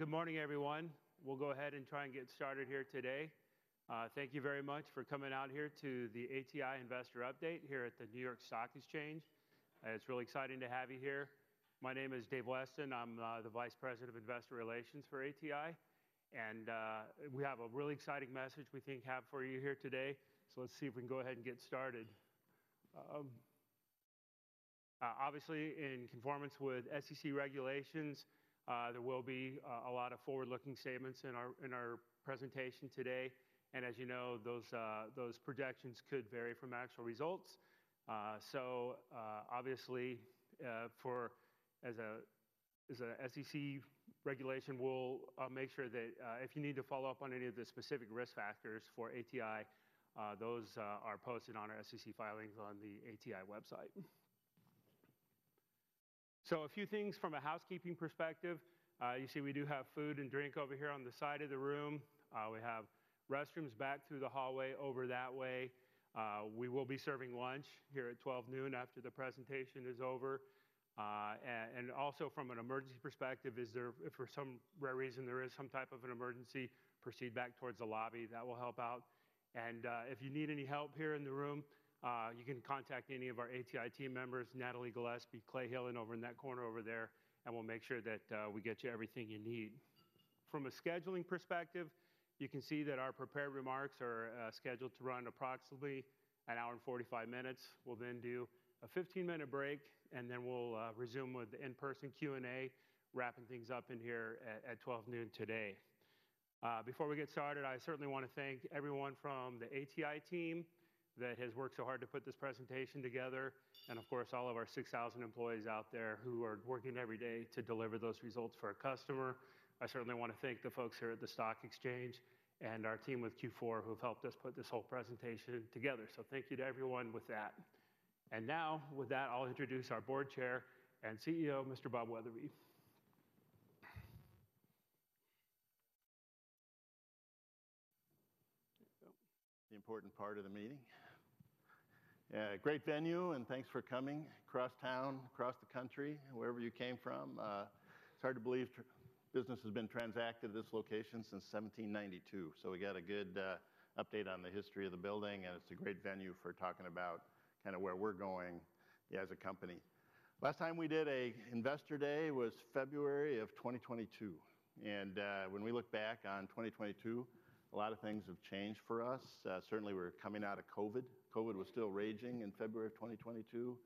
All right. Well, good morning, everyone. We'll go ahead and try and get started here today. Thank you very much for coming out here to the ATI Investor Update here at the New York Stock Exchange. It's really exciting to have you here. My name is Dave Weston. I'm the Vice President of Investor Relations for ATI, and we have a really exciting message we think have for you here today. So let's see if we can go ahead and get started. Obviously, in conformance with SEC regulations, there will be a lot of forward-looking statements in our presentation today, and as you know, those projections could vary from actual results. So, obviously, as a SEC regulation, we'll make sure that if you need to follow up on any of the specific risk factors for ATI, those are posted on our SEC filings on the ATI website. So a few things from a housekeeping perspective. You see, we do have food and drink over here on the side of the room. We have restrooms back through the hallway over that way. We will be serving lunch here at 12:00 P.M., after the presentation is over. And also from an emergency perspective, if for some rare reason there is some type of an emergency, proceed back towards the lobby, that will help out. If you need any help here in the room, you can contact any of our ATI team members, Natalie Gillespie, Clay Hillin, and over in that corner over there, and we'll make sure that we get you everything you need. From a scheduling perspective, you can see that our prepared remarks are scheduled to run approximately 1 hour and 45 minutes. We'll then do a 15-minute break, and then we'll resume with in-person Q&A, wrapping things up in here at 12:00 P.M. today. Before we get started, I certainly want to thank everyone from the ATI team that has worked so hard to put this presentation together, and of course, all of our 6,000 employees out there who are working every day to deliver those results for our customer. I certainly want to thank the folks here at the Stock Exchange and our team with Q4, who've helped us put this whole presentation together. Thank you to everyone with that. Now, with that, I'll introduce our Board Chair and CEO, Mr. Bob Wetherbee. The important part of the meeting. Great venue, and thanks for coming across town, across the country, wherever you came from. It's hard to believe business has been transacted at this location since 1792, so we got a good update on the history of the building, and it's a great venue for talking about kind of where we're going, yeah, as a company. Last time we did an Investor Day was February 2022, and when we look back on 2022, a lot of things have changed for us. Certainly, we're coming out of COVID. COVID was still raging in February 2022.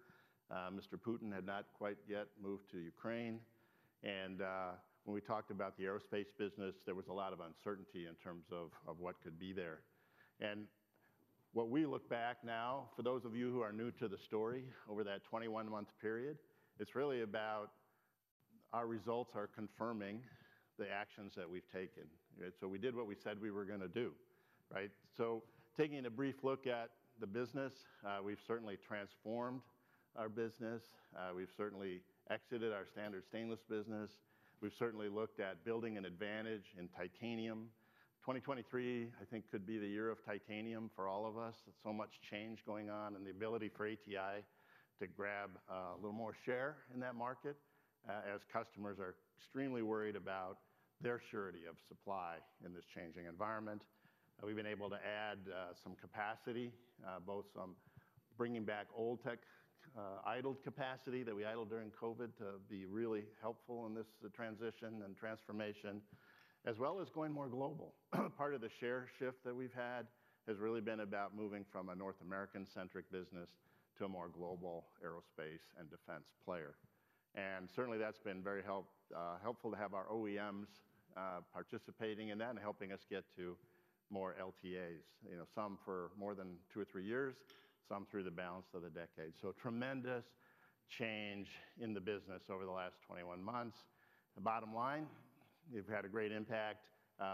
Mr. Putin had not quite yet moved to Ukraine, and when we talked about the aerospace business, there was a lot of uncertainty in terms of what could be there. And when we look back now, for those of you who are new to the story, over that 21-month period, it's really about our results are confirming the actions that we've taken. Right? So we did what we said we were gonna do, right? So taking a brief look at the business, we've certainly transformed our business. We've certainly exited our Standard Stainless business. We've certainly looked at building an advantage in titanium. 2023, I think, could be the year of titanium for all of us. There's so much change going on and the ability for ATI to grab a little more share in that market as customers are extremely worried about their surety of supply in this changing environment. We've been able to add some capacity, both some bringing back old tech, idled capacity that we idled during COVID to be really helpful in this transition and transformation, as well as going more global. Part of the share shift that we've had has really been about moving from a North American-centric business to a more global aerospace and defense player. And certainly, that's been very helpful to have our OEMs participating in that and helping us get to more LTAs. You know, some for more than two or three years, some through the balance of the decade. Tremendous change in the business over the last 21 months. The bottom line, we've had a great impact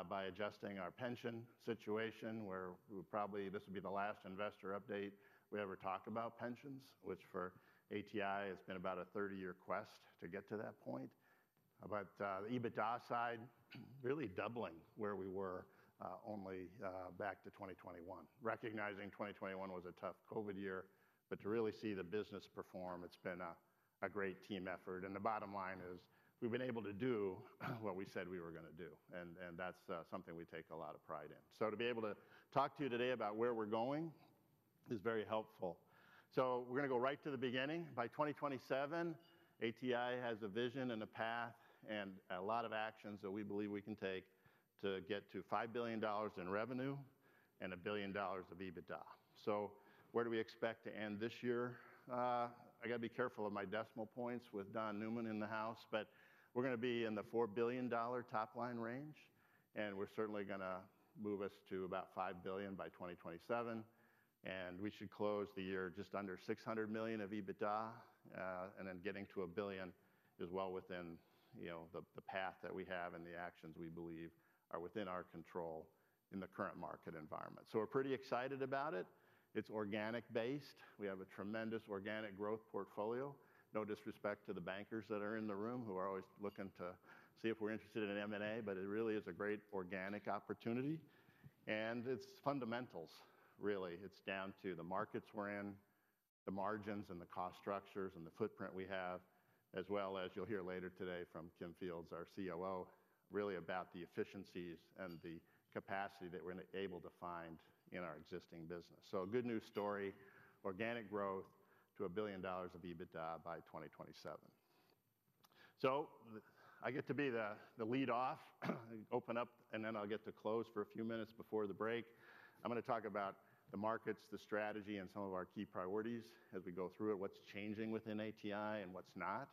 by adjusting our pension situation, where we probably—this will be the last investor update we ever talk about pensions, which for ATI has been about a 30-year quest to get to that point. But the EBITDA side, really doubling where we were only back to 2021. Recognizing 2021 was a tough COVID year, but to really see the business perform, it's been a great team effort. And the bottom line is, we've been able to do what we said we were gonna do, and that's something we take a lot of pride in. So to be able to talk to you today about where we're going is very helpful. So we're gonna go right to the beginning. By 2027, ATI has a vision and a path and a lot of actions that we believe we can take to get to $5 billion in revenue and $1 billion of EBITDA. So where do we expect to end this year? I gotta be careful of my decimal points with Don Newman in the house, but we're gonna be in the $4 billion top-line range, and we're certainly gonna move us to about $5 billion by 2027, and we should close the year just under $600 million of EBITDA. And then getting to $1 billion is well within, you know, the, the path that we have and the actions we believe are within our control in the current market environment. So we're pretty excited about it. It's organic-based. We have a tremendous organic growth portfolio. No disrespect to the bankers that are in the room, who are always looking to see if we're interested in M&A, but it really is a great organic opportunity, and it's fundamentals, really. It's down to the markets we're in, the margins and the cost structures and the footprint we have, as well as you'll hear later today from Kim Fields, our COO, really about the efficiencies and the capacity that we're able to find in our existing business. So good news story, organic growth to $1 billion of EBITDA by 2027. So I get to be the, the lead off, open up, and then I'll get to close for a few minutes before the break. I'm gonna talk about the markets, the strategy, and some of our key priorities as we go through it, what's changing within ATI and what's not.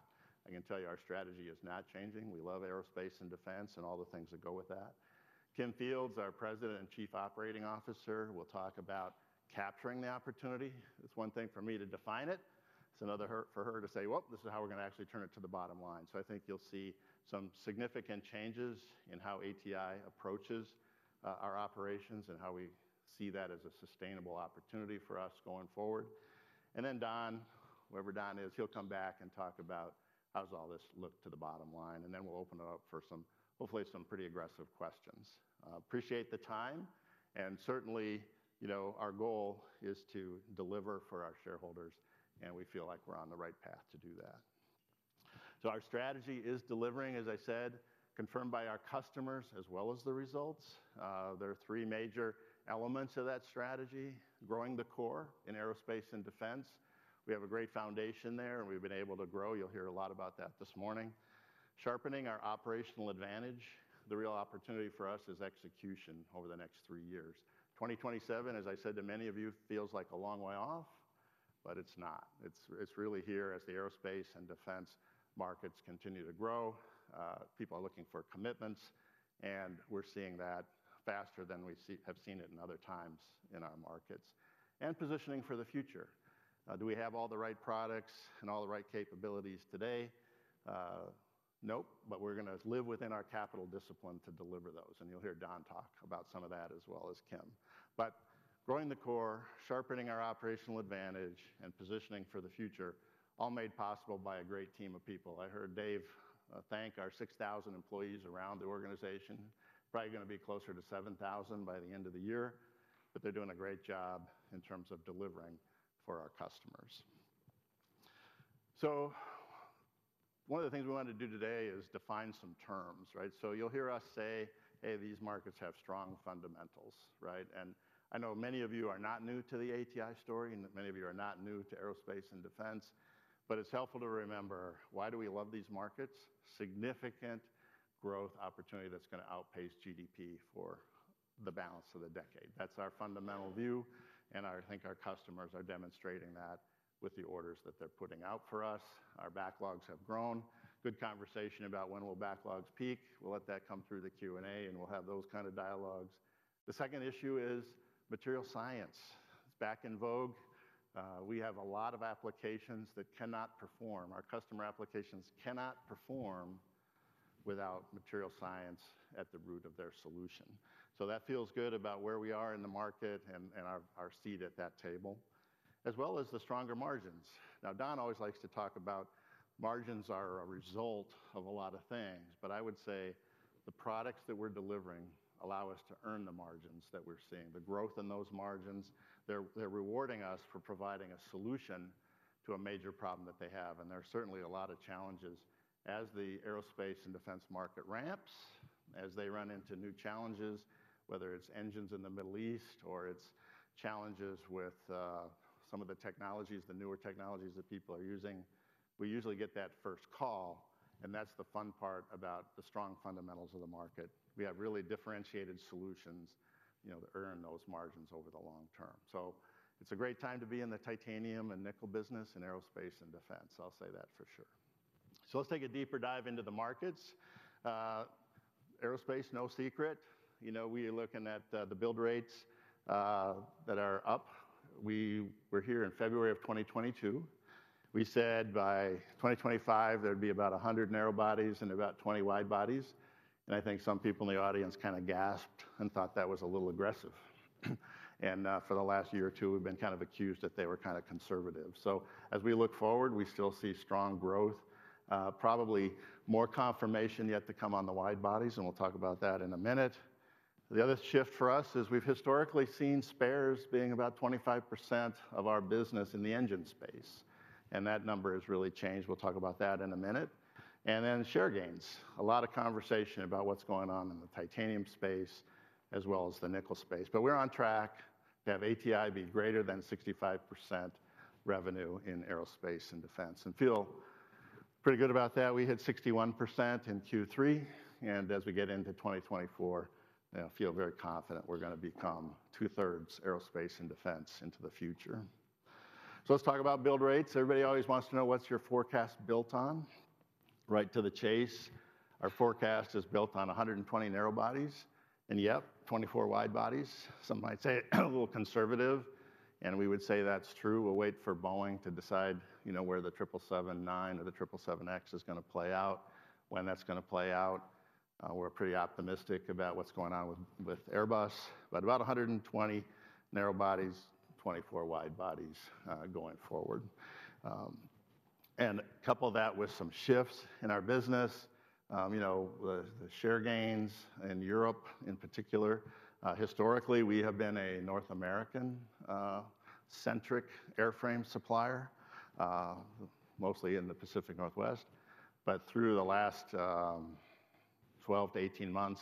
I can tell you our strategy is not changing. We love aerospace and defense and all the things that go with that. Kim Fields, our President and Chief Operating Officer, will talk about capturing the opportunity. It's one thing for me to define it, it's another her- for her to say, "Well, this is how we're gonna actually turn it to the bottom line." So I think you'll see some significant changes in how ATI approaches our operations and how we see that as a sustainable opportunity for us going forward. And then Don, wherever Don is, he'll come back and talk about how does all this look to the bottom line, and then we'll open it up for some, hopefully, some pretty aggressive questions. Appreciate the time, and certainly, you know, our goal is to deliver for our shareholders, and we feel like we're on the right path to do that. So our strategy is delivering, as I said, confirmed by our customers, as well as the results. There are three major elements of that strategy: growing the core in aerospace and defense. We have a great foundation there, and we've been able to grow. You'll hear a lot about that this morning. Sharpening our operational advantage. The real opportunity for us is execution over the next three years. 2027, as I said to many of you, feels like a long way off, but it's not. It's really here as the aerospace and defense markets continue to grow, people are looking for commitments, and we're seeing that faster than we've seen it in other times in our markets. And positioning for the future. Do we have all the right products and all the right capabilities today? Nope, but we're gonna live within our capital discipline to deliver those, and you'll hear Don talk about some of that as well as Kim. But growing the core, sharpening our operational advantage, and positioning for the future, all made possible by a great team of people. I heard Dave thank our 6,000 employees around the organization. Probably gonna be closer to 7,000 by the end of the year, but they're doing a great job in terms of delivering for our customers. So one of the things we wanted to do today is define some terms, right? So you'll hear us say, "Hey, these markets have strong fundamentals," right? And I know many of you are not new to the ATI story, and many of you are not new to aerospace and defense, but it's helpful to remember, why do we love these markets? Significant growth opportunity that's gonna outpace GDP for the balance of the decade. That's our fundamental view, and I think our customers are demonstrating that with the orders that they're putting out for us. Our backlogs have grown. Good conversation about when will backlogs peak. We'll let that come through the Q&A, and we'll have those kind of dialogues. The second issue is material science. It's back in vogue. We have a lot of applications that cannot perform. Our customer applications cannot perform without materials science at the root of their solution. So that feels good about where we are in the market and, and our, our seat at that table, as well as the stronger margins. Now, Don always likes to talk about margins are a result of a lot of things, but I would say the products that we're delivering allow us to earn the margins that we're seeing. The growth in those margins, they're, they're rewarding us for providing a solution to a major problem that they have, and there are certainly a lot of challenges as the aerospace and defense market ramps, as they run into new challenges, whether it's engines in the Middle East, or it's challenges with some of the technologies, the newer technologies that people are using. We usually get that first call, and that's the fun part about the strong fundamentals of the market. We have really differentiated solutions, you know, to earn those margins over the long term. So it's a great time to be in the titanium and nickel business, and aerospace and defense. I'll say that for sure. So let's take a deeper dive into the markets. Aerospace, no secret. You know, we are looking at the build rates that are up. We were here in February of 2022. We said by 2025, there'd be about 100 narrow bodies and about 20 wide bodies, and I think some people in the audience kind of gasped and thought that was a little aggressive. And, for the last year or two, we've been kind of accused that they were kind of conservative. So as we look forward, we still see strong growth, probably more confirmation yet to come on the wide bodies, and we'll talk about that in a minute. The other shift for us is we've historically seen spares being about 25% of our business in the engine space, and that number has really changed. We'll talk about that in a minute. And then share gains. A lot of conversation about what's going on in the titanium space, as well as the nickel space, but we're on track to have ATI be greater than 65% revenue in aerospace and defense, and feel pretty good about that. We hit 61% in Q3, and as we get into 2024, feel very confident we're gonna become two-thirds aerospace and defense into the future. So let's talk about build rates. Everybody always wants to know what's your forecast built on? Right to the chase, our forecast is built on 120 narrow bodies, and yep, 24 wide bodies. Some might say, a little conservative, and we would say that's true. We'll wait for Boeing to decide, you know, where the 777-9 or the 777X is gonna play out, when that's gonna play out. We're pretty optimistic about what's going on with Airbus, but about 120 narrow bodies, 24 wide bodies, going forward. And couple that with some shifts in our business, you know, the share gains in Europe in particular. Historically, we have been a North American centric airframe supplier, mostly in the Pacific Northwest, but through the last 12 months-18 months,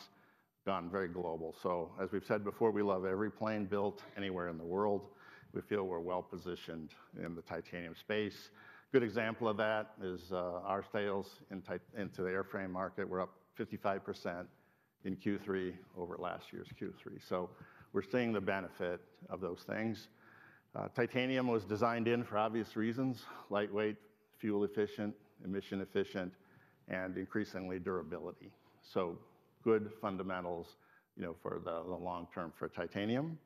gone very global. So as we've said before, we love every plane built anywhere in the world. We feel we're well-positioned in the titanium space. A good example of that is our sales into the airframe market were up 55% in Q3 over last year's Q3. So we're seeing the benefit of those things. Titanium was designed in for obvious reasons: lightweight, fuel efficient, emission efficient, and increasingly, durability. So good fundamentals, you know, for the long term for titanium.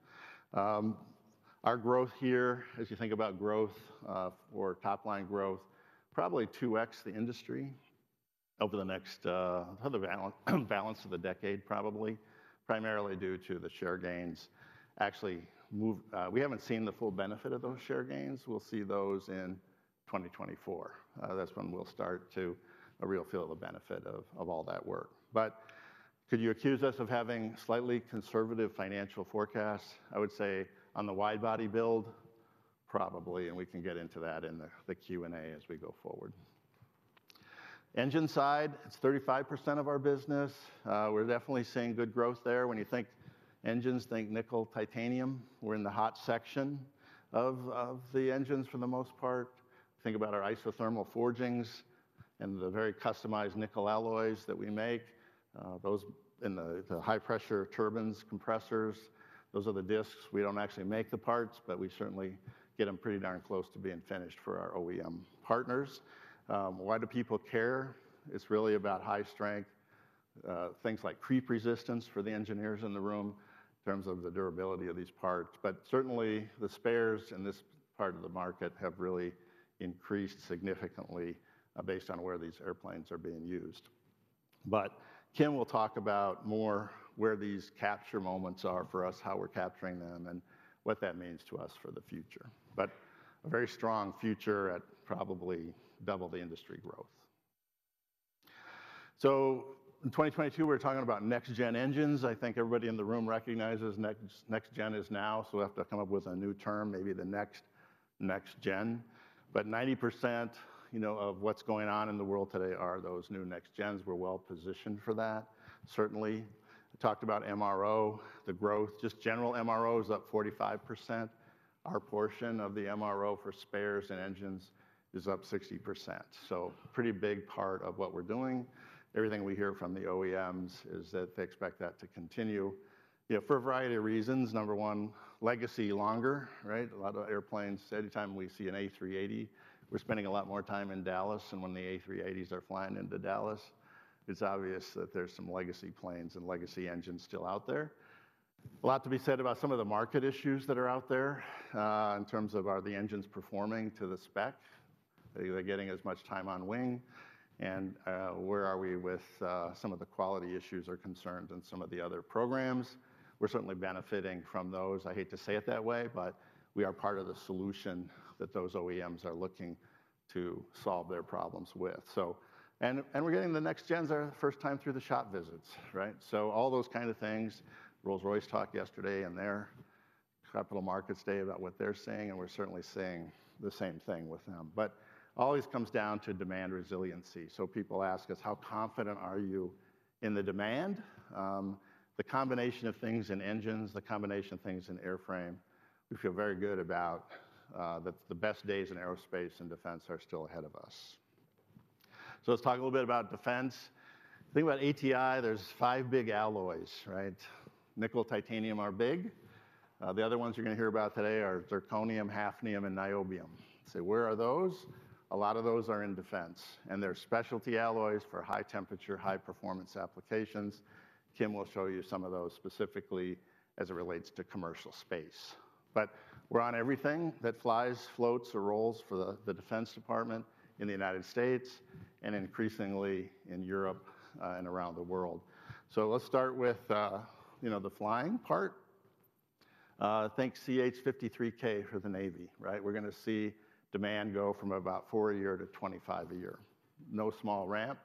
Our growth here, as you think about growth, for top-line growth, probably 2x the industry over the next balance of the decade, probably, primarily due to the share gains. Actually, we haven't seen the full benefit of those share gains. We'll see those in 2024. That's when we'll start to a real feel of the benefit of all that work. But could you accuse us of having slightly conservative financial forecasts? I would say on the wide-body build, probably, and we can get into that in the Q&A as we go forward. Engine side, it's 35% of our business. We're definitely seeing good growth there. When you think engines, think nickel, titanium. We're in the hot section of the engines for the most part. Think about our isothermal forgings and the very customized nickel alloys that we make, those in the high-pressure turbines, compressors, those are the discs. We don't actually make the parts, but we certainly get them pretty darn close to being finished for our OEM partners. Why do people care? It's really about high strength, things like creep resistance for the engineers in the room, in terms of the durability of these parts. Certainly, the spares in this part of the market have really increased significantly, based on where these airplanes are being used. Kim will talk about more where these capture moments are for us, how we're capturing them, and what that means to us for the future. A very strong future at probably double the industry growth. In 2022, we're talking about next-gen engines. I think everybody in the room recognizes next, next-gen is now, so we have to come up with a new term, maybe the next, next-gen. Ninety percent, you know, of what's going on in the world today are those new next-gens. We're well-positioned for that. Certainly, talked about MRO, the growth, just general MRO is up 45%. Our portion of the MRO for spares and engines is up 60%. So pretty big part of what we're doing. Everything we hear from the OEMs is that they expect that to continue, you know, for a variety of reasons. Number one, legacy longer, right? A lot of airplanes, anytime we see an A380, we're spending a lot more time in Dallas, and when the A380s are flying into Dallas, it's obvious that there's some legacy planes and legacy engines still out there. A lot to be said about some of the market issues that are out there, in terms of are the engines performing to the spec? Are they getting as much time on wing? Where are we with some of the quality issues or concerns in some of the other programs? We're certainly benefiting from those. I hate to say it that way, but we are part of the solution that those OEMs are looking to solve their problems with. We're getting the next gens their first time through the shop visits, right? So all those kind of things. Rolls-Royce talked yesterday in their capital markets day about what they're seeing, and we're certainly seeing the same thing with them. Always comes down to demand resiliency. So people ask us: How confident are you in the demand? The combination of things in engines, the combination of things in airframe, we feel very good about that the best days in aerospace and defense are still ahead of us. So let's talk a little bit about defense. Think about ATI, there's five big alloys, right? Nickel, titanium are big. The other ones you're gonna hear about today are zirconium, hafnium, and niobium. So where are those? A lot of those are in defense, and they're specialty alloys for high-temperature, high-performance applications. Kim will show you some of those specifically as it relates to commercial space. But we're on everything that flies, floats, or rolls for the Defense Department in the United States and increasingly in Europe, and around the world. So let's start with, you know, the flying part. Think CH-53K for the Navy, right? We're gonna see demand go from about four a year to 25 a year. No small ramp,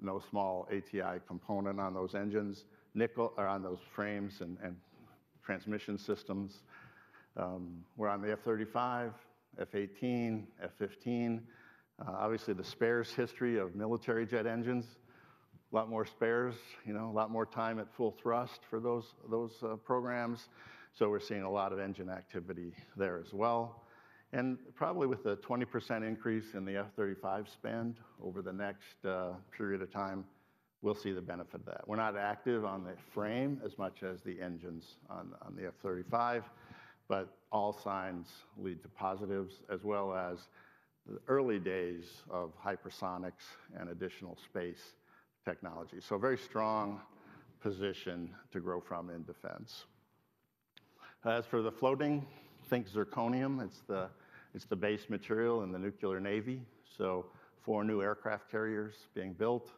no small ATI component on those engines, nickel or on those frames and transmission systems. We're on the F-35, F-18, F-15. Obviously, the spares history of military jet engines, a lot more spares, you know, a lot more time at full thrust for those, those, programs. So we're seeing a lot of engine activity there as well. And probably with a 20% increase in the F-35 spend over the next, period of time, we'll see the benefit of that. We're not active on the frame as much as the engines on the, on the F-35, but all signs lead to positives, as well as the early days of hypersonics and additional space technology. So very strong position to grow from in defense. As for the floating, think zirconium, it's the, it's the base material in the nuclear navy. So four new aircraft carriers being built.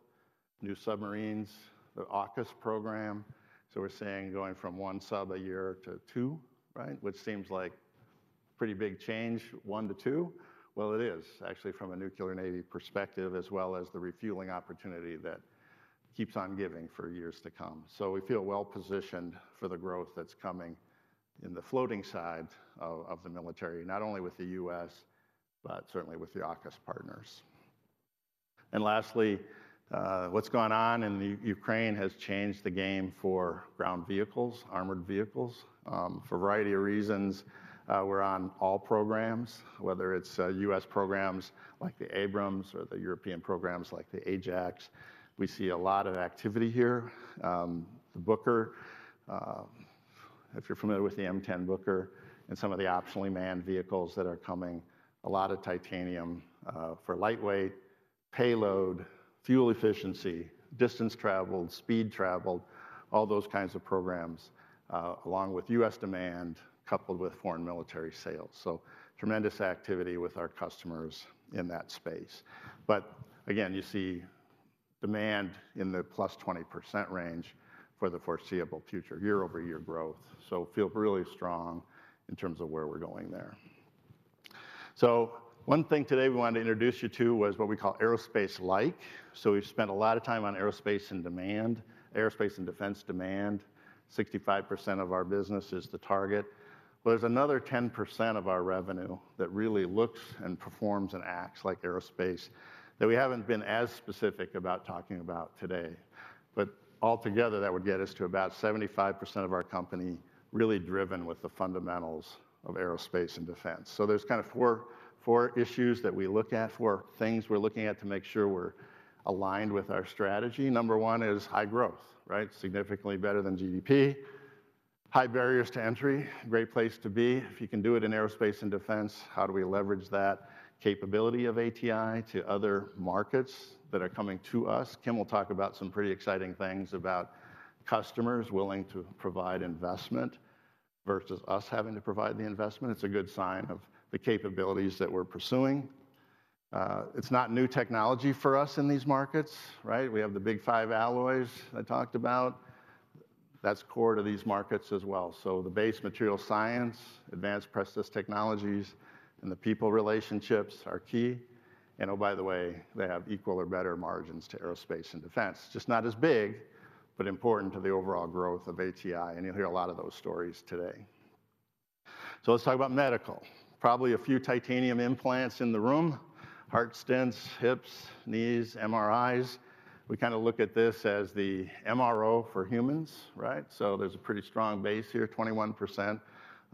new submarines, the AUKUS program. So we're seeing going from one sub a year to two, right? Which seems like pretty big change, one to two. Well, it is, actually from a nuclear navy perspective, as well as the refueling opportunity that keeps on giving for years to come. So we feel well-positioned for the growth that's coming in the floating side of the military, not only with the U.S., but certainly with the AUKUS partners. And lastly, what's gone on in the Ukraine has changed the game for ground vehicles, armored vehicles, for a variety of reasons, we're on all programs, whether it's, U.S. programs like the Abrams or the European programs like the Ajax, we see a lot of activity here. The Booker, if you're familiar with the M10 Booker and some of the optionally manned vehicles that are coming, a lot of titanium for lightweight, payload, fuel efficiency, distance traveled, speed traveled, all those kinds of programs, along with U.S. demand, coupled with foreign military sales. So tremendous activity with our customers in that space. But again, you see demand in the +20% range for the foreseeable future, year-over-year growth, so feel really strong in terms of where we're going there. So one thing today we wanted to introduce you to was what we call aerospace-like. So we've spent a lot of time on aerospace and demand, aerospace and defense demand. 65% of our business is the target, but there's another 10% of our revenue that really looks and performs and acts like aerospace, that we haven't been as specific about talking about today. But altogether, that would get us to about 75% of our company really driven with the fundamentals of aerospace and defense. So there's kind of four, four issues that we look at, four things we're looking at to make sure we're aligned with our strategy. Number one is high growth, right? Significantly better than GDP. High barriers to entry, great place to be. If you can do it in aerospace and defense, how do we leverage that capability of ATI to other markets that are coming to us? Kim will talk about some pretty exciting things about customers willing to provide investment versus us having to provide the investment. It's a good sign of the capabilities that we're pursuing. It's not new technology for us in these markets, right? We have the big five alloys I talked about. That's core to these markets as well. So the base material science, advanced process technologies, and the people relationships are key. And oh, by the way, they have equal or better margins to aerospace and defense. Just not as big, but important to the overall growth of ATI, and you'll hear a lot of those stories today. So let's talk about medical. Probably a few titanium implants in the room, heart stents, hips, knees, MRIs. We kinda look at this as the MRO for humans, right? So there's a pretty strong base here. 21%,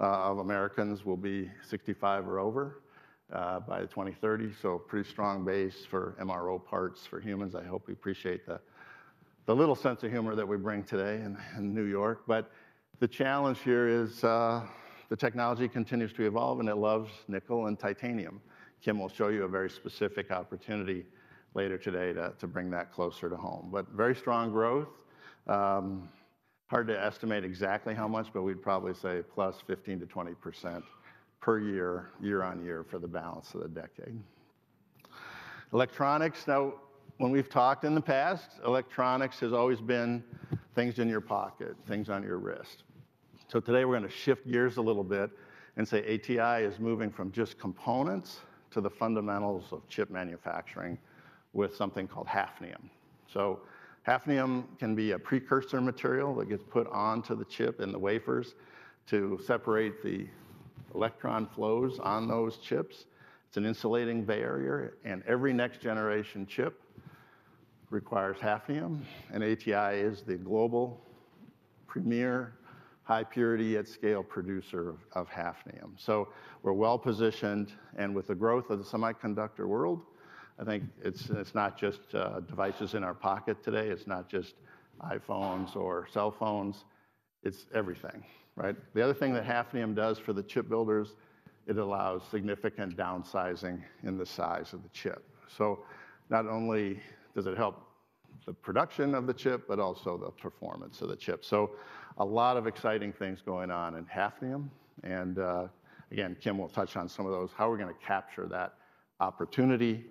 of Americans will be 65 or over, by 2030. So pretty strong base for MRO parts for humans. I hope you appreciate the little sense of humor that we bring today in New York. But the challenge here is, the technology continues to evolve, and it loves nickel and titanium. Kim will show you a very specific opportunity later today to bring that closer to home. But very strong growth. Hard to estimate exactly how much, but we'd probably say +15%-20% per year, year on year for the balance of the decade. Electronics. Now, when we've talked in the past, electronics has always been things in your pocket, things on your wrist. So today we're gonna shift gears a little bit and say ATI is moving from just components to the fundamentals of chip manufacturing with something called hafnium. So hafnium can be a precursor material that gets put onto the chip and the wafers to separate the electron flows on those chips. It's an insulating barrier, and every next generation chip requires hafnium, and ATI is the global premier high purity at scale producer of hafnium. So we're well-positioned, and with the growth of the semiconductor world, I think it's, it's not just devices in our pocket today, it's not just iPhones or cell phones, it's everything, right? The other thing that hafnium does for the chip builders, it allows significant downsizing in the size of the chip. So not only does it help the production of the chip, but also the performance of the chip. So a lot of exciting things going on in hafnium, and again, Kim will touch on some of those, how we're gonna capture that opportunity.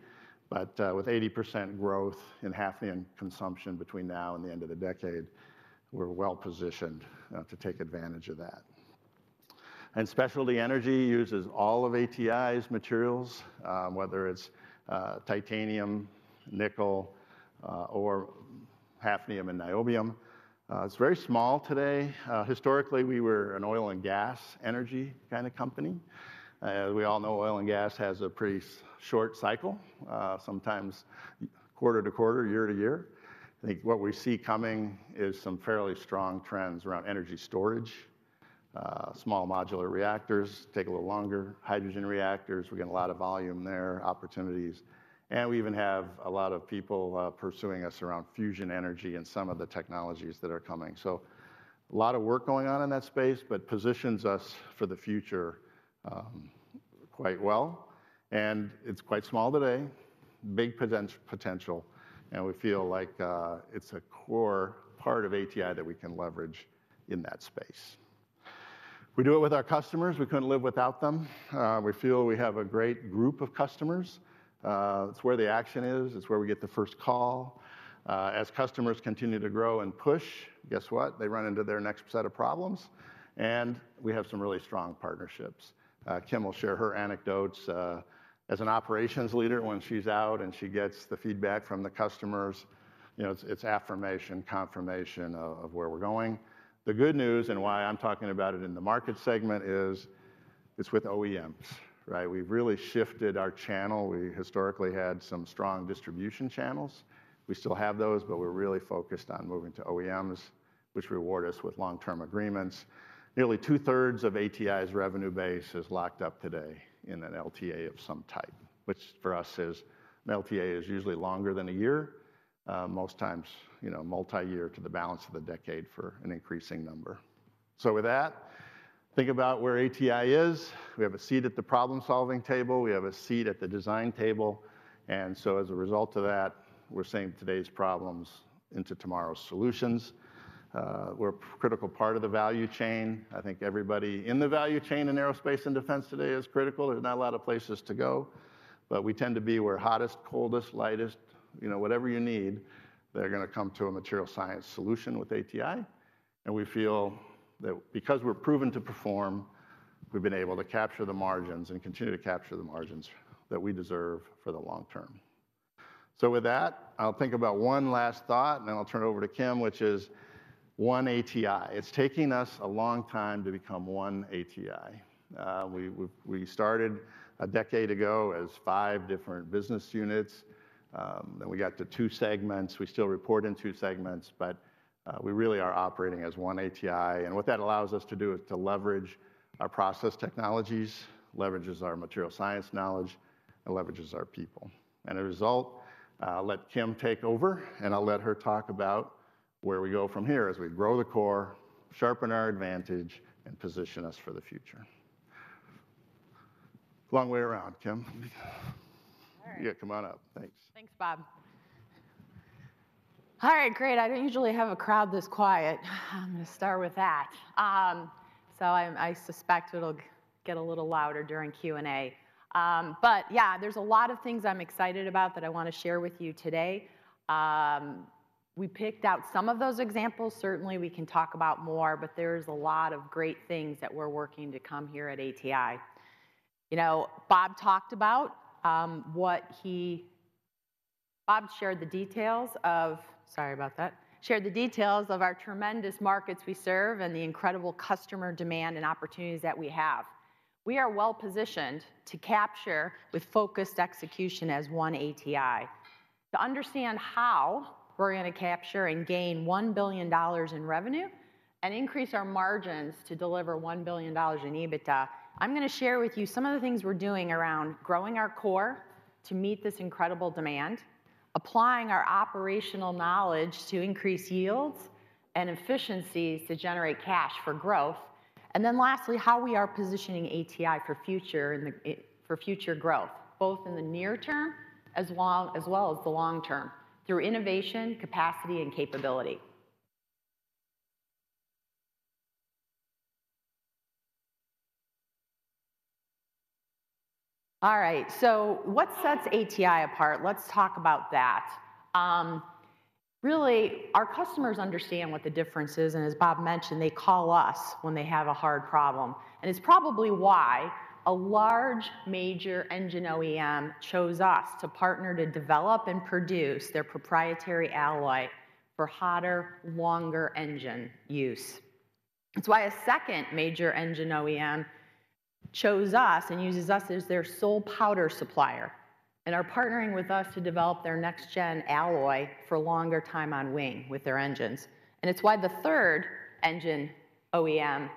But with 80% growth in hafnium consumption between now and the end of the decade, we're well positioned to take advantage of that. And specialty energy uses all of ATI's materials, whether it's titanium, nickel, or hafnium and niobium. It's very small today. Historically, we were an oil and gas energy kinda company. We all know oil and gas has a pretty short cycle, sometimes quarter to quarter, year to year. I think what we see coming is some fairly strong trends around energy storage. Small modular reactors take a little longer. Hydrogen reactors, we get a lot of volume there, opportunities. And we even have a lot of people pursuing us around fusion energy and some of the technologies that are coming. So a lot of work going on in that space, but positions us for the future, quite well. And it's quite small today, big potential, and we feel like, it's a core part of ATI that we can leverage in that space. We do it with our customers. We couldn't live without them. We feel we have a great group of customers. It's where the action is, it's where we get the first call. As customers continue to grow and push, guess what? They run into their next set of problems, and we have some really strong partnerships. Kim will share her anecdotes, as an operations leader, when she's out and she gets the feedback from the customers. You know, it's, it's affirmation, confirmation of, of where we're going. The good news, and why I'm talking about it in the market segment, is it's with OEMs, right? We've really shifted our channel. We historically had some strong distribution channels. We still have those, but we're really focused on moving to OEMs, which reward us with long-term agreements. Nearly 2/3 of ATI's revenue base is locked up today in an LTA of some type, which, for us, is an LTA is usually longer than a year, most times, you know, multi-year to the balance of the decade for an increasing number. So with that, think about where ATI is. We have a seat at the problem-solving table, we have a seat at the design table, and so as a result of that, we're seeing today's problems into tomorrow's solutions. We're a critical part of the value chain. I think everybody in the value chain in aerospace and defense today is critical. There's not a lot of places to go, but we tend to be where hottest, coldest, lightest, you know, whatever you need, they're gonna come to a material science solution with ATI. And we feel that because we're proven to perform, we've been able to capture the margins and continue to capture the margins that we deserve for the long term. So with that, I'll think about one last thought, and then I'll turn it over to Kim, which is One ATI. It's taking us a long time to become One ATI. We started a decade ago as five different business units, then we got to two segments. We still report in two segments, but we really are operating as One ATI, and what that allows us to do is to leverage our process technologies, leverages our material science knowledge, and leverages our people. As a result, I'll let Kim take over, and I'll let her talk about where we go from here as we grow the core, sharpen our advantage, and position us for the future. Long way around, Kim. All right. Yeah, come on up. Thanks. Thanks, Bob. All right, great. I don't usually have a crowd this quiet. I'm gonna start with that. I suspect it'll get a little louder during Q&A. But yeah, there's a lot of things I'm excited about that I want to share with you today. We picked out some of those examples. Certainly, we can talk about more, but there's a lot of great things that we're working to come here at ATI. You know, Bob talked about what he shared the details of. Sorry about that. Shared the details of our tremendous markets we serve and the incredible customer demand and opportunities that we have. We are well-positioned to capture with focused execution as One ATI. To understand how we're gonna capture and gain $1 billion in revenue and increase our margins to deliver $1 billion in EBITDA, I'm gonna share with you some of the things we're doing around growing our core to meet this incredible demand, applying our operational knowledge to increase yields and efficiencies to generate cash for growth, and then lastly, how we are positioning ATI for the future and for future growth, both in the near term, as well as the long term, through innovation, capacity, and capability. All right, so what sets ATI apart? Let's talk about that. Really, our customers understand what the difference is, and as Bob mentioned, they call us when they have a hard problem. And it's probably why a large, major engine OEM chose us to partner to develop and produce their proprietary alloy for hotter, longer engine use. It's why a second major engine OEM chose us and uses us as their sole powder supplier, and are partnering with us to develop their next-gen alloy for longer time on wing with their engines. And it's why the third engine OEM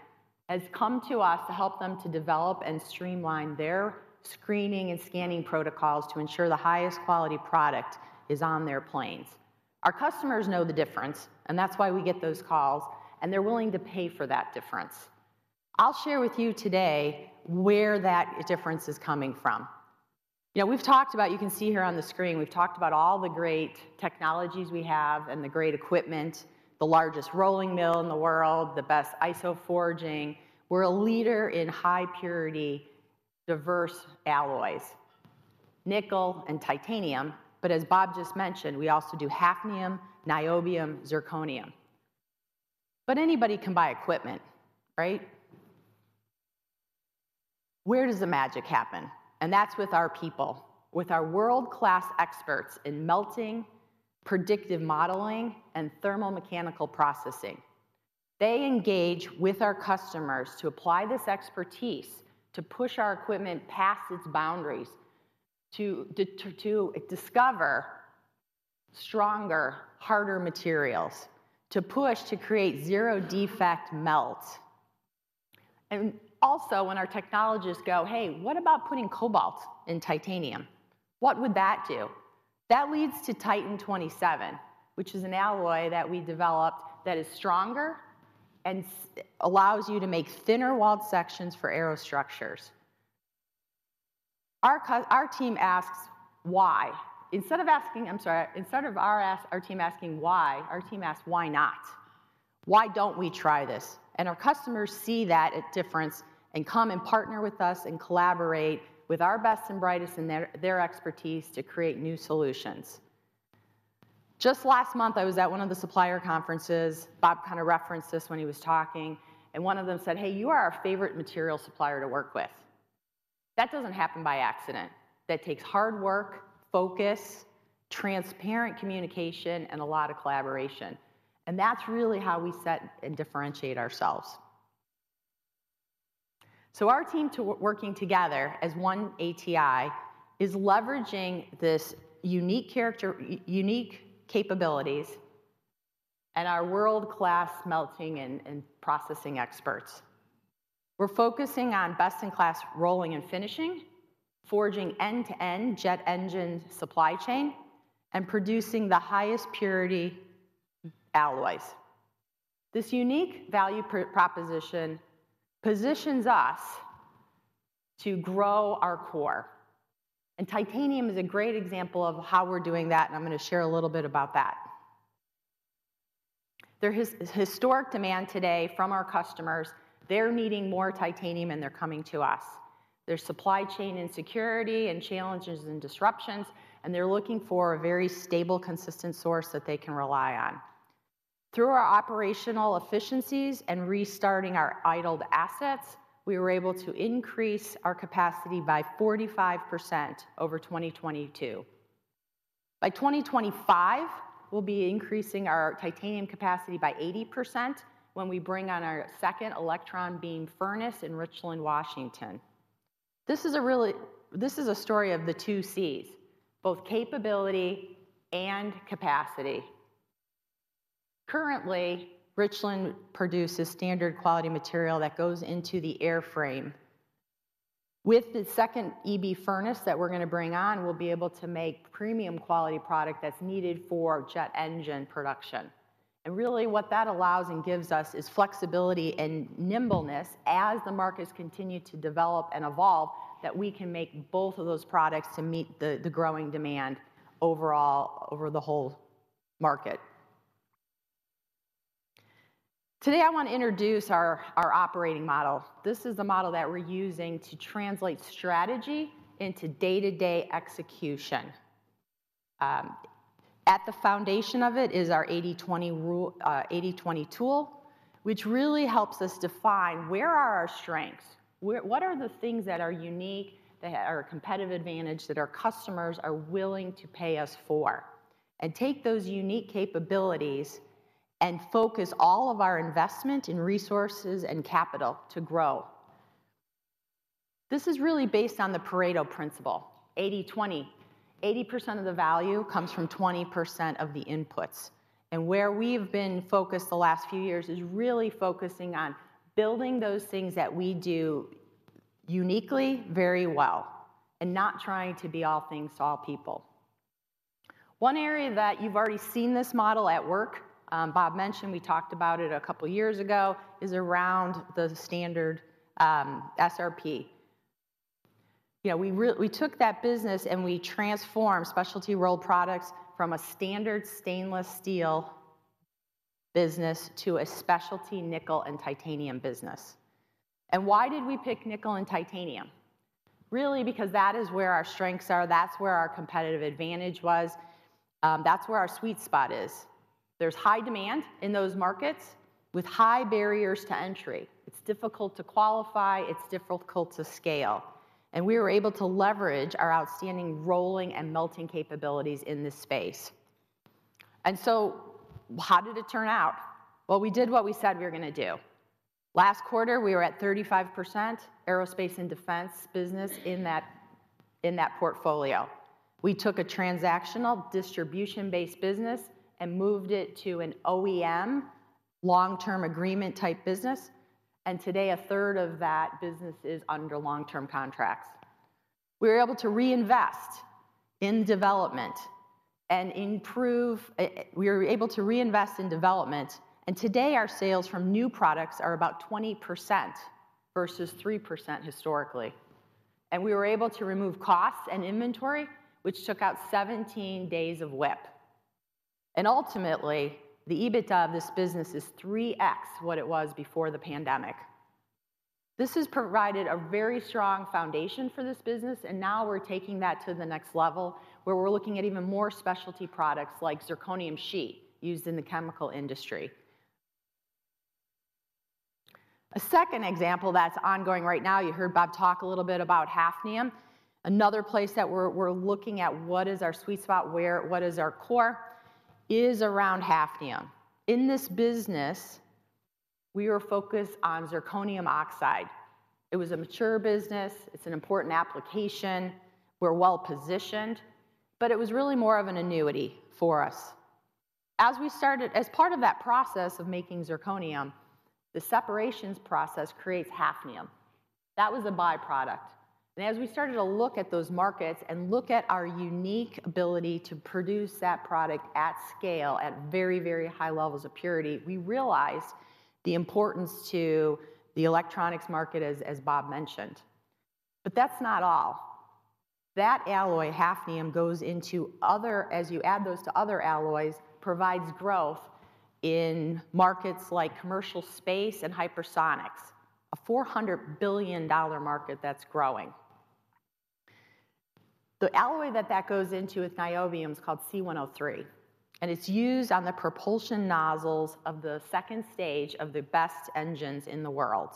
has come to us to help them to develop and streamline their screening and scanning protocols to ensure the highest quality product is on their planes. Our customers know the difference, and that's why we get those calls, and they're willing to pay for that difference. I'll share with you today where that difference is coming from. You know, you can see here on the screen, we've talked about all the great technologies we have and the great equipment, the largest rolling mill in the world, the best iso forging. We're a leader in high purity, diverse alloys, nickel and titanium, but as Bob just mentioned, we also do hafnium, niobium, zirconium. But anybody can buy equipment, right? Where does the magic happen? And that's with our people, with our world-class experts in melting, predictive modeling, and thermomechanical processing. They engage with our customers to apply this expertise to push our equipment past its boundaries, to discover stronger, harder materials, to create zero-defect melts. And also, when our technologists go, "Hey, what about putting cobalt in titanium? What would that do?" That leads to Titan 27, which is an alloy that we developed that is stronger and allows you to make thinner-walled sections for aerostructures. Our team asks, "Why not?" instead of asking why. Why don't we try this?" And our customers see that difference and come and partner with us and collaborate with our best and brightest and their expertise to create new solutions. Just last month, I was at one of the supplier conferences. Bob kinda referenced this when he was talking, and one of them said, "Hey, you are our favorite material supplier to work with." That doesn't happen by accident. That takes hard work, focus, transparent communication, and a lot of collaboration, and that's really how we set and differentiate ourselves. So our team working together as One ATI is leveraging this unique character, unique capabilities and our world-class melting and processing experts. We're focusing on best-in-class rolling and finishing, forging end-to-end jet engine supply chain, and producing the highest purity alloys. This unique value proposition positions us to grow our core, and titanium is a great example of how we're doing that, and I'm gonna share a little bit about that. There is historic demand today from our customers. They're needing more titanium, and they're coming to us. There's supply chain insecurity and challenges and disruptions, and they're looking for a very stable, consistent source that they can rely on. Through our operational efficiencies and restarting our idled assets, we were able to increase our capacity by 45% over 2022. By 2025, we'll be increasing our titanium capacity by 80% when we bring on our second electron beam furnace in Richland, Washington. This is a story of the two Cs, both capability and capacity. Currently, Richland produces standard quality material that goes into the airframe. With the second EB furnace that we're gonna bring on, we'll be able to make premium quality product that's needed for jet engine production. And really, what that allows and gives us is flexibility and nimbleness as the markets continue to develop and evolve, that we can make both of those products to meet the, the growing demand overall, over the whole market. Today, I wanna introduce our, our operating model. This is the model that we're using to translate strategy into day-to-day execution. At the foundation of it is our 80/20 rule, 80/20 tool, which really helps us define where are our strengths, where, what are the things that are unique, that are competitive advantage that our customers are willing to pay us for, and take those unique capabilities and focus all of our investment in resources and capital to grow. This is really based on the Pareto principle, 80/20. 80% of the value comes from 20% of the inputs. Where we've been focused the last few years is really focusing on building those things that we do uniquely very well and not trying to be all things to all people. One area that you've already seen this model at work, Bob mentioned, we talked about it a couple of years ago, is around the standard SRP. You know, we took that business, and we transformed Specialty Rolled Products from a Standard Stainless Steel business to a specialty nickel and titanium business. And why did we pick nickel and titanium? Really, because that is where our strengths are, that's where our competitive advantage was, that's where our sweet spot is. There's high demand in those markets with high barriers to entry. It's difficult to qualify, it's difficult to scale, and we were able to leverage our outstanding rolling and melting capabilities in this space. And so how did it turn out? Well, we did what we said we were gonna do. Last quarter, we were at 35% aerospace and defense business in that, in that portfolio. We took a transactional, distribution-based business and moved it to an OEM long-term agreement type business, and today, a third of that business is under long-term contracts. We were able to reinvest in development, and today, our sales from new products are about 20% versus 3% historically. And we were able to remove costs and inventory, which took out 17 days of WIP. And ultimately, the EBITDA of this business is 3x what it was before the pandemic. This has provided a very strong foundation for this business, and now we're taking that to the next level, where we're looking at even more specialty products like zirconium sheet, used in the chemical industry. A second example that's ongoing right now, you heard Bob talk a little bit about hafnium. Another place that we're looking at what is our sweet spot, where, what is our core, is around hafnium. In this business, we were focused on zirconium oxide. It was a mature business, it's an important application, we're well-positioned, but it was really more of an annuity for us. As part of that process of making zirconium, the separations process creates hafnium. That was a by-product, and as we started to look at those markets and look at our unique ability to produce that product at scale at very, very high levels of purity, we realized the importance to the electronics market, as, as Bob mentioned. But that's not all. That alloy, hafnium, goes into other, as you add those to other alloys, provides growth in markets like commercial space and hypersonics, a $400 billion market that's growing. The alloy that that goes into with niobium is called C-103, and it's used on the propulsion nozzles of the second stage of the best engines in the world.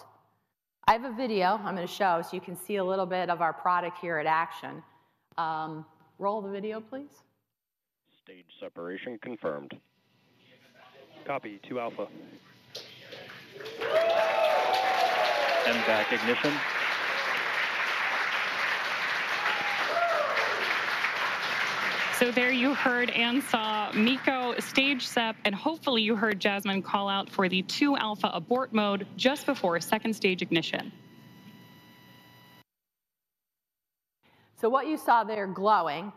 I have a video I'm going to show, so you can see a little bit of our product here in action. Roll the video, please. Stage separation confirmed. Copy to Alpha. Vac ignition. There you heard and saw MECO stage sep, and hopefully, you heard Jasmine call out for the Two Alpha Abort Mode just before second stage ignition. So what you saw there glowing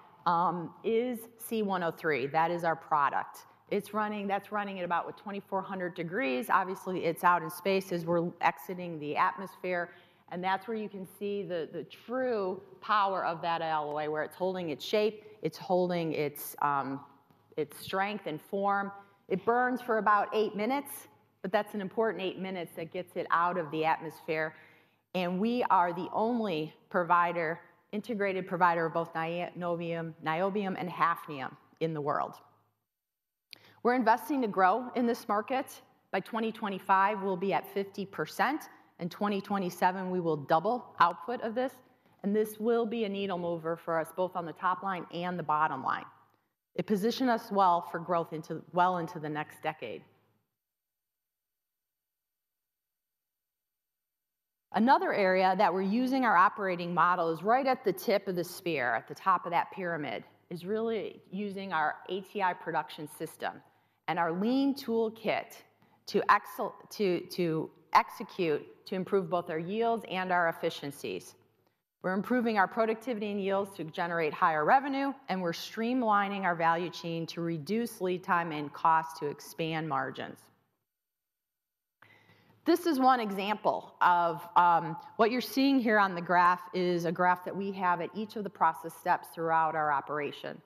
is C-103. That is our product. It's running—That's running at about 2,400 degrees. Obviously, it's out in space as we're exiting the atmosphere, and that's where you can see the true power of that alloy, where it's holding its shape, it's holding its strength and form. It burns for about 8 minutes, but that's an important eight minutes that gets it out of the atmosphere, and we are the only provider, integrated provider of both niobium and hafnium in the world. We're investing to grow in this market. By 2025, we'll be at 50%. In 2027, we will double output of this, and this will be a needle mover for us, both on the top line and the bottom line. It positions us well for growth into, well into the next decade. Another area that we're using our operating model is right at the tip of the spear. At the top of that pyramid is really using our ATI production system and our lean toolkit to excel, to execute, to improve both our yields and our efficiencies. We're improving our productivity and yields to generate higher revenue, and we're streamlining our value chain to reduce lead time and cost to expand margins. This is one example of what you're seeing here on the graph is a graph that we have at each of the process steps throughout our operation.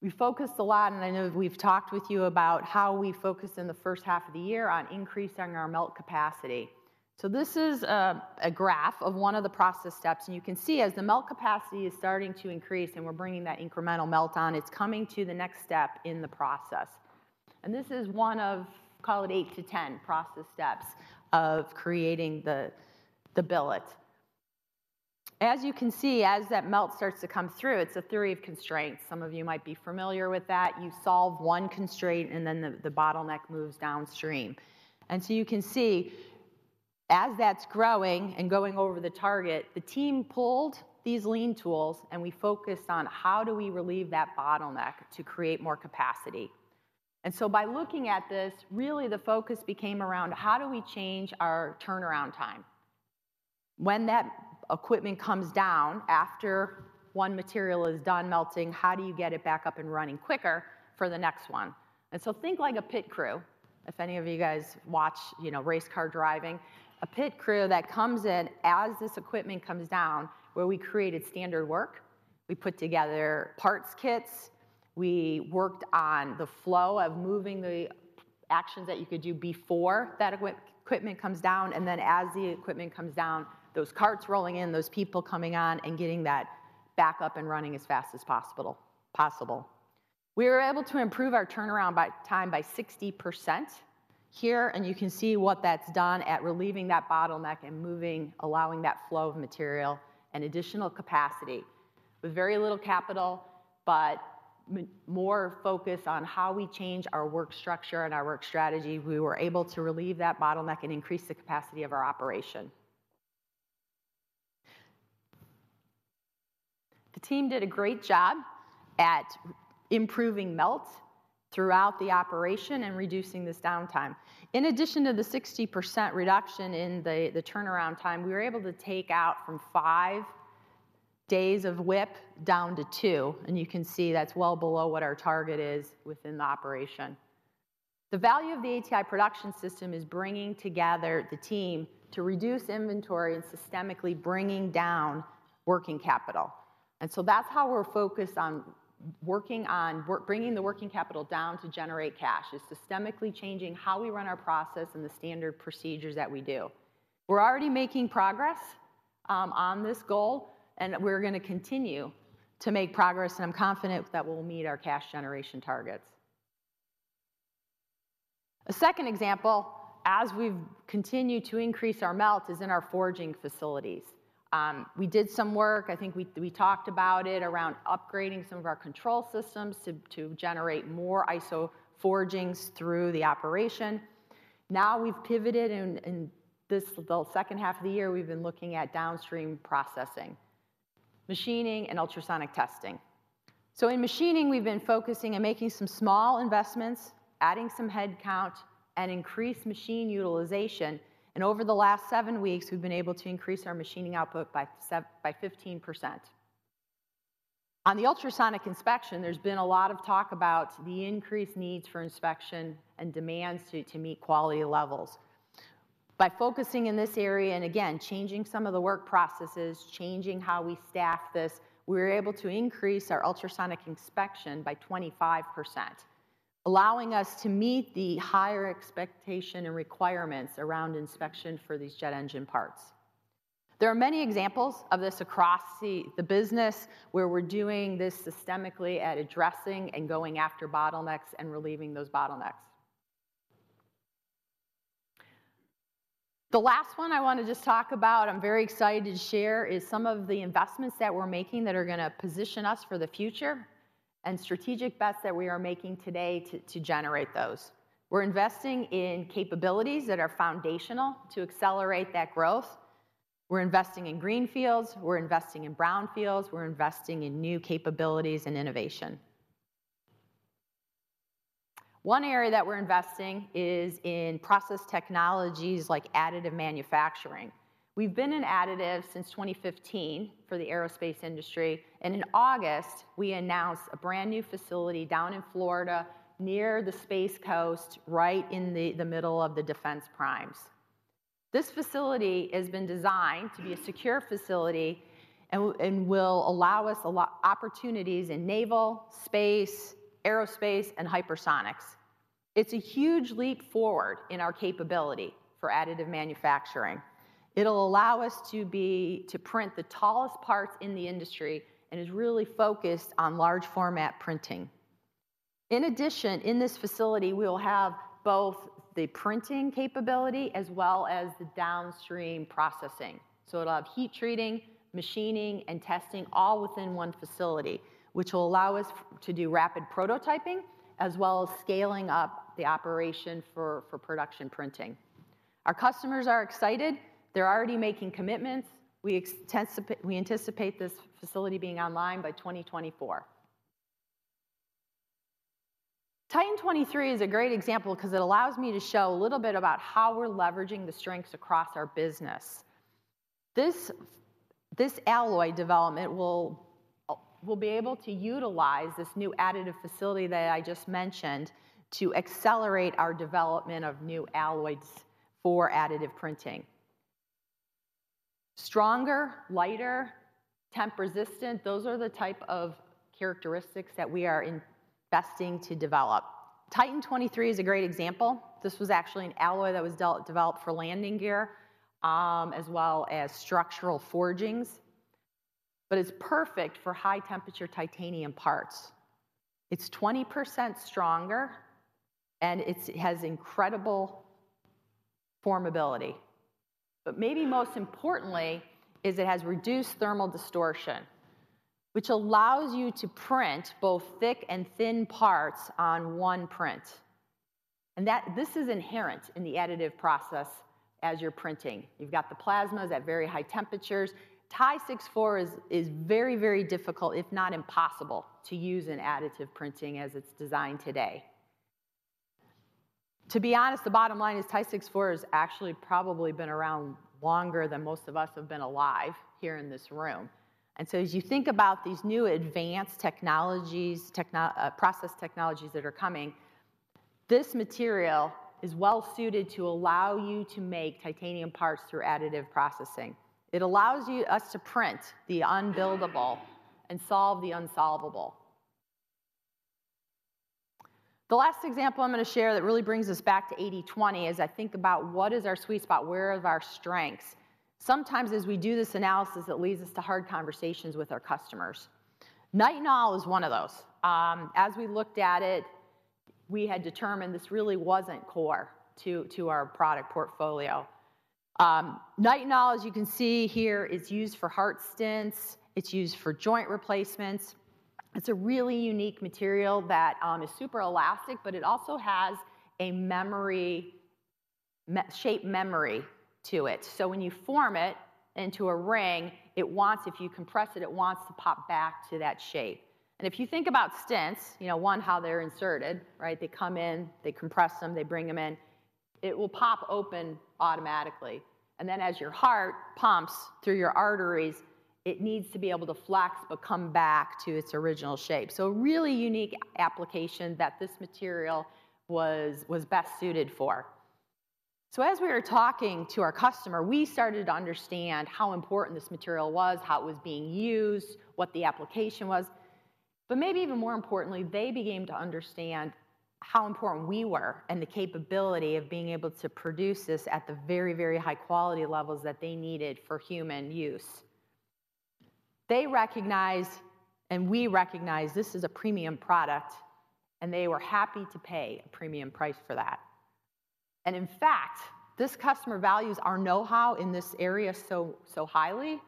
We focused a lot, and I know we've talked with you about how we focused in the first half of the year on increasing our melt capacity. So this is a graph of one of the process steps, and you can see as the melt capacity is starting to increase and we're bringing that incremental melt on, it's coming to the next step in the process. This is one of, call it 8-10 process steps of creating the billet. As you can see, as that melt starts to come through, it's a theory of constraints. Some of you might be familiar with that. You solve one constraint, and then the bottleneck moves downstream. You can see, as that's growing and going over the target, the team pulled these lean tools, and we focused on how do we relieve that bottleneck to create more capacity. By looking at this, really the focus became around how do we change our turnaround time? When that equipment comes down, after one material is done melting, how do you get it back up and running quicker for the next one? And so think like a pit crew. If any of you guys watch, you know, race car driving, a pit crew that comes in as this equipment comes down, where we created standard work, we put together parts kits, we worked on the flow of moving the actions that you could do before that equipment comes down, and then as the equipment comes down, those carts rolling in, those people coming on and getting that back up and running as fast as possible. We were able to improve our turnaround time by 60% here, and you can see what that's done at relieving that bottleneck and moving, allowing that flow of material and additional capacity with very little capital, but more focus on how we change our work structure and our work strategy, we were able to relieve that bottleneck and increase the capacity of our operation. The team did a great job at improving melt throughout the operation and reducing this downtime. In addition to the 60% reduction in the turnaround time, we were able to take out from five days of WIP wdown to two, and you can see that's well below what our target is within the operation. The value of the ATI production system is bringing together the team to reduce inventory and systematically bringing down working capital. That's how we're focused on working on bringing the working capital down to generate cash: systematically changing how we run our process and the standard procedures that we do. We're already making progress on this goal, and we're gonna continue to make progress, and I'm confident that we'll meet our cash generation targets. A second example, as we've continued to increase our melt, is in our forging facilities. We did some work, I think we talked about it, around upgrading some of our control systems to generate more ISO forgings through the operation. Now, we've pivoted and this, the second half of the year, we've been looking at downstream processing, machining and ultrasonic testing. So in machining, we've been focusing and making some small investments, adding some headcount and increased machine utilization, and over the last seven weeks, we've been able to increase our machining output by 15%. On the ultrasonic inspection, there's been a lot of talk about the increased needs for inspection and demands to meet quality levels. By focusing in this area, and again, changing some of the work processes, changing how we staff this, we're able to increase our ultrasonic inspection by 25%, allowing us to meet the higher expectation and requirements around inspection for these jet engine parts. There are many examples of this across the business, where we're doing this systemically at addressing and going after bottlenecks and relieving those bottlenecks. The last one I want to just talk about, I'm very excited to share, is some of the investments that we're making that are gonna position us for the future, and strategic bets that we are making today to generate those. We're investing in capabilities that are foundational to accelerate that growth. We're investing in greenfields, we're investing in brownfields, we're investing in new capabilities and innovation. One area that we're investing is in process technologies like additive manufacturing. We've been in additive since 2015 for the aerospace industry, and in August, we announced a brand-new facility down in Florida, near the Space Coast, right in the middle of the defense primes. This facility has been designed to be a secure facility and will allow us a lot opportunities in naval, space, aerospace, and hypersonics. It's a huge leap forward in our capability for additive manufacturing. It'll allow us to print the tallest parts in the industry, and is really focused on large format printing. In addition, in this facility, we will have both the printing capability as well as the downstream processing. So it'll have heat treating, machining, and testing all within one facility, which will allow us to do rapid prototyping, as well as scaling up the operation for production printing. Our customers are excited. They're already making commitments. We anticipate this facility being online by 2024. Titan 23 is a great example because it allows me to show a little bit about how we're leveraging the strengths across our business. This alloy development will be able to utilize this new additive facility that I just mentioned to accelerate our development of new alloys for additive printing. Stronger, lighter, temp resistant, those are the type of characteristics that we are investing to develop. Titan 23 is a great example. This was actually an alloy that was developed for landing gear, as well as structural forgings, but it's perfect for high-temperature titanium parts. It's 20% stronger, and it has incredible formability. But maybe most importantly, it has reduced thermal distortion, which allows you to print both thick and thin parts on one print, and that—this is inherent in the additive process as you're printing. You've got the plasmas at very high temperatures. Ti-6-4 is very, very difficult, if not impossible, to use in additive printing as it's designed today. To be honest, the bottom line is Ti-6-4 has actually probably been around longer than most of us have been alive here in this room. So as you think about these new advanced technologies, process technologies that are coming, this material is well suited to allow you to make titanium parts through additive processing. It allows us to print the unbuildable and solve the unsolvable. The last example I'm gonna share that really brings us back to 80/20 is I think about what is our sweet spot? Where are our strengths? Sometimes as we do this analysis, it leads us to hard conversations with our customers. Nitinol is one of those. As we looked at it, we had determined this really wasn't core to our product portfolio. Nitinol, as you can see here, is used for heart stents, it's used for joint replacements. It's a really unique material that is super elastic, but it also has a memory shape memory to it. So when you form it into a ring, it wants if you compress it, it wants to pop back to that shape. And if you think about stents, you know, one, how they're inserted, right? They come in, they compress them, they bring them in. It will pop open automatically, and then as your heart pumps through your arteries, it needs to be able to flex but come back to its original shape. So a really unique application that this material was, was best suited for. So as we were talking to our customer, we started to understand how important this material was, how it was being used, what the application was, but maybe even more importantly, they began to understand how important we were and the capability of being able to produce this at the very, very high quality levels that they needed for human use. They recognized, and we recognized, this is a premium product, and they were happy to pay a premium price for that. And in fact, this customer values our know-how in this area so, so highly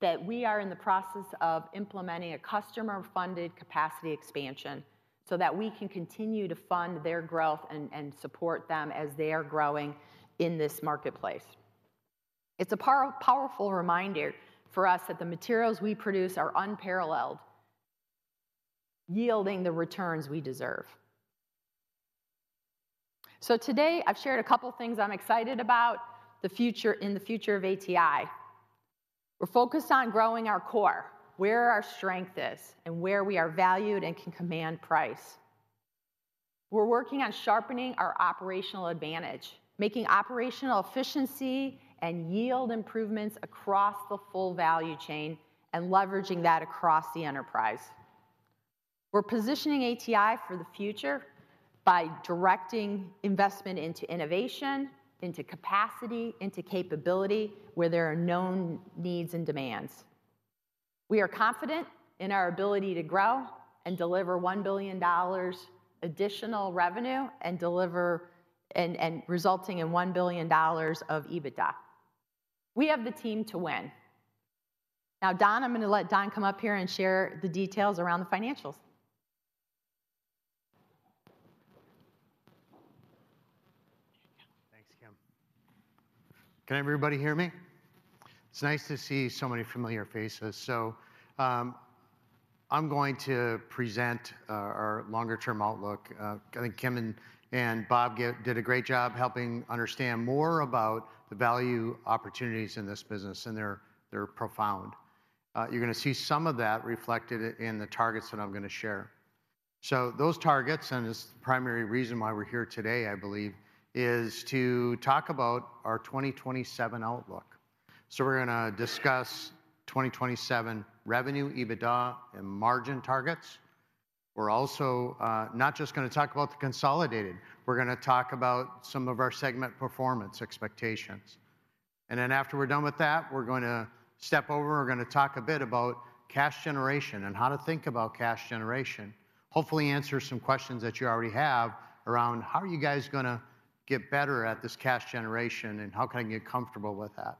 that we are in the process of implementing a customer-funded capacity expansion so that we can continue to fund their growth and, and support them as they are growing in this marketplace. It's a powerful reminder for us that the materials we produce are unparalleled, yielding the returns we deserve. So today, I've shared a couple things I'm excited about, the future, in the future of ATI. We're focused on growing our core, where our strength is, and where we are valued and can command price. We're working on sharpening our operational advantage, making operational efficiency and yield improvements across the full value chain, and leveraging that across the enterprise. We're positioning ATI for the future by directing investment into innovation, into capacity, into capability, where there are known needs and demands. We are confident in our ability to grow and deliver $1 billion additional revenue, and deliver—and, and resulting in $1 billion of EBITDA. We have the team to win. Now, Don, I'm gonna let Don come up here and share the details around the financials. Thanks, Kim. Can everybody hear me? It's nice to see so many familiar faces. So, I'm going to present our longer term outlook. I think Kim and Bob did a great job helping understand more about the value opportunities in this businness, and they're profound. You're gonna see some of that reflected in the targets that I'm gonna share. So those targets, and this is the primary reason why we're here today, I believe, is to talk about our 2027 outlook. So we're gonna discuss 2027 revenue, EBITDA, and margin targets. We're also not just gonna talk about the consolidated, we're gonna talk about some of our segment performance expectations. And then, after we're done with that, we're gonna step over, we're gonna talk a bit about cash generation and how to think about cash generation. Hopefully, answer some questions that you already have around: how are you guys gonna get better at this cash generation, and how can I get comfortable with that?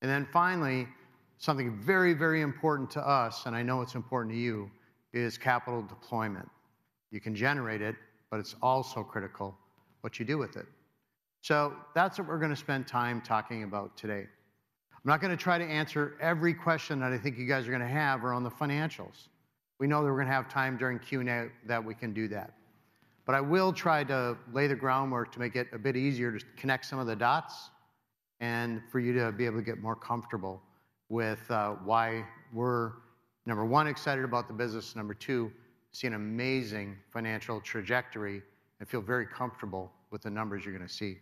And then finally, something very, very important to us, and I know it's important to you, is capital deployment. You can generate it, but it's also critical what you do with it. So that's what we're gonna spend time talking about today. I'm not gonna try to answer every question that I think you guys are gonna have around the financials. We know that we're gonna have time during Q&A that we can do that. But I will try to lay the groundwork to make it a bit easier to connect some of the dots, and for you to be able to get more comfortable with why we're, number one, excited about the business; number two, see an amazing financial trajectory and feel very comfortable with the numbers you're gonna see.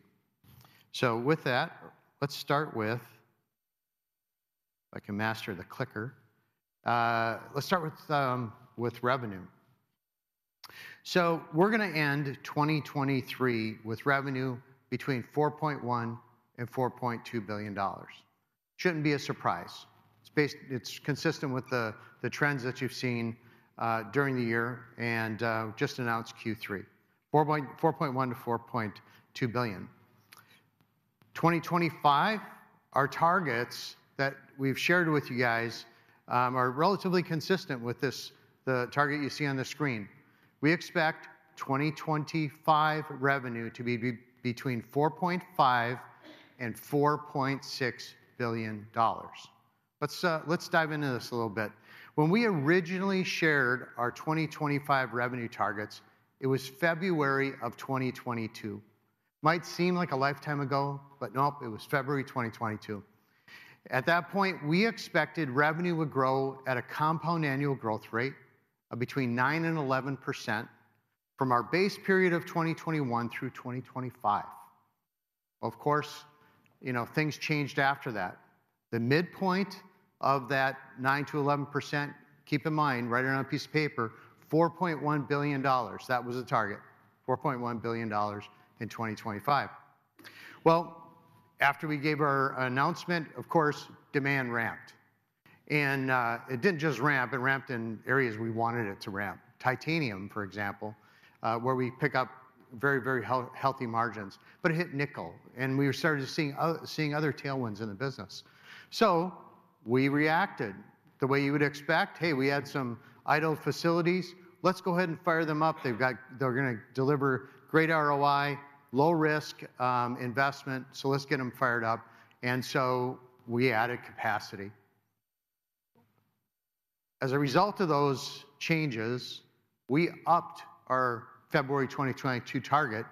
So with that, let's start with. If I can master the clicker. Let's start with revenue. So we're gonna end 2023 with revenue between $4.1 billion and $4.2 billion. Shouldn't be a surprise. It's consistent with the trends that you've seen during the year, and just announced Q3. $4.1 billion-$4.2 billion. 2025, our targets that we've shared with you guys, are relatively consistent with this, the target you see on the screen. We expect 2025 revenue to be between $4.5 billion and $4.6 billion. Let's dive into this a little bit. When we originally shared our 2025 revenue targets, it was February of 2022. Might seem like a lifetime ago, but nope, it was February 2022. At that point, we expected revenue would grow at a compound annual growth rate of between 9% and 11% from our base period of 2021 through 2025. Of course, you know, things changed after that. The midpoint of that 9%-11%, keep in mind, write it on a piece of paper, $4.1 billion. That was the target, $4.1 billion in 2025. Well, after we gave our announcement, of course, demand ramped. And it didn't just ramp, it ramped in areas we wanted it to ramp. Titanium, for example, where we pick up very, very healthy margins, but it hit nickel, and we started seeing seeing other tailwinds in the business. So we reacted the way you would expect. "Hey, we had some idle facilities. Let's go ahead and fire them up. They've got-- they're gonna deliver great ROI, low risk, investment, so let's get them fired up." And so we added capacity. As a result of those changes, we upped our February 2022 target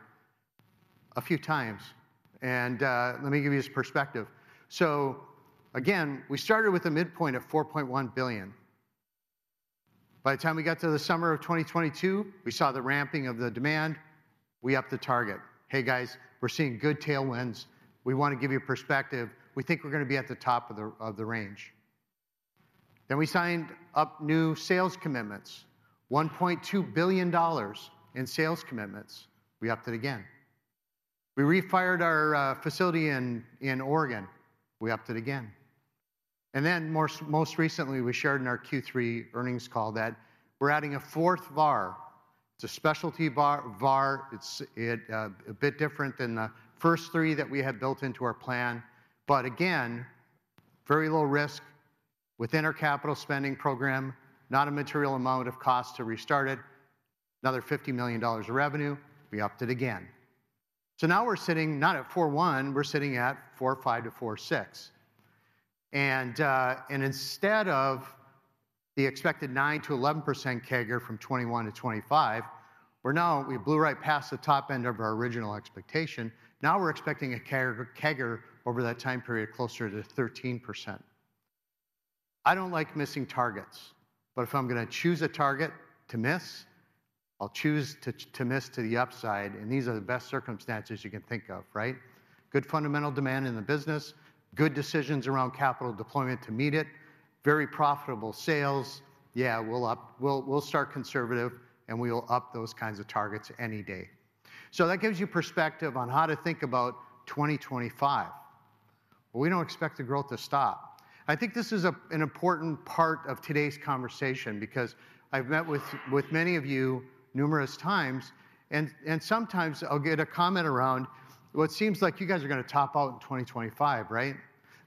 a few times, and let me give you this perspective. So again, we started with a midpoint of $4.1 billion. By the time we got to the summer of 2022, we saw the ramping of the demand, we upped the target. "Hey, guys, we're seeing good tailwinds. We wanna give you perspective. We think we're gonna be at the top of the range." Then we signed up new sales commitments, $1.2 billion in sales commitments. We upped it again. We refired our facility in Oregon. We upped it again. And then, most recently, we shared in our Q3 earnings call that we're adding a fourth VAR. It's a specialty VAR. It's a bit different than the first three that we had built into our plan, but again, very low risk within our capital spending program, not a material amount of cost to restart it, another $50 million of revenue, we upped it again. So now we're sitting not at 4.1, we're sitting at 4.5-4.6. And instead of the expected 9%-11% CAGR from 2021 to 2025, we're now—we blew right past the top end of our original expectation. Now we're expecting a CAGR over that time period closer to 13%. I don't like missing targets, but if I'm gonna choose a target to miss, I'll choose to miss to the upside, and these are the best circumstances you can think of, right? Good fundamental demand in the business, good decisions around capital deployment to meet it, very profitable sales. Yeah, we'll up—we'll start conservative, and we will up those kinds of targets any day. So that gives you perspective on how to think about 2025, where we don't expect the growth to stop. I think this is an important part of today's conversation because I've met with many of you numerous times, and sometimes I'll get a comment around, "Well, it seems like you guys are gonna top out in 2025, right?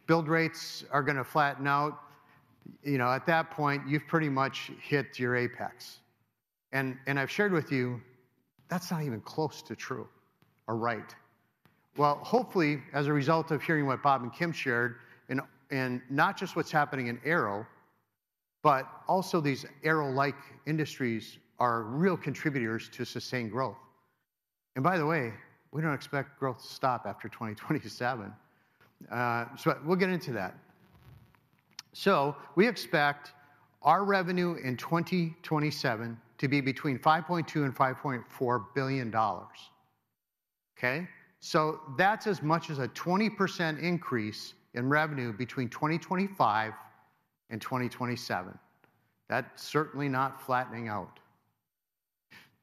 Build rates are gonna flatten out. You know, at that point, you've pretty much hit your apex." And I've shared with you, that's not even close to true or right. Well, hopefully, as a result of hearing what Bob and Kim shared, and not just what's happening in aero, but also these aero-like industries are real contributors to sustained growth. And by the way, we don't expect growth to stop after 2027. So we'll get into that. So we expect our revenue in 2027 to be between $5.2 billion and $5.4 billion. Okay? So that's as much as a 20% increase in revenue between 2025 and 2027. That's certainly not flattening out.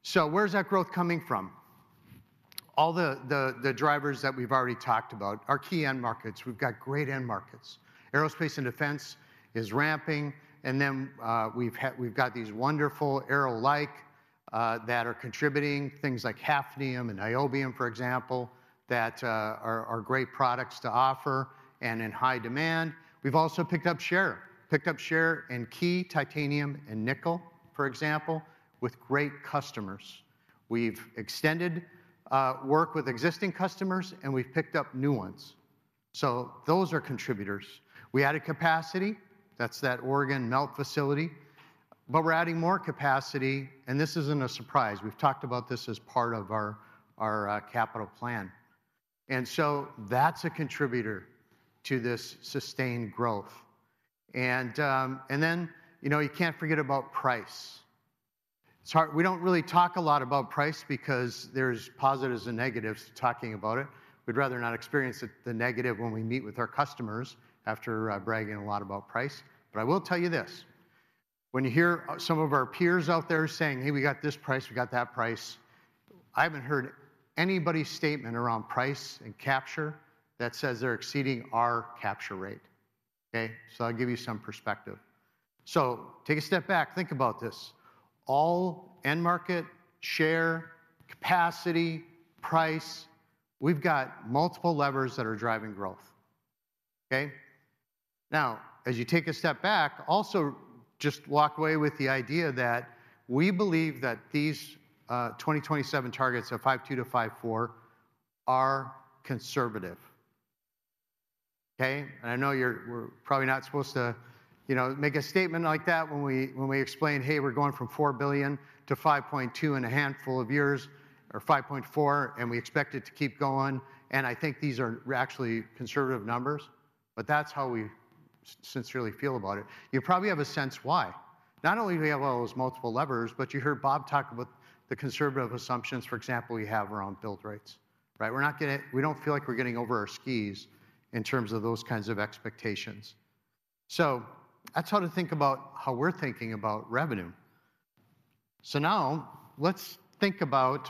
So where's that growth coming from? All the drivers that we've already talked about. Our key end markets, we've got great end markets. Aerospace and defense is ramping, and then we've got these wonderful aero-like that are contributing, things like hafnium and niobium, for example, that are great products to offer and in high demand. We've also picked up share, picked up share in key titanium and nickel, for example, with great customers. We've extended work with existing customers, and we've picked up new ones. So those are contributors. We added capacity, that's that Oregon melt facility, but we're adding more capacity, and this isn't a surprise. We've talked about this as part of our capital plan, and so that's a contributor to this sustained growth. And then, you know, you can't forget about price. It's hard - we don't really talk a lot about price because there's positives and negatives to talking about it. We'd rather not experience it, the negative, when we meet with our customers after bragging a lot about price. But I will tell you this, when you hear some of our peers out there saying, "Hey, we got this price, we got that price," I haven't heard anybody's statement around price and capture that says they're exceeding our capture rate, okay? So that'll give you some perspective. So take a step back, think about this. All end market, share, capacity, price, we've got multiple levers that are driving growth, okay? Now, as you take a step back, also just walk away with the idea that we believe that these, twenty twenty-seven targets of five two to five four are conservative, okay? And I know you're - we're probably not supposed to, you know, make a statement like that when we, when we explain, "Hey, we're going from $4 billion to $5.2 billion in a handful of years, or $5.4 billion, and we expect it to keep going, and I think these are actually conservative numbers," but that's how we sincerely feel about it. You probably have a sense why. Not only do we have all those multiple levers, but you heard Bob talk about the conservative assumptions, for example, we have around build rates, right? We're not gonna - we don't feel like we're getting over our skis in terms of those kinds of expectations. So that's how to think about how we're thinking about revenue. So now let's think about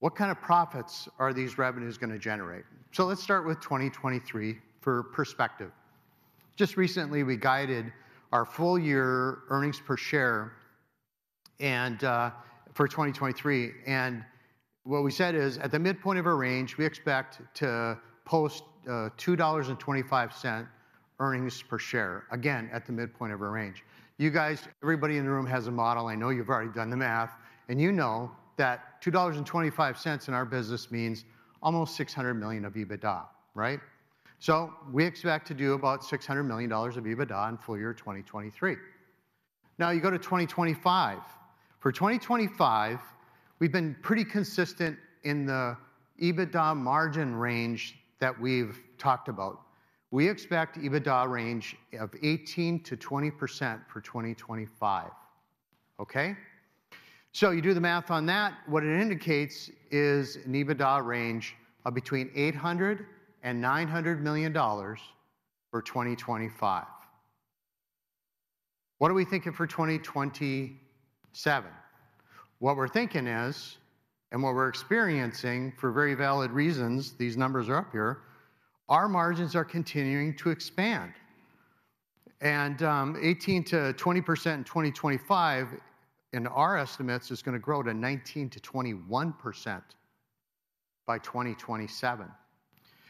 what kind of profits are these revenues gonna generate. So let's start with 2023 for perspective. Just recently, we guided our full year earnings per share, and for 2023, and what we said is, "At the midpoint of our range, we expect to post $2.25 earnings per share," again, at the midpoint of our range. You guys, everybody in the room has a model, I know you've already done the math, and you know that $2.25 in our business means almost $600 million of EBITDA, right? So we expect to do about $600 million of EBITDA in full year 2023. Now, you go to 2025. For 2025, we've been pretty consistent in the EBITDA margin range that we've talked about. We expect EBITDA range of 18%-20% for 2025, okay? So you do the math on that, what it indicates is an EBITDA range of between $800 million and $900 million for 2025. What are we thinking for 2027? What we're thinking is, and what we're experiencing for very valid reasons, these numbers are up here, our margins are continuing to expand. And 18%-20% in 2025, in our estimates, is gonna grow to 19%-21% by 2027.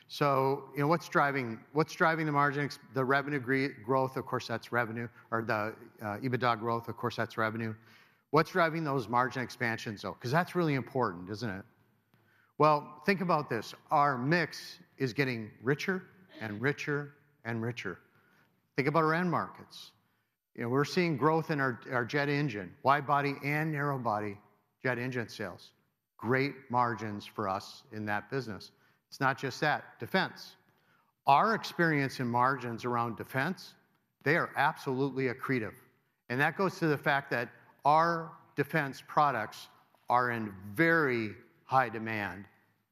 So, you know, what's driving, what's driving the margin except the revenue growth? Of course, that's revenue. Or the EBITDA growth, of course, that's revenue. What's driving those margin expansions, though? 'Cause that's really important, isn't it? Well, think about this. Our mix is getting richer and richer and richer. Think about our end markets. You know, we're seeing growth in our, our jet engine, wide body and narrow body jet engine sales. Great margins for us in that business. It's not just that. Defense. Our experience in margins around defense, they are absolutely accretive, and that goes to the fact that our defense products are in very high demand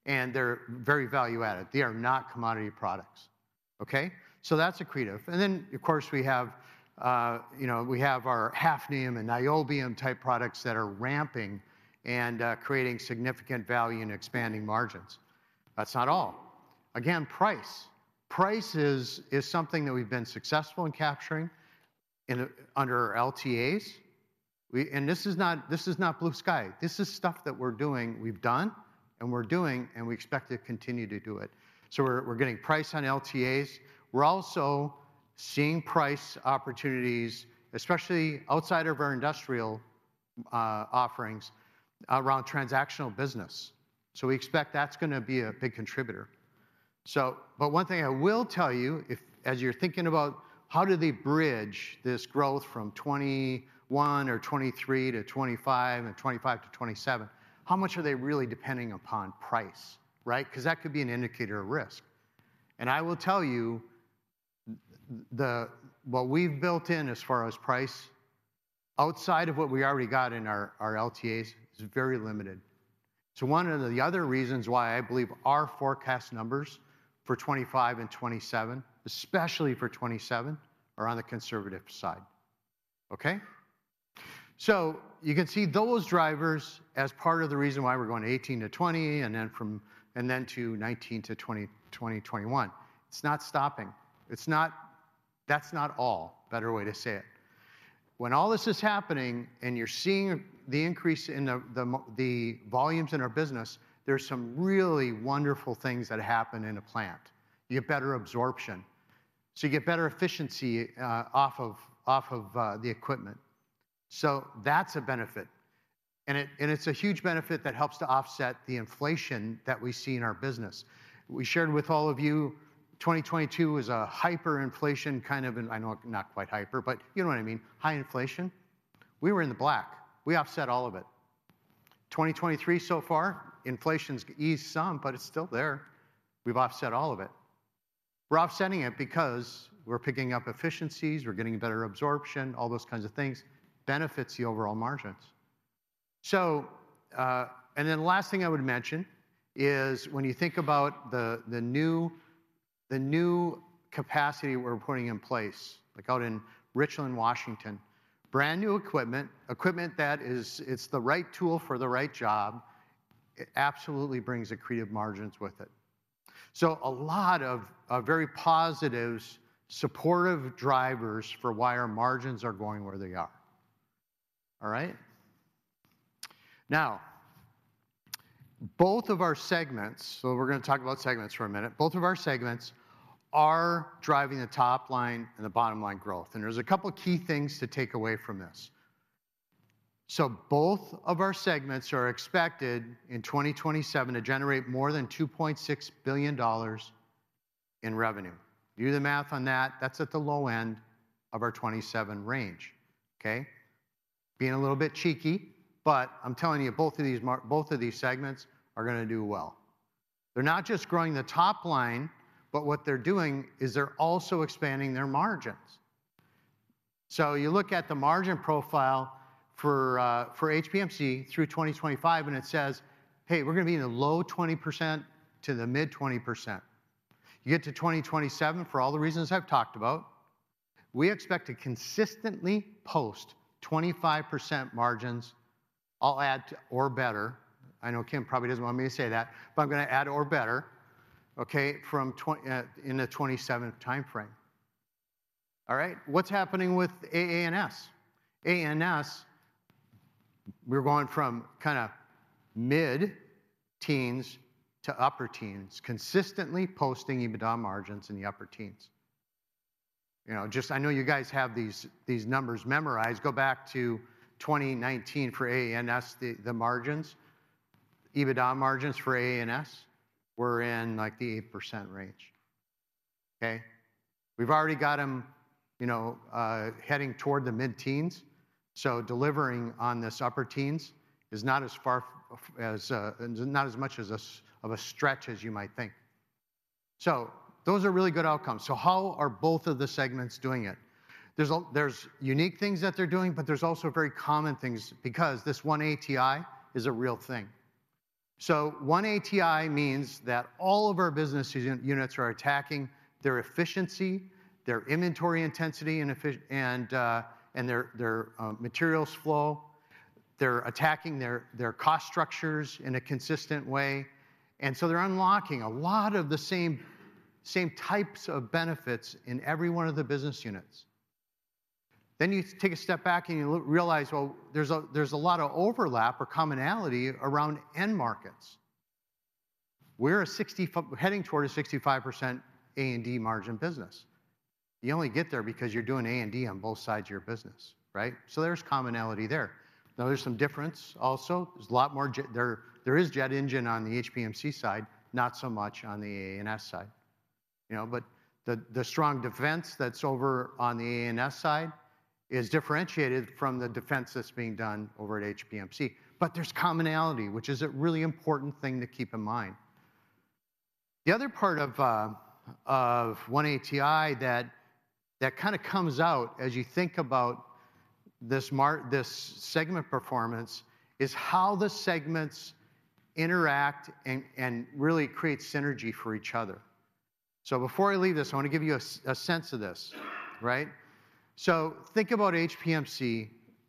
and they're very value-added. They are not commodity products, okay? So that's accretive. And then, of course, we have, you know, we have our hafnium and niobium-type products that are ramping and creating significant value and expanding margins. That's not all. Again, price. Price is, is something that we've been successful in capturing in under our LTAs. We - And this is not, this is not blue sky. This is stuff that we're doing, we've done, and we're doing, and we expect to continue to do it. So we're, we're getting price on LTAs. We're also seeing price opportunities, especially outside of our industrial, offerings, around transactional business. So we expect that's gonna be a big contributor. So, but one thing I will tell you, if as you're thinking about how do they bridge this growth from 2021 or 2023 to 2025, and 2025 to 2027, how much are they really depending upon price, right? 'Cause that could be an indicator of risk. And I will tell you, the-- what we've built in as far as price, outside of what we already got in our, our LTAs, is very limited. So one of the other reasons why I believe our forecast numbers for 2025 and 2027, especially for 2027, are on the conservative side, okay? So you can see those drivers as part of the reason why we're going 2018-2020, and then from, and then to 2019-2020, 2021. It's not stopping. It's not. That's not all. Better way to say it. When all this is happening, and you're seeing the increase in the, the volumes in our business, there's some really wonderful things that happen in a plant. You get better absorption, so you get better efficiency off of the equipment. So that's a benefit, and it, and it's a huge benefit that helps to offset the inflation that we see in our business. We shared with all of you, 2022 was a hyperinflation kind of an. I know not quite hyper, but you know what I mean. High inflation. We were in the black. We offset all of it. 2023 so far, inflation's eased some, but it's still there. We've offset all of it. We're offsetting it because we're picking up efficiencies, we're getting better absorption, all those kinds of things. Benefits the overall margins. So, and then the last thing I would mention is when you think about the, the new, the new capacity we're putting in place, like out in Richland, Washington, brand-new equipment, equipment that is- it's the right tool for the right job, it absolutely brings accretive margins with it. So a lot of, of very positives, supportive drivers for why our margins are going where they are. All right? Now, both of our segments, so we're gonna talk about segments for a minute. Both of our segments are driving the top line and the bottom line growth, and there's a couple key things to take away from this. So both of our segments are expected, in 2027, to generate more than $2.6 billion in revenue. Do the math on that. That's at the low end of our 2027 range, okay? Being a little bit cheeky, but I'm telling you, both of these segments are gonna do well. They're not just growing the top line, but what they're doing is they're also expanding their margins. So you look at the margin profile for HPMC through 2025, and it says, "Hey, we're gonna be in the low 20% to the mid 20%." You get to 2027, for all the reasons I've talked about, we expect to consistently post 25% margins, I'll add, or better. I know Kim probably doesn't want me to say that, but I'm gonna add or better, okay, from 2027 timeframe. All right? What's happening with AA&S? AA&S, we're going from kind of mid-teens to upper teens, consistently posting EBITDA margins in the upper teens. You know, just. I know you guys have these, these numbers memorized. Go back to 2019 for AA&S, the, the margins. EBITDA margins for AA&S were in, like, the 8% range, okay? We've already got them, you know, heading toward the mid-teens, so delivering on this upper teens is not as far as, not as much of a stretch as you might think. So those are really good outcomes. So how are both of the segments doing it? There's unique things that they're doing, but there's also very common things because this One ATI is a real thing. So One ATI means that all of our business units are attacking their efficiency, their inventory intensity and their materials flow. They're attacking their cost structures in a consistent way, and so they're unlocking a lot of the same types of benefits in every one of the business units. Then you take a step back and you realize, well, there's a lot of overlap or commonality around end markets. We're heading toward a 65% A&D margin business. You only get there because you're doing A&D on both sides of your business, right? So there's commonality there. Now, there's some difference also. There's a lot more there, there is jet engine on the HPMC side, not so much on the AA&S side. You know, but the strong defense that's over on the AA&S side is differentiated from the defense that's being done over at HPMC, but there's commonality, which is a really important thing to keep in mind. The other part of of One ATI that, that kind of comes out as you think about this this segment performance, is how the segments interact and, and really create synergy for each other. So before I leave this, I want to give you a a sense of this, right? So think about HPMC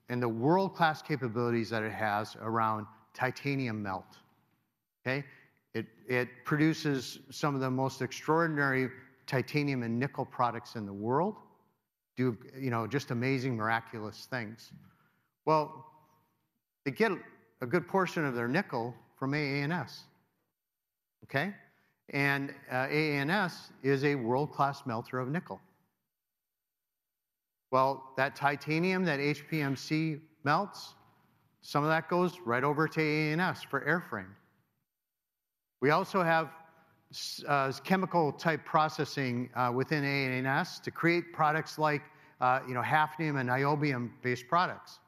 and the world-class capabilities that it has around titanium melt, okay? It, it produces some of the most extraordinary titanium and nickel products in the world. Do, you know, just amazing, miraculous things. Well, they get a good portion of their nickel from AA&S, okay? And, AA&S is a world-class melter of nickel. Well, that titanium that HPMC melts, some of that goes right over to AA&S for airframe. We also have chemical-type processing within AA&S to create products like, you know, hafnium and niobium-based products.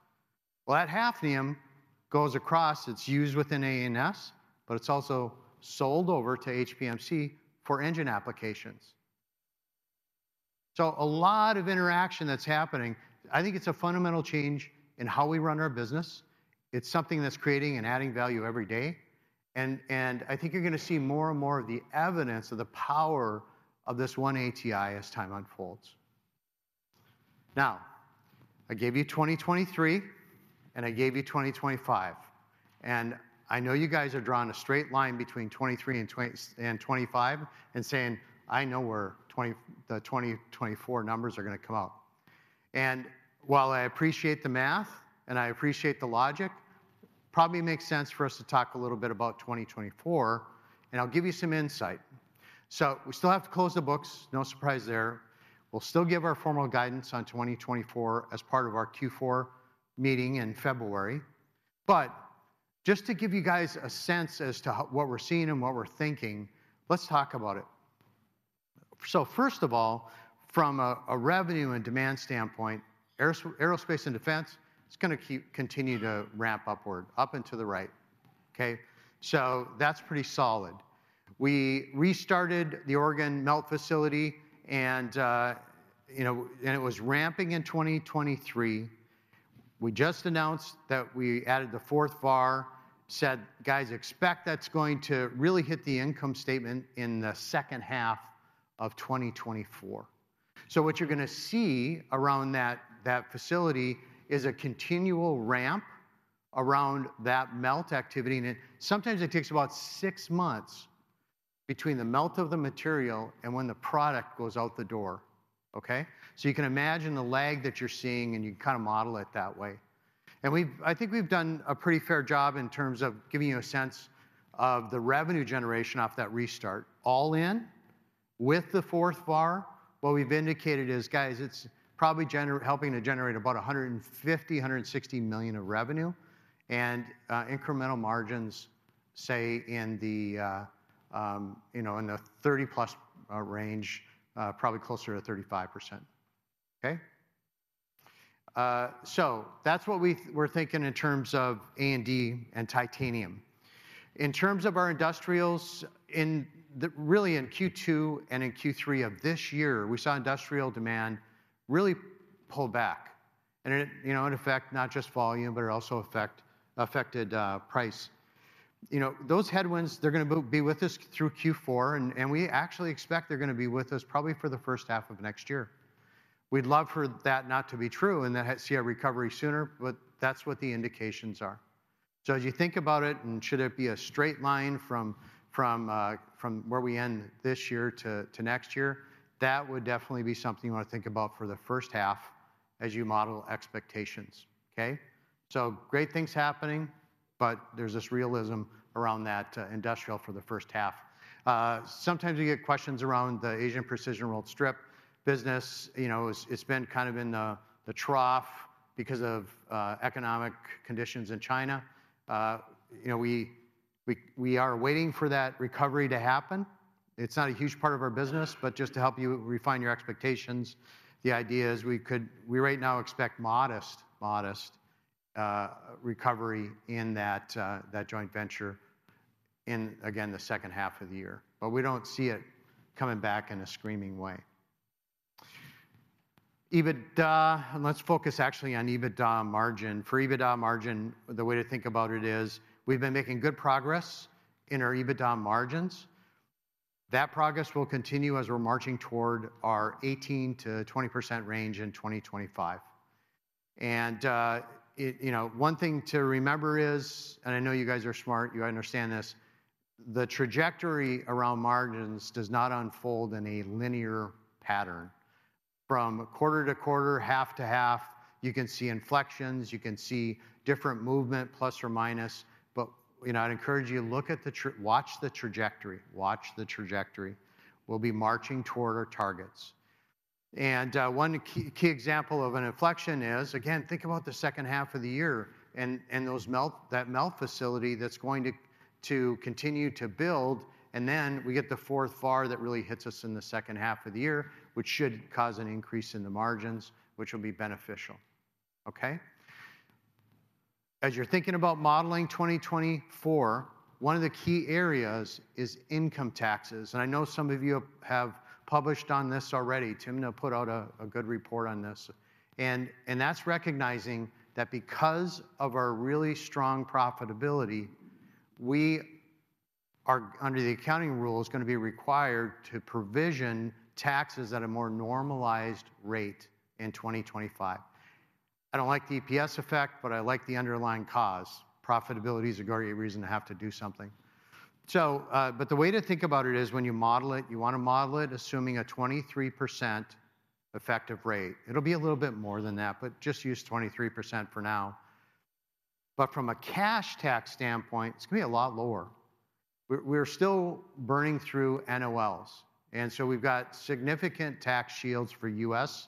Well, that hafnium goes across, it's used within AA&S, but it's also sold over to HPMC for engine applications. So a lot of interaction that's happening, I think it's a fundamental change in how we run our business. It's something that's creating and adding value every day, and, and I think you're gonna see more and more of the evidence of the power of this One ATI as time unfolds. Now, I gave you 2023, and I gave you 2025, and I know you guys are drawing a straight line between 2023 and 2025 and saying, "I know where the 2024 numbers are gonna come out." And while I appreciate the math, and I appreciate the logic, probably makes sense for us to talk a little bit about 2024, and I'll give you some insight. So we still have to close the books, no surprise there. We'll still give our formal guidance on 2024 as part of our Q4 meeting in February. But just to give you guys a sense as to what we're seeing and what we're thinking, let's talk about it. So first of all, from a revenue and demand standpoint, aerospace and defense, it's gonna continue to ramp upward, up and to the right, okay? So that's pretty solid. We restarted the Oregon melt facility, and, you know, and it was ramping in 2023. We just announced that we added the fourth VAR, said, "Guys, expect that's going to really hit the income statement in the second half of 2024." So what you're gonna see around that, that facility is a continual ramp around that melt activity, and it-- sometimes it takes about six months between the melt of the material and when the product goes out the door, okay? So you can imagine the lag that you're seeing, and you kind of model it that way. And we've-- I think we've done a pretty fair job in terms of giving you a sense of the revenue generation off that restart, all in with the fourth VAR. What we've indicated is, "Guys, it's probably helping to generate about $150 million-$160 million of revenue, and incremental margins, say, in the 30+ range, probably closer to 35%." Okay? So that's what we're thinking in terms of A&D and titanium. In terms of our industrials, really in Q2 and in Q3 of this year, we saw industrial demand really pull back, and it, you know, it affected not just volume, but it also affected price. You know, those headwinds, they're gonna be with us through Q4, and we actually expect they're gonna be with us probably for the first half of next year. We'd love for that not to be true and then see a recovery sooner, but that's what the indications are. So as you think about it, and should it be a straight line from where we end this year to next year, that would definitely be something you want to think about for the first half as you model expectations, okay? So great things happening, but there's this realism around that industrial for the first half. Sometimes we get questions around the Asian precision rolled strip business. You know, it's been kind of in the trough because of economic conditions in China. You know, we are waiting for that recovery to happen. It's not a huge part of our business, but just to help you refine your expectations, the idea is we could we right now expect modest, modest, recovery in that, that joint venture in, again, the second half of the year, but we don't see it coming back in a screaming way. EBITDA, and let's focus actually on EBITDA margin. For EBITDA margin, the way to think about it is, we've been making good progress in our EBITDA margins. That progress will continue as we're marching toward our 18%-20% range in 2025. And, it you know, one thing to remember is, and I know you guys are smart, you understand this, the trajectory around margins does not unfold in a linear pattern. From quarter to quarter, half to half, you can see inflections, you can see different movement, plus or minus, but, you know, I'd encourage you to look at the watch the trajectory. Watch the trajectory. We'll be marching toward our targets. And one key, key example of an inflection is, again, think about the second half of the year and those melt, that melt facility that's going to continue to build, and then we get the fourth VAR that really hits us in the second half of the year, which should cause an increase in the margins, which will be beneficial, okay? As you're thinking about modeling 2024, one of the key areas is income taxes, and I know some of you have published on this already. Timna put out a good report on this. That's recognizing that because of our really strong profitability, we are, under the accounting rules, gonna be required to provision taxes at a more normalized rate in 2025. I don't like the EPS effect, but I like the underlying cause. Profitability is a great reason to have to do something. The way to think about it is when you model it, you wanna model it assuming a 23% effective rate. It'll be a little bit more than that, but just use 23% for now. But from a cash tax standpoint, it's gonna be a lot lower. We're still burning through NOLs, and so we've got significant tax shields for U.S.,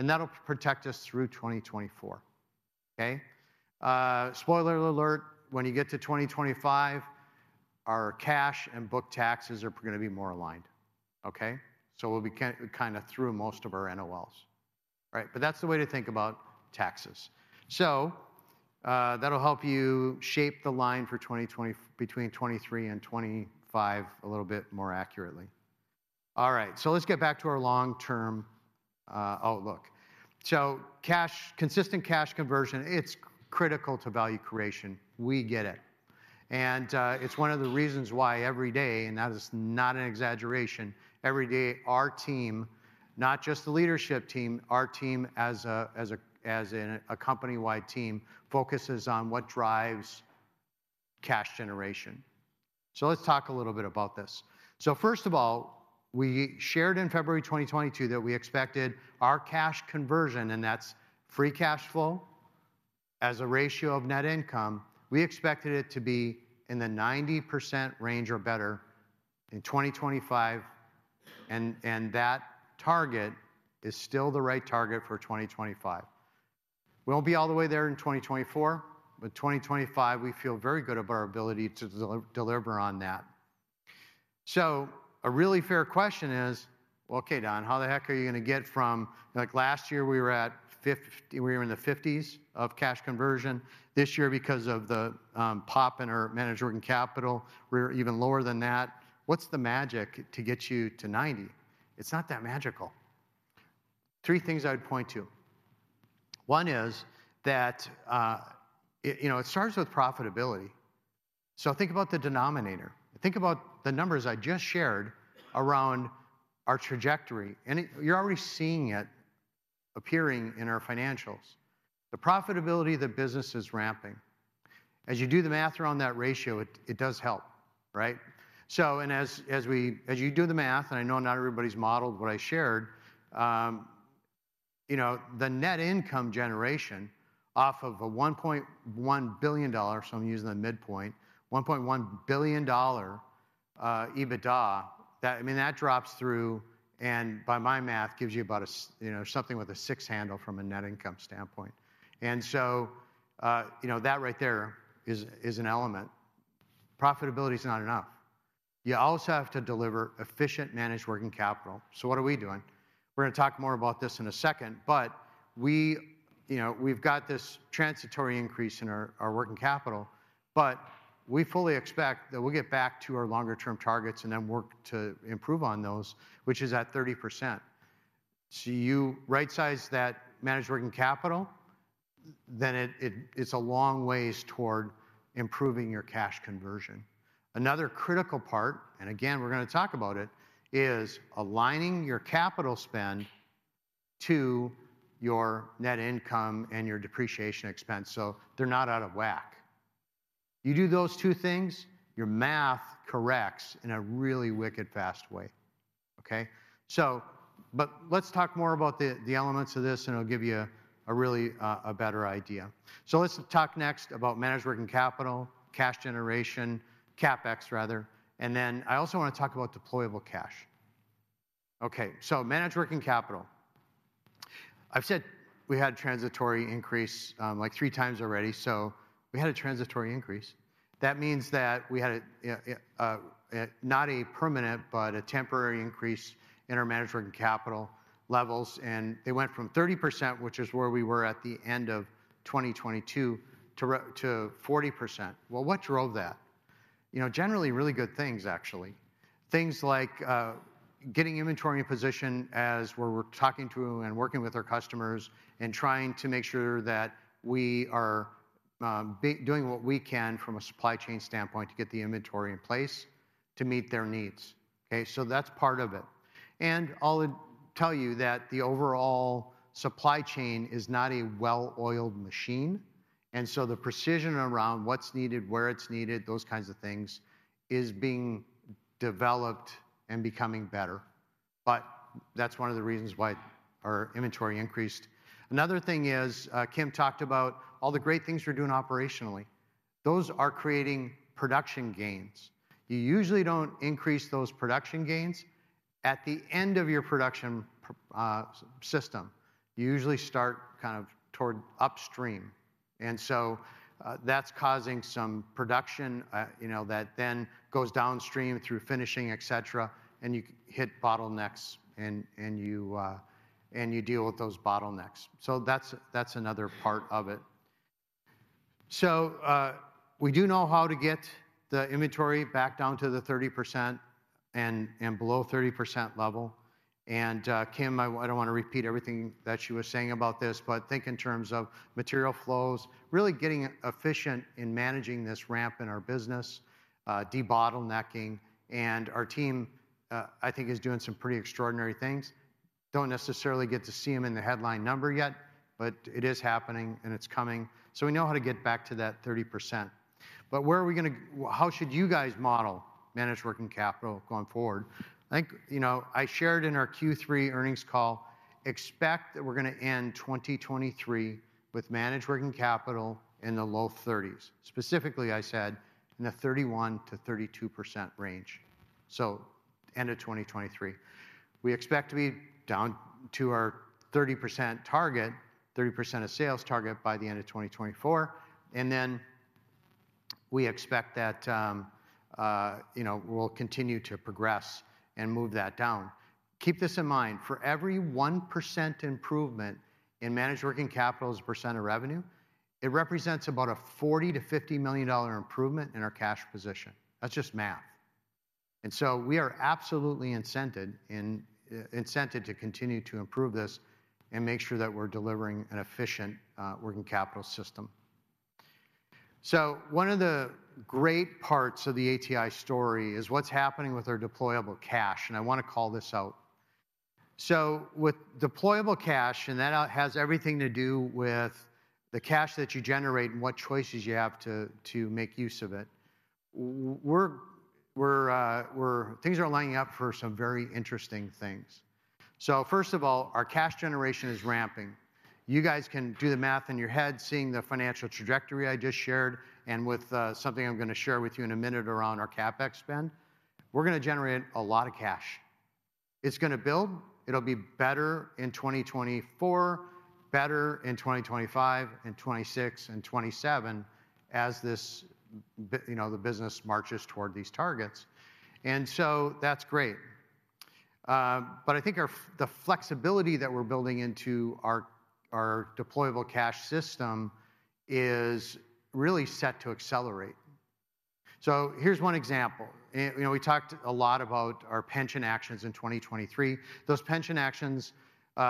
and that'll protect us through 2024, okay? Spoiler alert, when you get to 2025, our cash and book taxes are gonna be more aligned, okay? So we'll be kind of through most of our NOLs. Right, but that's the way to think about taxes. So, that'll help you shape the line for 2022 between 2023 and 2025, a little bit more accurately. All right, so let's get back to our long-term outlook. So, consistent cash conversion, it's critical to value creation. We get it. And, it's one of the reasons why every day, and that is not an exaggeration, every day, our team, not just the leadership team, our team as a company-wide team, focuses on what drives cash generation. So let's talk a little bit about this. So first of all, we shared in February 2022, that we expected our cash conversion, and that's free cash flow, as a ratio of net income. We expected it to be in the 90% range or better in 2025, and that target is still the right target for 2025. We won't be all the way there in 2024, but 2025, we feel very good about our ability to deliver on that. So a really fair question is, "Well, okay, Don, how the heck are you gonna get from." Like, last year, we were in the 50s of cash conversion. This year, because of the pop in our managed working capital, we're even lower than that. What's the magic to get you to 90%? It's not that magical. Three things I would point to. One is that, it, you know, it starts with profitability. So think about the denominator. Think about the numbers I just shared around our trajectory, and it—you're already seeing it appearing in our financials. The profitability of the business is ramping. As you do the math around that ratio, it does help, right? So as you do the math, and I know not everybody's modeled what I shared, you know, the net income generation off of a $1.1 billion, so I'm using the midpoint, $1.1 billion EBITDA, I mean, that drops through, and by my math, gives you about, you know, something with a six handle from a net income standpoint. And so, you know, that right there is an element. Profitability is not enough. You also have to deliver efficient managed working capital. So what are we doing? We're gonna talk more about this in a second, but we, you know, we've got this transitory increase in our, our working capital, but we fully expect that we'll get back to our longer-term targets and then work to improve on those, which is at 30%. So you rightsize that managed working capital, then it, it's a long ways toward improving your cash conversion. Another critical part, and again, we're gonna talk about it, is aligning your capital spend to your net income and your depreciation expense, so they're not out of whack. You do those two things, your math corrects in a really wicked fast way, okay? So but let's talk more about the, the elements of this, and it'll give you a, a really, a better idea. So let's talk next about managed working capital, cash generation, CapEx rather, and then I also wanna talk about deployable cash. Okay, so managed working capital. I've said we had a transitory increase, like, 3 times already, so we had a transitory increase. That means that we had a, not a permanent, but a temporary increase in our managed working capital levels, and they went from 30%, which is where we were at the end of 2022, to 40%. Well, what drove that? You know, generally, really good things, actually. Things like, getting inventory in position as we're talking to and working with our customers, and trying to make sure that we are, doing what we can from a supply chain standpoint to get the inventory in place to meet their needs, okay? So that's part of it. I'll tell you that the overall supply chain is not a well-oiled machine, and so the precision around what's needed, where it's needed, those kinds of things, is being developed and becoming better, but that's one of the reasons why our inventory increased. Another thing is, Kim talked about all the great things we're doing operationally. Those are creating production gains. You usually don't increase those production gains at the end of your production system. You usually start kind of toward upstream, and so, that's causing some production, you know, that then goes downstream through finishing, et cetera, and you hit bottlenecks, and you deal with those bottlenecks. So that's another part of it. So, we do know how to get the inventory back down to the 30% and, and below 30% level, and, Kim, I don't wanna repeat everything that she was saying about this, but think in terms of material flows, really getting efficient in managing this ramp in our business, de-bottlenecking, and our team, I think is doing some pretty extraordinary things. Don't necessarily get to see 'em in the headline number yet, but it is happening, and it's coming, so we know how to get back to that 30%. But where are we gonna go? Well, how should you guys model managed working capital going forward? I think, you know, I shared in our Q3 earnings call, expect that we're gonna end 2023 with managed working capital in the low 30s. Specifically, I said, in the 31%-32% range, so end of 2023. We expect to be down to our 30% target, 30% of sales target by the end of 2024, and then we expect that, you know, we'll continue to progress and move that down. Keep this in mind. For every 1% improvement in managed working capital as a percent of revenue, it represents about a $40 million-$50 million improvement in our cash position. That's just math. And so we are absolutely incented in, incented to continue to improve this and make sure that we're delivering an efficient, working capital system. So one of the great parts of the ATI story is what's happening with our deployable cash, and I wanna call this out. So with deployable cash, and that has everything to do with the cash that you generate and what choices you have to make use of it, we're things are lining up for some very interesting things. So first of all, our cash generation is ramping. You guys can do the math in your head, seeing the financial trajectory I just shared, and with something I'm gonna share with you in a minute around our CapEx spend. We're gonna generate a lot of cash. It's gonna build. It'll be better in 2024, better in 2025 and 2026 and 2027 as you know, the business marches toward these targets, and so that's great. But I think the flexibility that we're building into our deployable cash system is really set to accelerate. So here's one example, and, you know, we talked a lot about our pension actions in 2023. Those pension actions, you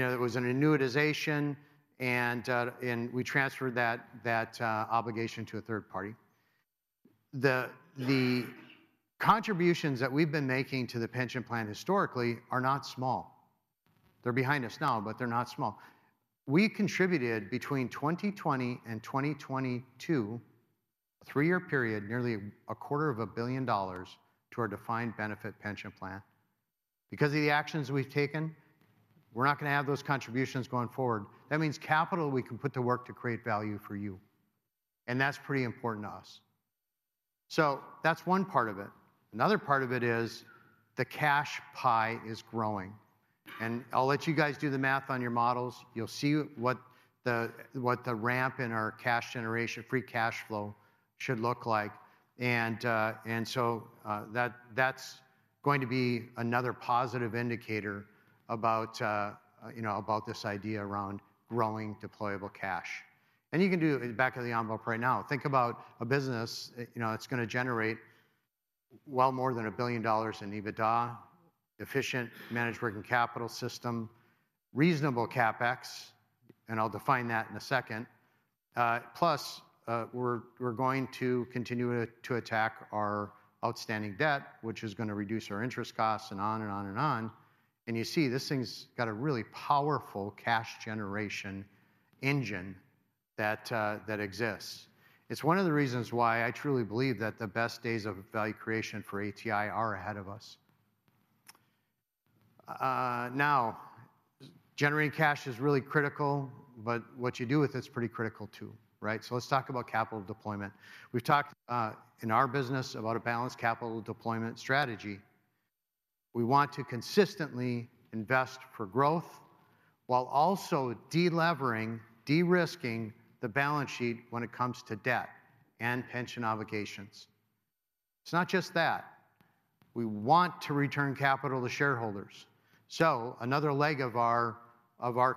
know, it was an annuitization, and we transferred that obligation to a third party. The contributions that we've been making to the pension plan historically are not small. They're behind us now, but they're not small. We contributed between 2020 and 2022, a three-year period, nearly $250 million to our defined benefit pension plan. Because of the actions we've taken, we're not gonna have those contributions going forward. That means capital we can put to work to create value for you, and that's pretty important to us. So that's one part of it. Another part of it is the cash pie is growing, and I'll let you guys do the math on your models. You'll see what the ramp in our cash generation, free cash flow should look like, and so that's going to be another positive indicator about, you know, about this idea around growing deployable cash. You can do it back of the envelope right now. Think about a business, you know, that's gonna generate well more than $1 billion in EBITDA, efficient managed working capital system, reasonable CapEx, and I'll define that in a second, plus we're going to continue to attack our outstanding debt, which is gonna reduce our interest costs, and on and on and on, and you see, this thing's got a really powerful cash generation engine that exists. It's one of the reasons why I truly believe that the best days of value creation for ATI are ahead of us. Now, generating cash is really critical, but what you do with it is pretty critical, too, right? So let's talk about capital deployment. We've talked in our business about a balanced capital deployment strategy. We want to consistently invest for growth while also de-levering, de-risking the balance sheet when it comes to debt and pension obligations. It's not just that. We want to return capital to shareholders. So another leg of our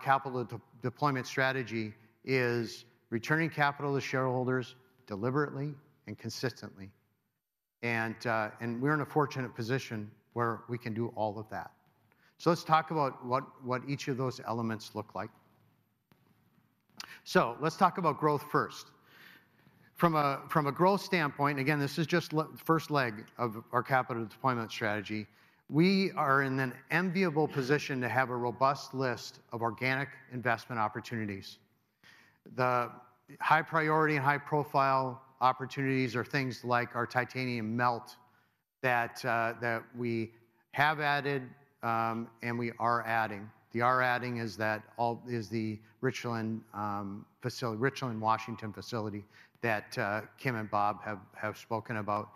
capital deployment strategy is returning capital to shareholders deliberately and consistently, and we're in a fortunate position where we can do all of that. So let's talk about what each of those elements look like. So let's talk about growth first. From a growth standpoint, again, this is just the first leg of our capital deployment strategy, we are in an enviable position to have a robust list of organic investment opportunities. The high priority and high-profile opportunities are things like our titanium melt that we have added, and we are adding. The adding is that all is the Richland facility, Richland, Washington facility that Kim and Bob have spoken about.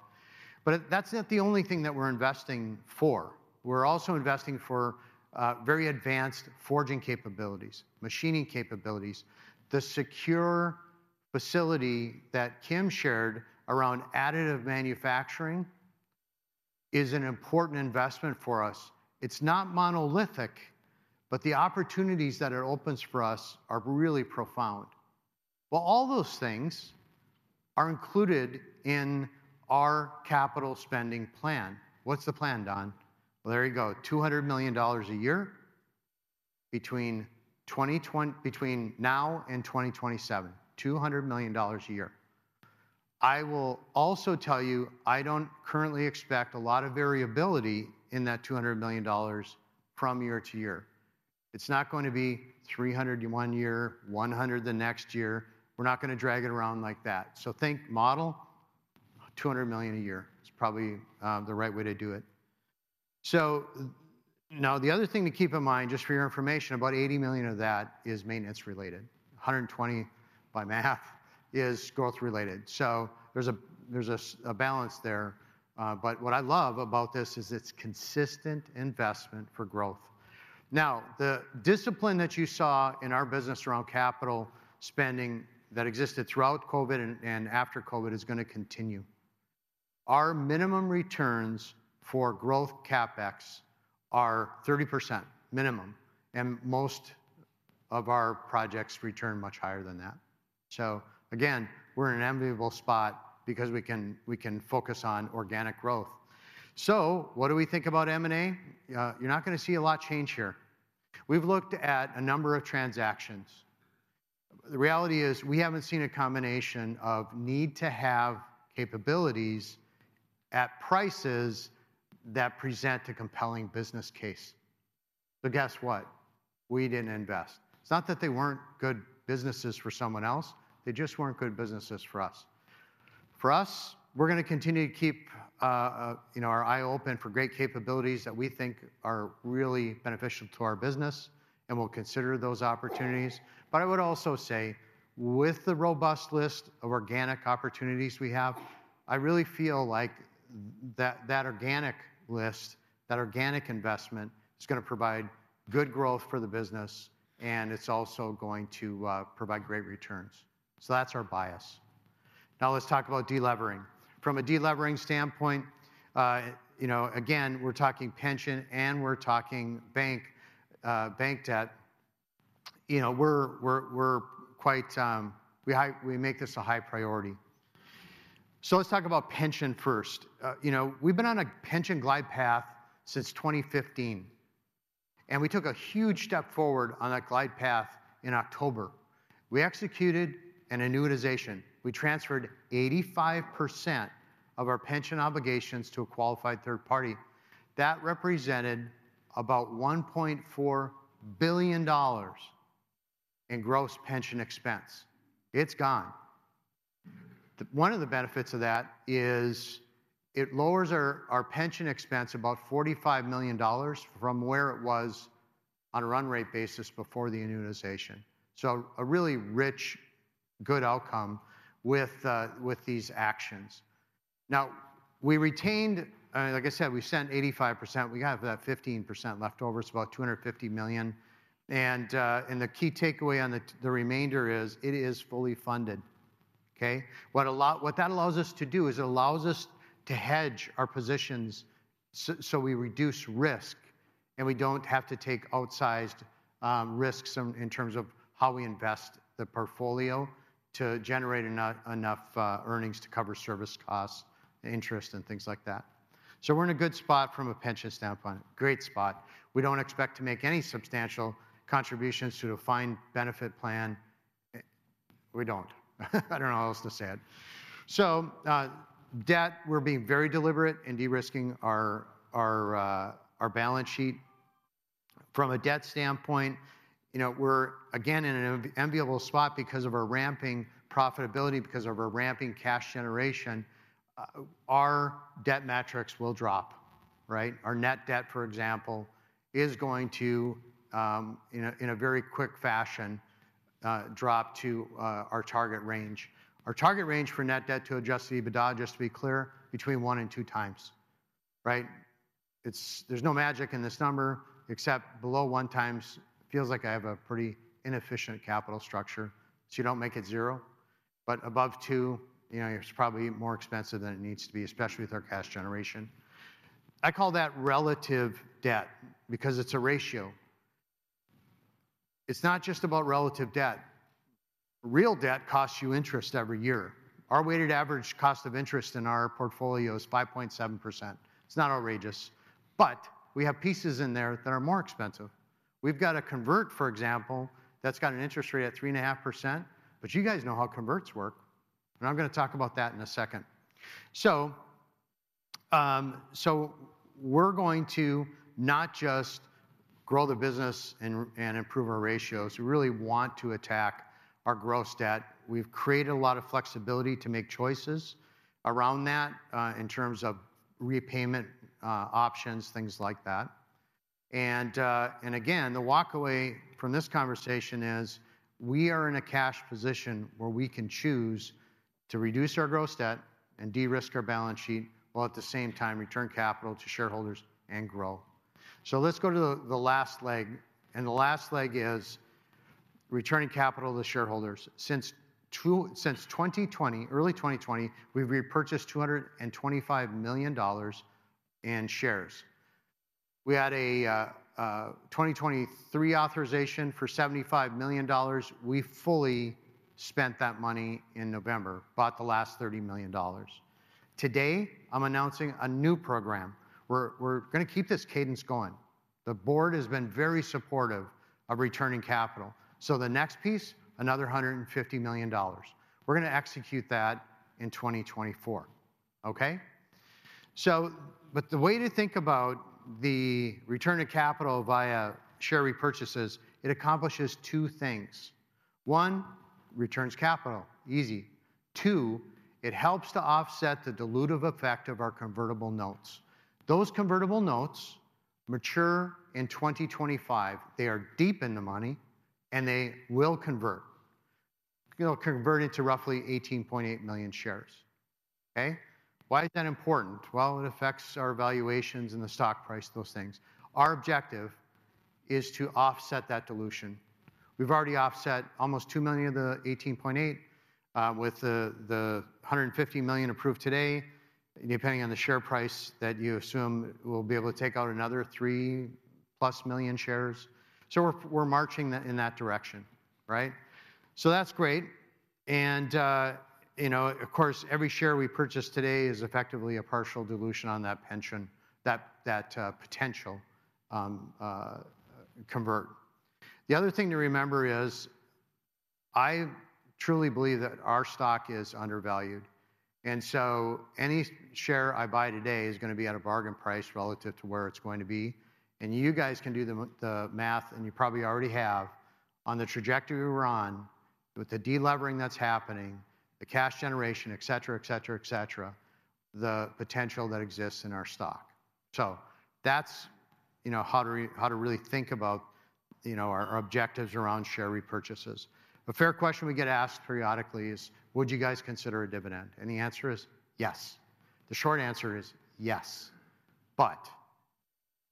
But that's not the only thing that we're investing for. We're also investing for very advanced forging capabilities, machining capabilities. The secure facility that Kim shared around additive manufacturing is an important investment for us. It's not monolithic, but the opportunities that it opens for us are really profound. Well, all those things are included in our capital spending plan. What's the plan, Don? Well, there you go. $200 million a year between now and 2027. $200 million a year. I will also tell you, I don't currently expect a lot of variability in that $200 million from year to year. It's not going to be $300 million one year, $100 million the next year. We're not gonna drag it around like that. So think model, $200 million a year, is probably the right way to do it. So now, the other thing to keep in mind, just for your information, about $80 million of that is maintenance related. $120 million, by math, is growth related. So there's a balance there, but what I love about this is it's consistent investment for growth. Now, the discipline that you saw in our business around capital spending that existed throughout COVID and, and after COVID is gonna continue. Our minimum returns for growth CapEx are 30%, minimum, and most of our projects return much higher than that. So again, we're in an enviable spot because we can, we can focus on organic growth. So what do we think about M&A? You're not gonna see a lot change here. We've looked at a number of transactions. The reality is, we haven't seen a combination of need to have capabilities at prices that present a compelling business case. But guess what? We didn't invest. It's not that they weren't good businesses for someone else, they just weren't good businesses for us. For us, we're gonna continue to keep, you know, our eye open for great capabilities that we think are really beneficial to our business, and we'll consider those opportunities. But I would also say, with the robust list of organic opportunities we have, I really feel like that organic list, that organic investment, is gonna provide good growth for the business, and it's also going to provide great returns. So that's our bias. Now, let's talk about delevering. From a delevering standpoint, you know, again, we're talking pension, and we're talking bank, bank debt. You know, we're, we're quite, we make this a high priority. So let's talk about pension first. You know, we've been on a pension glide path since 2015, and we took a huge step forward on that glide path in October. We executed an annuitization. We transferred 85% of our pension obligations to a qualified third party. That represented about $1.4 billion in gross pension expense. It's gone. One of the benefits of that is it lowers our pension expense about $45 million from where it was on a run rate basis before the annuitization. So a really rich, good outcome with these actions. Now, we retained, like I said, we've sent 85%. We have about 15% left over. It's about $250 million, and the key takeaway on the remainder is, it is fully funded, okay? What that allows us to do is it allows us to hedge our positions so we reduce risk, and we don't have to take outsized risks in terms of how we invest the portfolio to generate enough earnings to cover service costs, interest, and things like that. So we're in a good spot from a pension standpoint. Great spot. We don't expect to make any substantial contributions to a defined benefit plan. We don't. I don't know how else to say it. So debt, we're being very deliberate in de-risking our balance sheet. From a debt standpoint, you know, we're again in an enviable spot because of our ramping profitability, because of our ramping cash generation, our debt metrics will drop, right? Our net debt, for example, is going to in a very quick fashion drop to our target range. Our target range for net debt to adjusted EBITDA, just to be clear, between 1x and 2x, right? It's. There's no magic in this number, except below 1x feels like I have a pretty inefficient capital structure, so you don't make it zero. But above two, you know, it's probably more expensive than it needs to be, especially with our cash generation. I call that relative debt, because it's a ratio. It's not just about relative debt. Real debt costs you interest every year. Our weighted average cost of interest in our portfolio is 5.7%. It's not outrageous, but we have pieces in there that are more expensive. We've got a convert, for example, that's got an interest rate at 3.5%, but you guys know how converts work, and I'm gonna talk about that in a second. So, so we're going to not just grow the business and improve our ratios. We really want to attack our gross debt. We've created a lot of flexibility to make choices around that, in terms of repayment options, things like that. And, and again, the walk away from this conversation is we are in a cash position where we can choose to reduce our gross debt and de-risk our balance sheet, while at the same time return capital to shareholders and grow. So let's go to the last leg, and the last leg is returning capital to shareholders. Since 2020, early 2020, we've repurchased $225 million in shares. We had a 2023 authorization for $75 million. We fully spent that money in November, bought the last $30 million. Today, I'm announcing a new program. We're gonna keep this cadence going. The board has been very supportive of returning capital, so the next piece, another $150 million. We're gonna execute that in 2024. Okay? So but the way to think about the return of capital via share repurchases, it accomplishes two things. One, returns capital, easy. Two, it helps to offset the dilutive effect of our convertible notes. Those convertible notes mature in 2025. They are deep in the money, and they will convert. You know, convert it to roughly 18.8 million shares. Okay? Why is that important? Well, it affects our valuations and the stock price, those things. Our objective is to offset that dilution. We've already offset almost 2 million of the 18.8 with the $150 million approved today. Depending on the share price that you assume, we'll be able to take out another 3+ million shares. So we're marching that in that direction, right? So that's great. And, you know, of course, every share we purchase today is effectively a partial dilution on that pension, that potential convert. The other thing to remember is, I truly believe that our stock is undervalued, and so any share I buy today is gonna be at a bargain price relative to where it's going to be. And you guys can do the math, and you probably already have, on the trajectory we're on with the de-levering that's happening, the cash generation, et cetera, et cetera, et cetera, the potential that exists in our stock. So that's, you know, how to really think about, you know, our objectives around share repurchases. A fair question we get asked periodically is: Would you guys consider a dividend? And the answer is yes. The short answer is yes. But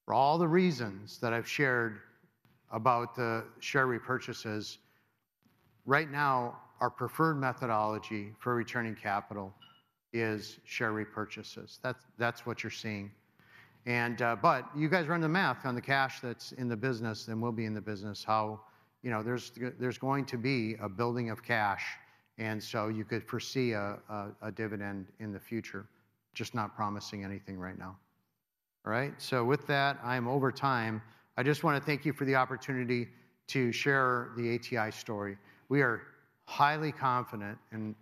for all the reasons that I've shared about the share repurchases, right now, our preferred methodology for returning capital is share repurchases. That's what you're seeing. But you guys run the math on the cash that's in the business and will be in the business, how, you know, there's going to be a building of cash, and so you could foresee a dividend in the future. Just not promising anything right now. All right? So with that, I'm over time. I just want to thank you for the opportunity to share the ATI story. We are highly confident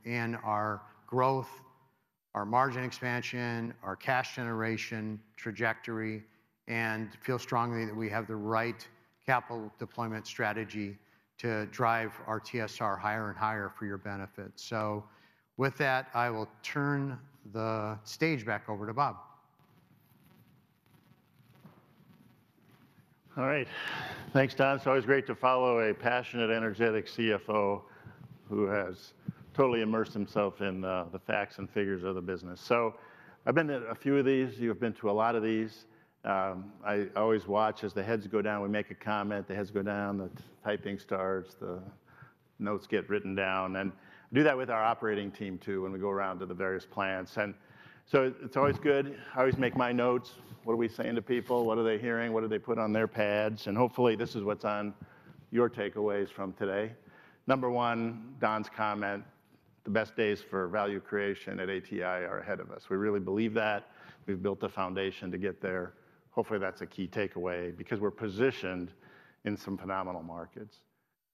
in our growth, our margin expansion, our cash generation trajectory, and feel strongly that we have the right capital deployment strategy to drive our TSR higher and higher for your benefit. So with that, I will turn the stage back over to Bob. All right. Thanks, Don. It's always great to follow a passionate, energetic CFO who has totally immersed himself in the, the facts and figures of the business. So I've been to a few of these. You've been to a lot of these. I always watch as the heads go down, we make a comment, the heads go down, the typing starts, the notes get written down, and do that with our operating team, too, when we go around to the various plants. And so it's always good. I always make my notes. What are we saying to people? What are they hearing? What do they put on their pads? And hopefully, this is what's on your takeaways from today. Number one, Don's comment, "The best days for value creation at ATI are ahead of us." We really believe that. We've built the foundation to get there. Hopefully, that's a key takeaway because we're positioned in some phenomenal markets.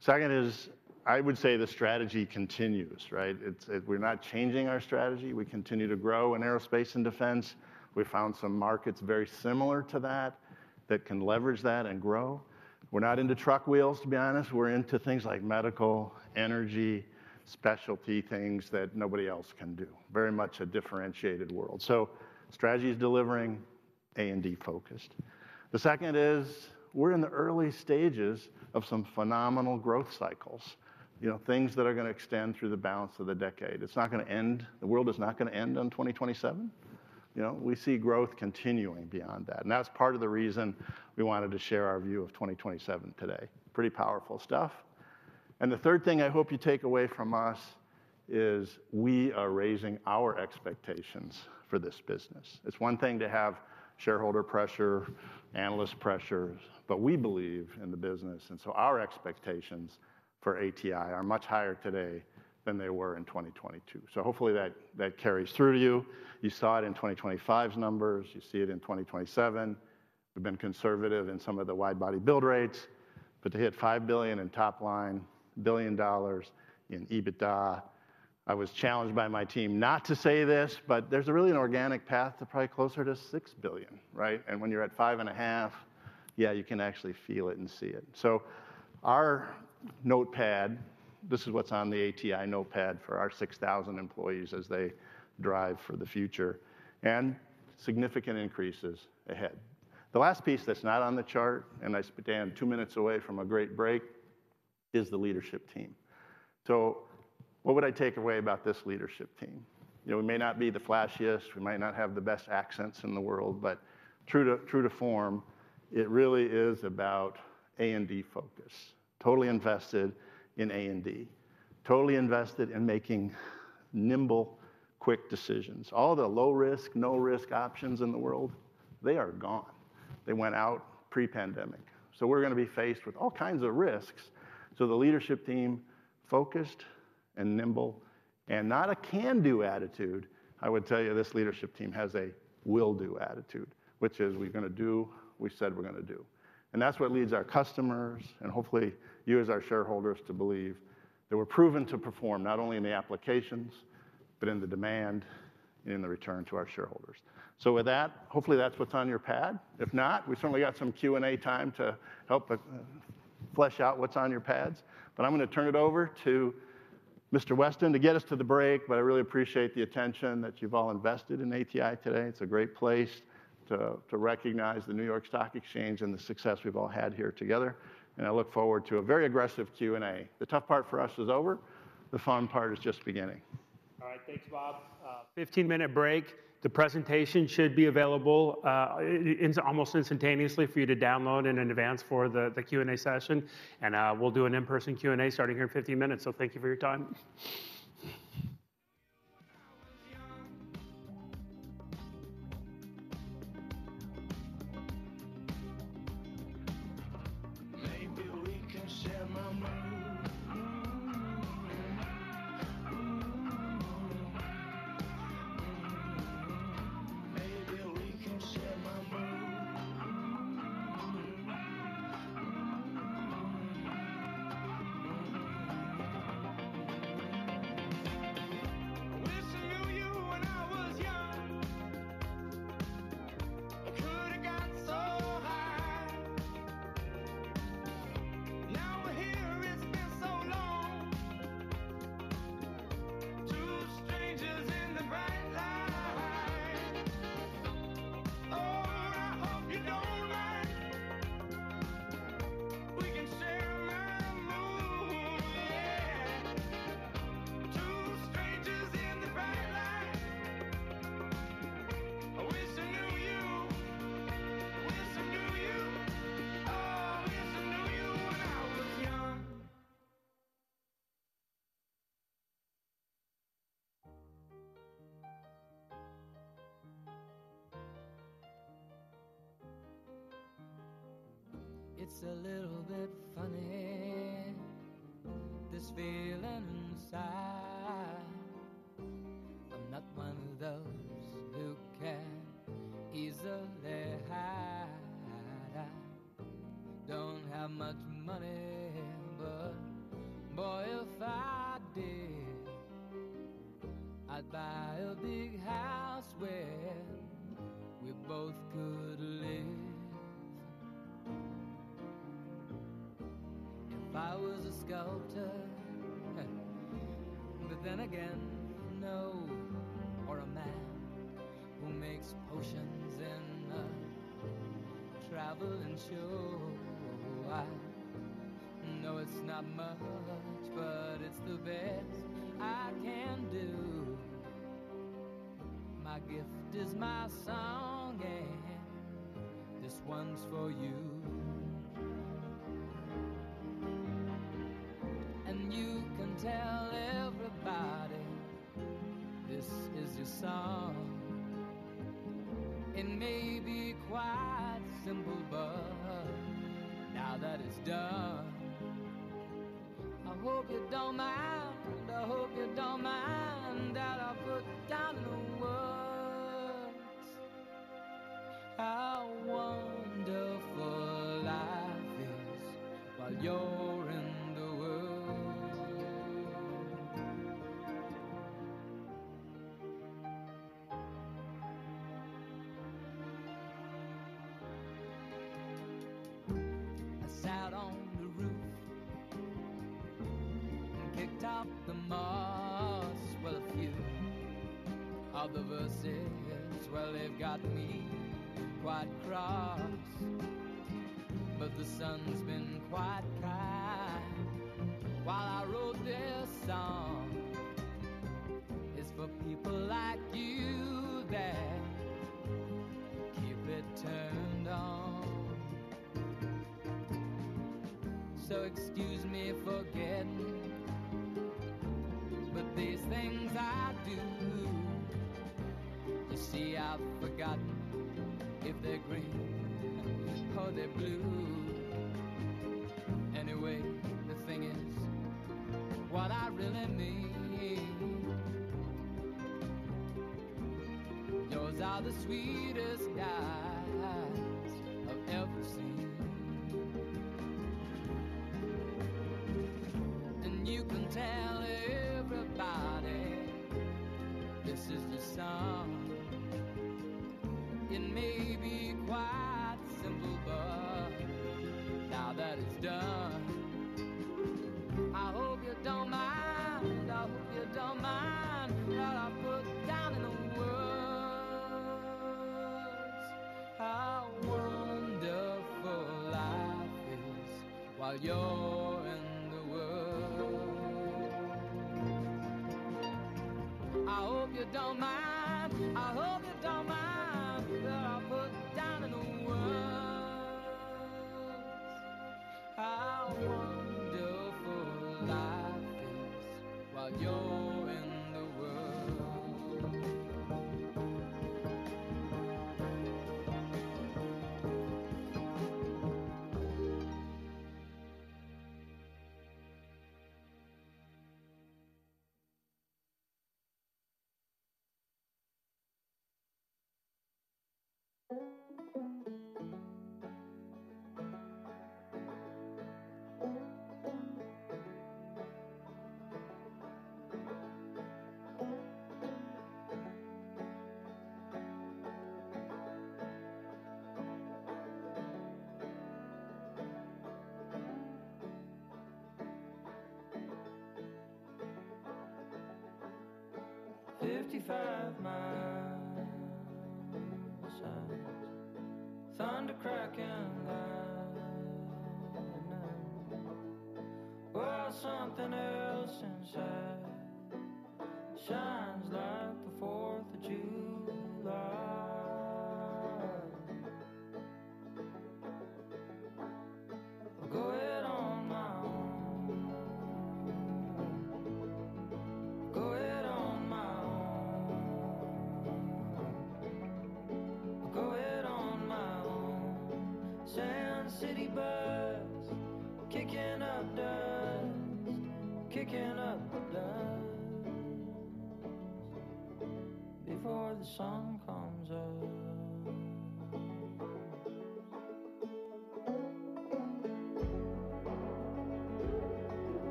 Second is, I would say the strategy continues, right? It's, we're not changing our strategy. We continue to grow in aerospace and defense. We found some markets very similar to that, that can leverage that and grow. We're not into truck wheels, to be honest. We're into things like medical, energy, specialty things that nobody else can do. Very much a differentiated world. So strategy is delivering, A&D focused. The second is, we're in the early stages of some phenomenal growth cycles. You know, things that are gonna extend through the balance of the decade. It's not gonna end, the world is not gonna end on 2027. You know, we see growth continuing beyond that, and that's part of the reason we wanted to share our view of 2027 today. Pretty powerful stuff. The third thing I hope you take away from us is we are raising our expectations for this business. It's one thing to have shareholder pressure, analyst pressure, but we believe in the business, and so our expectations for ATI are much higher today than they were in 2022. So hopefully that, that carries through to you. You saw it in 2025's numbers. You see it in 2027. We've been conservative in some of the widebody build rates. But to hit $5 billion in top line, $1 billion in EBITDA, I was challenged by my team not to say this, but there's a really an organic path to probably closer to $6 billion, right? And when you're at $5.5 billion, yeah, you can actually feel it and see it. So our notepad, this is what's on the ATI notepad for our 6,000 employees as they drive for the future, and significant increases ahead. The last piece that's not on the chart, and I, spent two minutes away from a great break, is the leadership team. So what would I take away about this leadership team? You know, we may not be the flashiest, we might not have the best accents in the world, but true to, true to form, it really is about A&D focus. Totally invested in A&D. Totally invested in making nimble, quick decisions. All the low risk, no risk options in the world, they are gone. They went out pre-pandemic. So we're gonna be faced with all kinds of risks. So the leadership team, focused and nimble, and not a can-do attitude, I would tell you this leadership team has a will-do attitude, which is, we're gonna do what we said we're gonna do. And that's what leads our customers, and hopefully you as our shareholders, to believe that we're proven to perform not only in the applications, but in the demand, and in the return to our shareholders. So with that, hopefully that's what's on your pad. If not, we've certainly got some Q&A time to help flesh out what's on your pads. But I'm gonna turn it over to Mr. Weston to get us to the break. But I really appreciate the attention that you've all invested in ATI today. It's a great place to recognize the New York Stock Exchange and the success we've all had here together, and I look forward to a very aggressive Q&A. The tough part for us is over, the fun part is just beginning. All right, thanks, Bob. 15-minute break. The presentation should be available almost instantaneously for you to download and in advance for the Q&A session. And we'll do an in-person Q&A starting here in 15 minutes, so thank you for your time.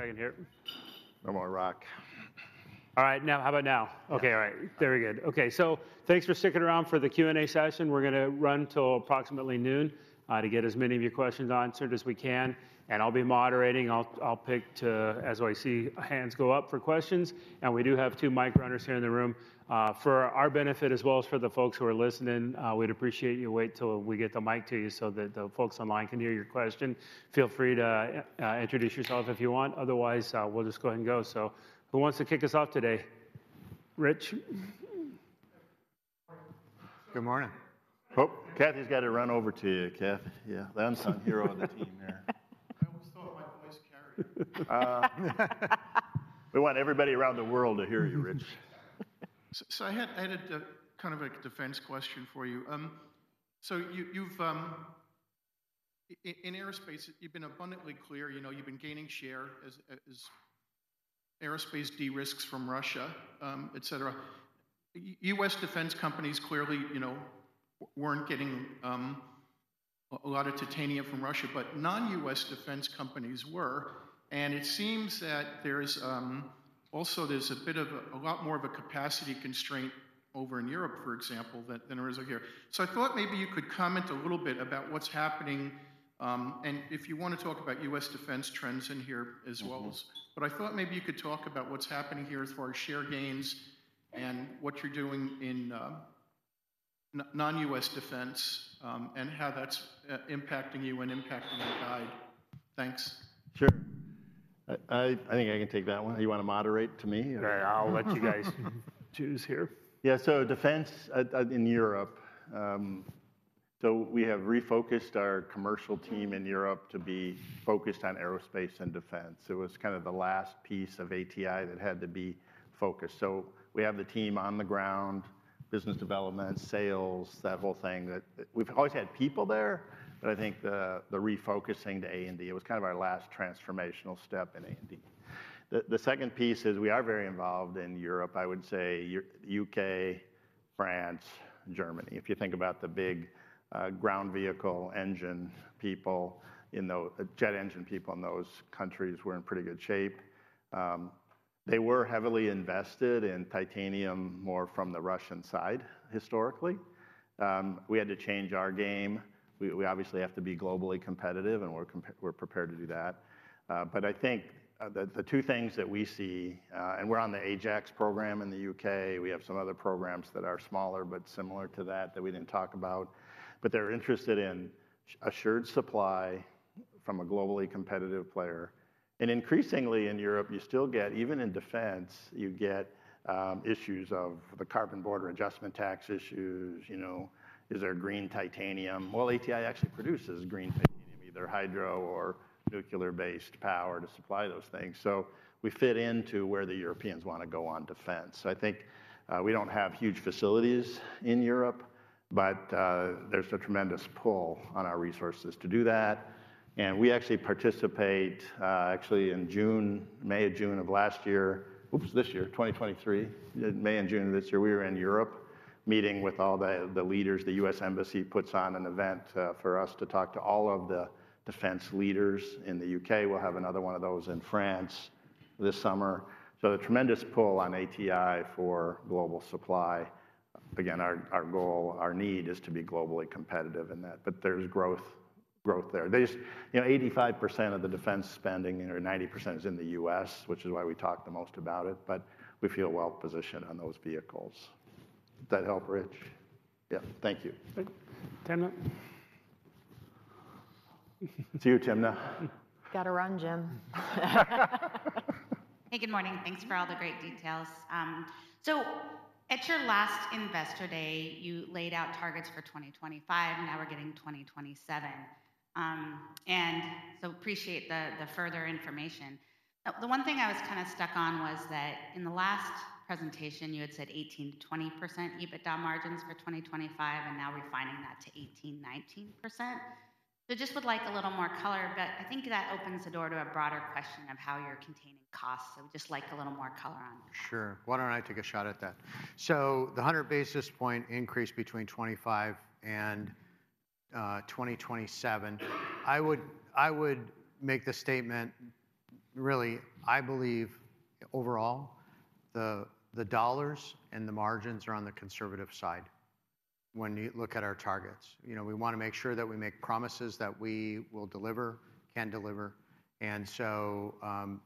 Very good. Okay, so thanks for sticking around for the Q&A session. We're gonna run till approximately noon, to get as many of your questions answered as we can, and I'll be moderating. I'll pick to as I see hands go up for questions, and we do have two mic runners here in the room. For our benefit, as well as for the folks who are listening, we'd appreciate you wait till we get the mic to you so that the folks online can hear your question. Feel free to introduce yourselves if you want; otherwise, we'll just go ahead and go. So who wants to kick us off today? Rich? Good morning. Oh, Kathy's got to run over to you, Kath. Yeah, the unsung hero of the team there. I always thought my voice carried. We want everybody around the world to hear you, Rich. So, I had kind of like a defense question for you. So you have in aerospace, you've been abundantly clear, you know, you've been gaining share as aerospace de-risks from Russia, et cetera. U.S. defense companies clearly, you know, weren't getting a lot of titanium from Russia, but non-U.S. defense companies were. And it seems that there's also a bit of a lot more of a capacity constraint over in Europe, for example, than there is over here. So I thought maybe you could comment a little bit about what's happening, and if you want to talk about U.S. defense trends in here as well as- Mm-hmm. But I thought maybe you could talk about what's happening here as far as share gains and what you're doing in non-U.S. defense, and how that's impacting you and impacting your guide. Thanks. Sure. I think I can take that one. You want to moderate to me or? I'll let you guys choose here. Yeah, so defense in Europe. So we have refocused our commercial team in Europe to be focused on aerospace and defense. It was kind of the last piece of ATI that had to be focused. So we have the team on the ground, business development, sales, that whole thing, that-- We've always had people there, but I think the refocusing to A&D, it was kind of our last transformational step in A&D. The second piece is, we are very involved in Europe. I would say Eur- U.K., France, Germany. If you think about the big ground vehicle engine people in tho-- jet engine people in those countries, we're in pretty good shape. They were heavily invested in titanium, more from the Russian side, historically. We had to change our game. We obviously have to be globally competitive, and we're prepared to do that. But I think the two things that we see, and we're on the Ajax program in the U.K., we have some other programs that are smaller, but similar to that, that we didn't talk about. But they're interested in assured supply from a globally competitive player. And increasingly in Europe, you still get, even in defense, you get issues of the carbon border adjustment tax issues, you know, is there green titanium? Well, ATI actually produces green titanium, either hydro or nuclear-based power to supply those things. So we fit into where the Europeans want to go on defense. I think, we don't have huge facilities in Europe, but, there's a tremendous pull on our resources to do that, and we actually participate, actually in June, May or June of last year-- Oops, this year, 2023. May and June of this year, we were in Europe, meeting with all the, the leaders. The U.S. Embassy puts on an event, for us to talk to all of the defense leaders in the U.K. We'll have another one of those in France this summer. So the tremendous pull on ATI for global supply, again, our, our goal, our need is to be globally competitive in that, but there's growth, growth there. There's-- You know, 85% of the defense spending or 90% is in the U.S., which is why we talk the most about it, but we feel well positioned on those vehicles. Did that help, Rich? Yeah. Thank you. Good. Timna? It's you, Timna. Gotta run, Jim. Hey, good morning. Thanks for all the great details. So at your last Investor Day, you laid out targets for 2025, now we're getting 2027. And so appreciate the further information. The one thing I was kind of stuck on was that in the last presentation, you had said 18%-20% EBITDA margins for 2025, and now refining that to 18%-19%. So just would like a little more color, but I think that opens the door to a broader question of how you're containing costs, so would just like a little more color on that. Sure. Why don't I take a shot at that? So the 100 basis point increase between 2025 and 2027, I would make the statement, really, I believe overall, the dollars and the margins are on the conservative side when you look at our targets. You know, we want to make sure that we make promises that we will deliver, can deliver. And so,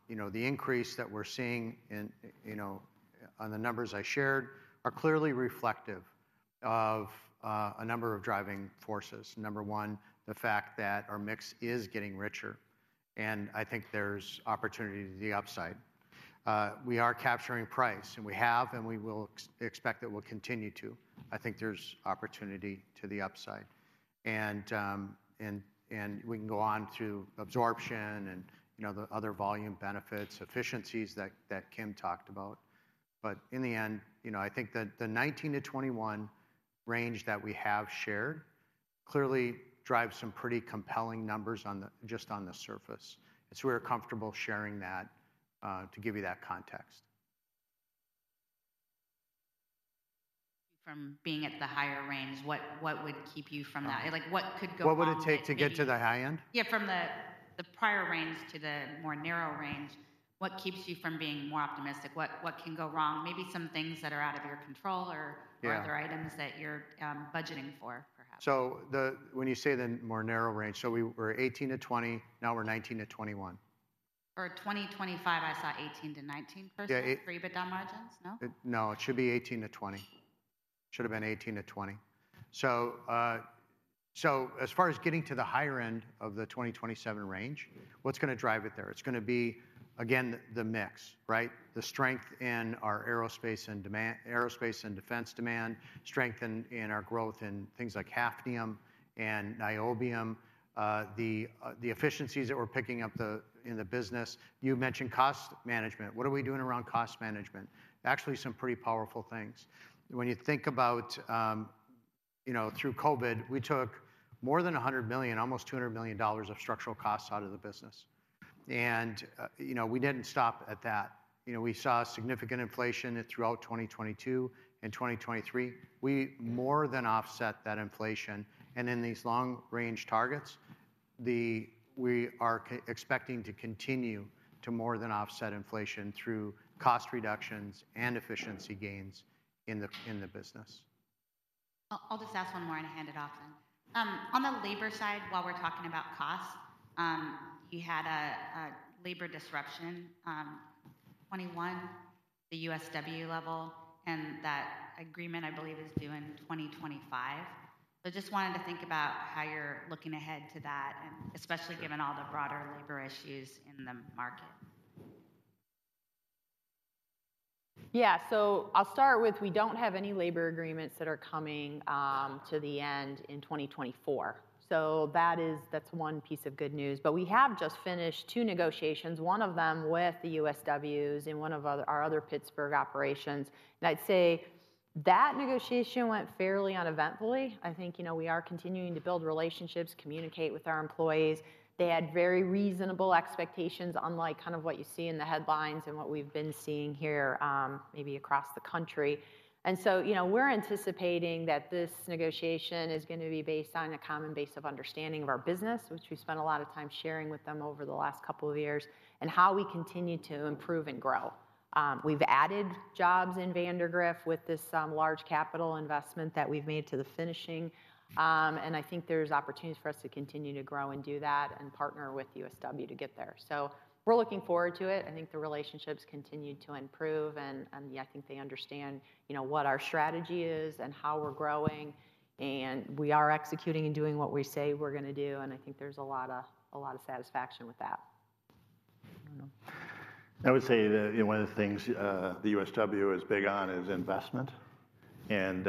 you know, the increase that we're seeing in, you know, on the numbers I shared are clearly reflective of a number of driving forces. Number one, the fact that our mix is getting richer, and I think there's opportunity to the upside. We are capturing price, and we have, and we will expect that we'll continue to. I think there's opportunity to the upside. We can go on to absorption and, you know, the other volume benefits, efficiencies that Kim talked about. But in the end, you know, I think that the 19%-21% range that we have shared clearly drives some pretty compelling numbers on the-- just on the surface. So we're comfortable sharing that to give you that context. From being at the higher range, what would keep you from that? Okay. Like, what could go wrong that maybe- What would it take to get to the high end? Yeah, from the prior range to the more narrow range, what keeps you from being more optimistic? What can go wrong? Maybe some things that are out of your control or- Yeah or other items that you're budgeting for, perhaps. So, when you say the more narrow range, so we were 18%-20%, now we're 19%-21%. For 2025, I saw 18%-19%- Yeah, e- EBITDA margins. No? No, it should be 18%-20%. Should've been 18%-20%. So, So as far as getting to the higher end of the 2027 range, what's gonna drive it there? It's gonna be, again, the mix, right? The strength in our aerospace and defense demand, strength in our growth in things like hafnium and niobium, the efficiencies that we're picking up in the business. You mentioned cost management. What are we doing around cost management? Actually, some pretty powerful things. When you think about, you know, through COVID, we took more than $100 million, almost $200 million of structural costs out of the business. And you know, we didn't stop at that. You know, we saw significant inflation throughout 2022 and 2023. We more than offset that inflation, and in these long-range targets, we are expecting to continue to more than offset inflation through cost reductions and efficiency gains in the business. I'll just ask one more and hand it off then. On the labor side, while we're talking about costs, you had a labor disruption in 2021, the USW level, and that agreement, I believe, is due in 2025. So just wanted to think about how you're looking ahead to that, and especially given all the broader labor issues in the market. Yeah. So I'll start with, we don't have any labor agreements that are coming to the end in 2024. So that is, that's one piece of good news. But we have just finished two negotiations, one of them with the USWs in one of other, our other Pittsburgh operations. And I'd say that negotiation went fairly uneventfully. I think, you know, we are continuing to build relationships, communicate with our employees. They had very reasonable expectations, unlike kind of what you see in the headlines and what we've been seeing here, maybe across the country. And so, you know, we're anticipating that this negotiation is gonna be based on a common base of understanding of our business, which we spent a lot of time sharing with them over the last couple of years, and how we continue to improve and grow. We've added jobs in Vandergrift with this large capital investment that we've made to the finishing. And I think there's opportunities for us to continue to grow and do that and partner with USW to get there. So we're looking forward to it. I think the relationships continued to improve, and, yeah, I think they understand, you know, what our strategy is and how we're growing, and we are executing and doing what we say we're gonna do, and I think there's a lot of, a lot of satisfaction with that. I would say that, you know, one of the things, the USW is big on is investment, and,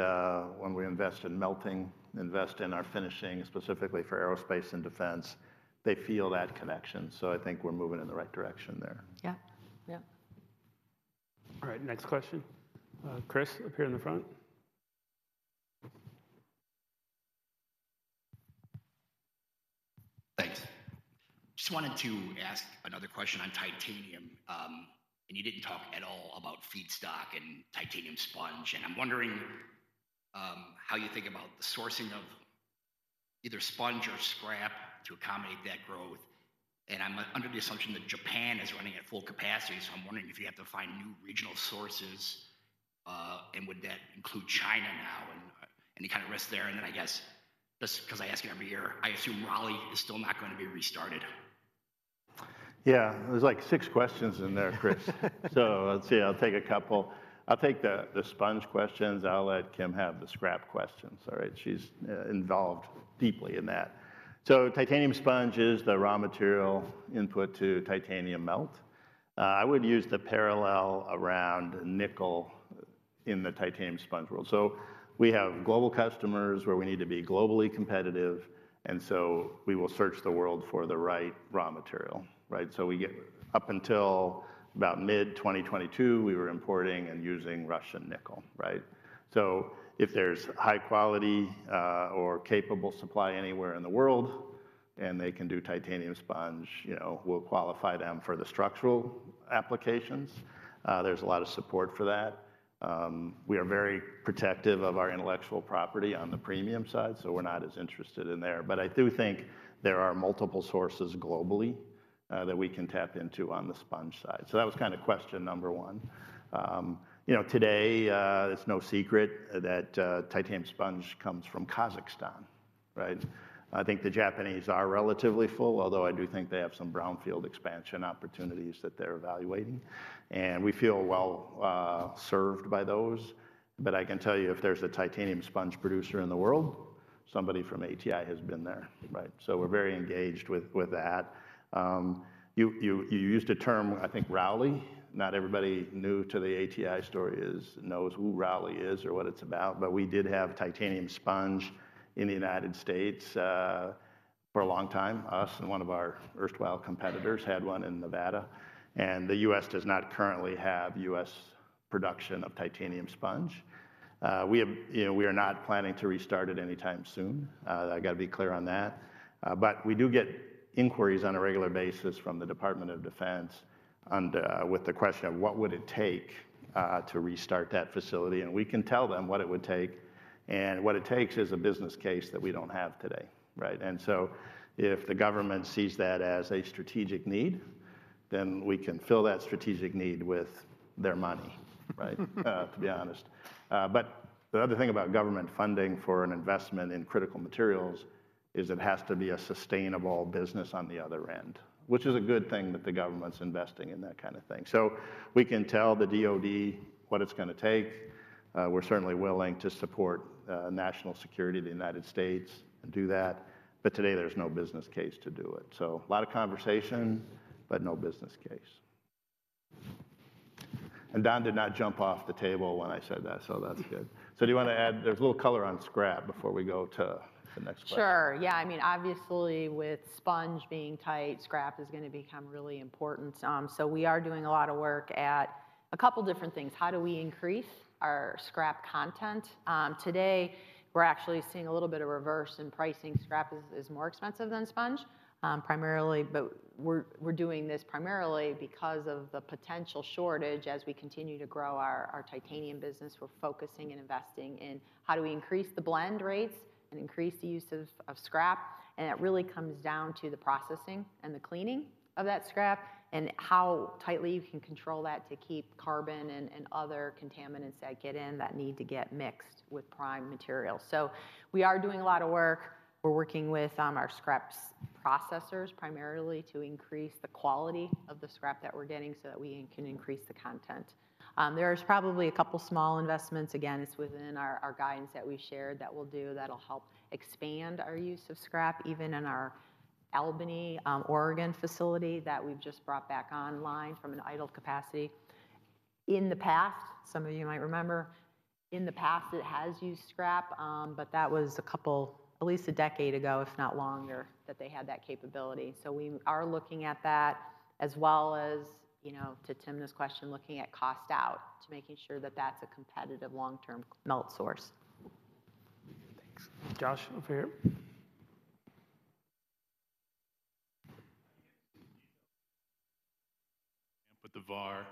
when we invest in melting, invest in our finishing, specifically for aerospace and defense, they feel that connection. So I think we're moving in the right direction there. Yeah. Yeah. All right, next question. Chris, up here in the front. Thanks. Just wanted to ask another question on titanium. And you didn't talk at all about feedstock and titanium sponge, and I'm wondering how you think about the sourcing of either sponge or scrap to accommodate that growth. And I'm under the assumption that Japan is running at full capacity, so I'm wondering if you have to find new regional sources, and would that include China now and any kind of risk there? And then I guess, just 'cause I ask every year, I assume Rowley is still not gonna be restarted. Yeah, there's like six questions in there, Chris. So let's see. I'll take a couple. I'll take the sponge questions. I'll let Kim have the scrap questions, all right? She's involved deeply in that. So titanium sponge is the raw material input to titanium melt. I would use the parallel around nickel in the titanium sponge world. So we have global customers where we need to be globally competitive, and so we will search the world for the right raw material, right? So we get up until about mid-2022, we were importing and using Russian nickel, right? So if there's high quality or capable supply anywhere in the world, and they can do titanium sponge, you know, we'll qualify them for the structural applications. There's a lot of support for that. We are very protective of our intellectual property on the premium side, so we're not as interested in there. But I do think there are multiple sources globally that we can tap into on the sponge side. So that was kinda question number one. You know, today, it's no secret that titanium sponge comes from Kazakhstan, right? I think the Japanese are relatively full, although I do think they have some brownfield expansion opportunities that they're evaluating, and we feel well served by those. But I can tell you, if there's a titanium sponge producer in the world, somebody from ATI has been there, right? So we're very engaged with that. You used a term, I think, Rowley. Not everybody new to the ATI story knows who Rowley is or what it's about, but we did have titanium sponge in the United States for a long time. Us and one of our erstwhile competitors had one in Nevada, and the U.S. does not currently have U.S. production of titanium sponge. We have, you know, we are not planning to restart it anytime soon. I've got to be clear on that. But we do get inquiries on a regular basis from the Department of Defense on the with the question of, what would it take to restart that facility? And we can tell them what it would take, and what it takes is a business case that we don't have today, right? And so if the government sees that as a strategic need, then we can fill that strategic need with their money, right? To be honest. But the other thing about government funding for an investment in critical materials is it has to be a sustainable business on the other end, which is a good thing that the government's investing in that kind of thing. So we can tell the DOD what it's gonna take. We're certainly willing to support national security of the United States and do that, but today there's no business case to do it. So a lot of conversation, but no business case. And Don did not jump off the table when I said that, so that's good. So do you wanna add? There's a little color on scrap before we go to the next question? Sure, yeah. I mean, obviously, with sponge being tight, scrap is gonna become really important. So we are doing a lot of work at a couple different things. How do we increase our scrap content? Today, we're actually seeing a little bit of reverse in pricing. Scrap is more expensive than sponge, primarily, but we're doing this primarily because of the potential shortage. As we continue to grow our titanium business, we're focusing and investing in how do we increase the blend rates and increase the use of scrap. And it really comes down to the processing and the cleaning of that scrap, and how tightly you can control that to keep carbon and other contaminants that get in that need to get mixed with prime material. So we are doing a lot of work. We're working with our scraps processors, primarily to increase the quality of the scrap that we're getting so that we can increase the content. There is probably a couple small investments. Again, it's within our guidance that we shared, that we'll do, that'll help expand our use of scrap, even in our Albany, Oregon facility that we've just brought back online from an idle capacity. In the past. Some of you might remember, in the past, it has used scrap, but that was a couple-- at least a decade ago, if not longer, that they had that capability. So we are looking at that as well as, you know, to Tim's question, looking at cost out, to making sure that that's a competitive long-term melt source. Thanks. Josh, over here. With the VAR,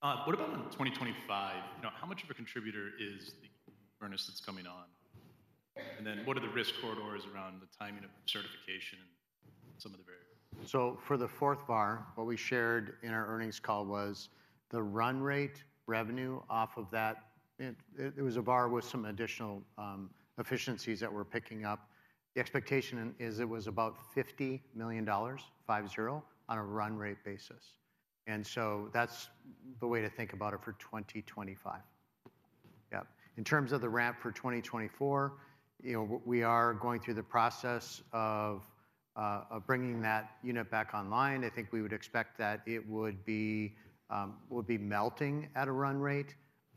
what about in 2025? You know, how much of a contributor is the furnace that's coming on? And then what are the risk corridors around the timing of certification and some of the variables? So for the fourth VAR, what we shared in our earnings call was the run rate revenue off of that, it, it was a VAR with some additional efficiencies that we're picking up. The expectation is it was about $50 million, five zero, on a run rate basis. And so that's the way to think about it for 2025. Yep. In terms of the ramp for 2024, you know, we are going through the process of bringing that unit back online. I think we would expect that it would be melting at a run rate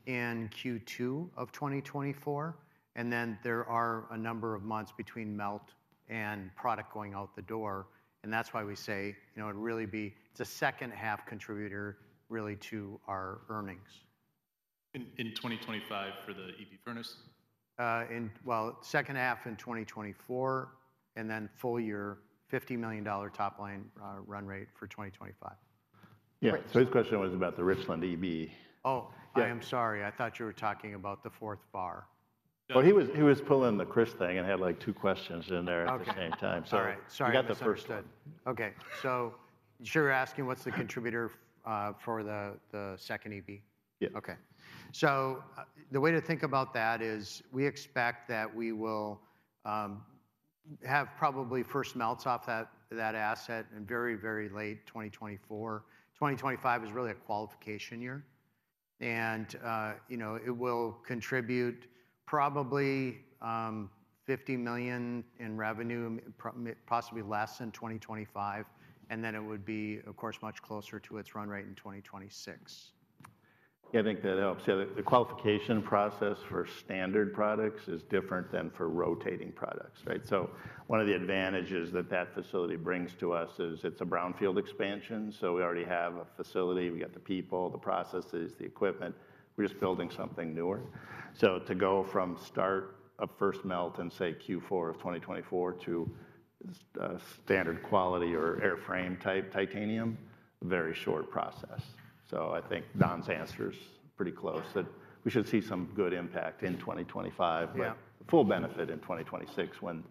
in Q2 of 2024, and then there are a number of months between melt and product going out the door, and that's why we say, you know, it'd really be. It's a second half contributor really to our earnings. In 2025 for the EB furnace? Well, second half in 2024, and then full year, $50 million top line run rate for 2025. Yeah. Great. His question was about the Richland EB. Oh, I am sorry. I thought you were talking about the fourth VAR. No- Well, he was, he was pulling the Chris thing and had, like, two questions in there- Okay at the same time, so- All right. Sorry, misunderstood. You got the first one. Okay, so you're asking what's the contributor for the second EB? Yeah. Okay. So the way to think about that is, we expect that we will have probably first melts off that asset in very, very late 2024. 2025 is really a qualification year, and you know, it will contribute probably $50 million in revenue, possibly less in 2025, and then it would be, of course, much closer to its run rate in 2026. Yeah, I think that helps. Yeah, the qualification process for standard products is different than for rotating products, right? So one of the advantages that that facility brings to us is it's a brownfield expansion, so we already have a facility. We got the people, the processes, the equipment. We're just building something newer. So to go from start of first melt in, say, Q4 of 2024 to standard quality or airframe-type titanium, very short process. So I think Don's answer is pretty close, that we should see some good impact in 2025- Yeah but full benefit in 2026, when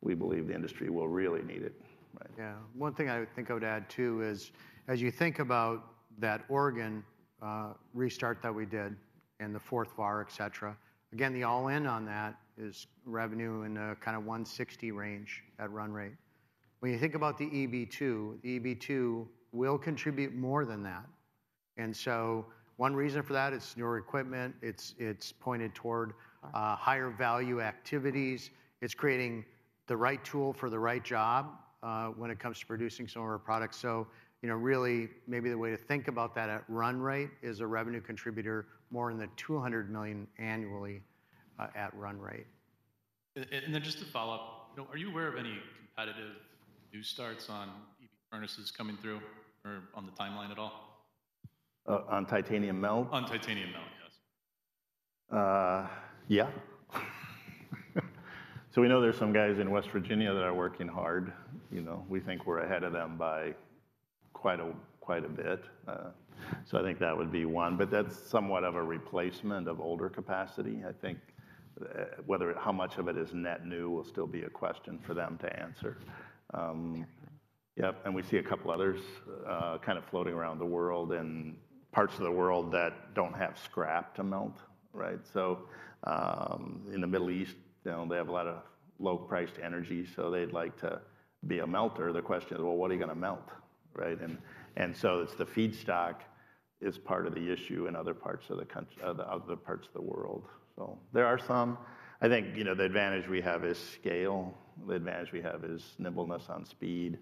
we believe the industry will really need it. Right. Yeah. One thing I think I would add, too, is, as you think about that Oregon restart that we did and the fourth VAR, et cetera, again, the all-in on that is revenue in a kinda $160 million range at run rate. When you think about the EB2, the EB2 will contribute more than that, and so one reason for that, it's newer equipment, it's, it's pointed toward higher value activities. It's creating the right tool for the right job when it comes to producing some of our products. So, you know, really maybe the way to think about that at run rate is a revenue contributor more in the $200 million annually at run rate. Then, just to follow up, you know, are you aware of any competitive new starts on EB furnaces coming through or on the timeline at all? On titanium melt? On titanium melt, yes. Yeah. So we know there are some guys in West Virginia that are working hard. You know, we think we're ahead of them by quite a, quite a bit, so I think that would be one, but that's somewhat of a replacement of older capacity. I think, whether how much of it is net new will still be a question for them to answer. Yep, and we see a couple others, kind of floating around the world, in parts of the world that don't have scrap to melt, right? So, in the Middle East, you know, they have a lot of low-priced energy, so they'd like to be a melter. The question is: Well, what are you gonna melt? right? And, so it's the feedstock is part of the issue in other parts of the world. There are some. I think, you know, the advantage we have is scale, the advantage we have is nimbleness on speed,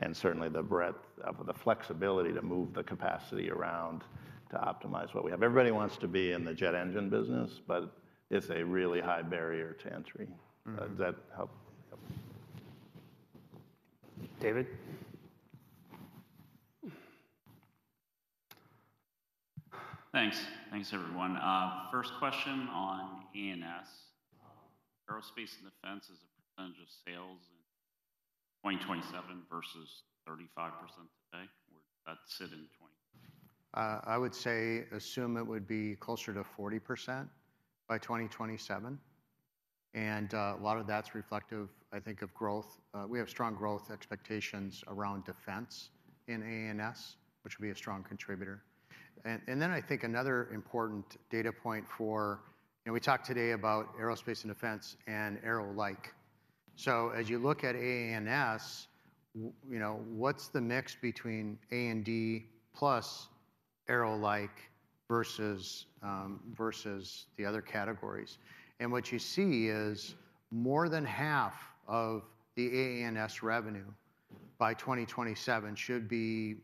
and certainly the breadth of the flexibility to move the capacity around to optimize what we have. Everybody wants to be in the jet engine business, but it's a really high barrier to entry. Mm-hmm. Does that help? David? Thanks. Thanks, everyone. First question on AA&S. Aerospace and Defense as a percentage of sales in 2027 versus 35% today, where does that sit in 2020? I would say, assume it would be closer to 40% by 2027, and a lot of that's reflective, I think, of growth. We have strong growth expectations around defense in AA&S, which will be a strong contributor. And then I think another important data point for—and we talked today about aerospace and defense and aero-like. So as you look at AA&S, you know, what's the mix between A and D, plus aero-like versus versus the other categories? And what you see is, more than half of the AA&S revenue by 2027 should be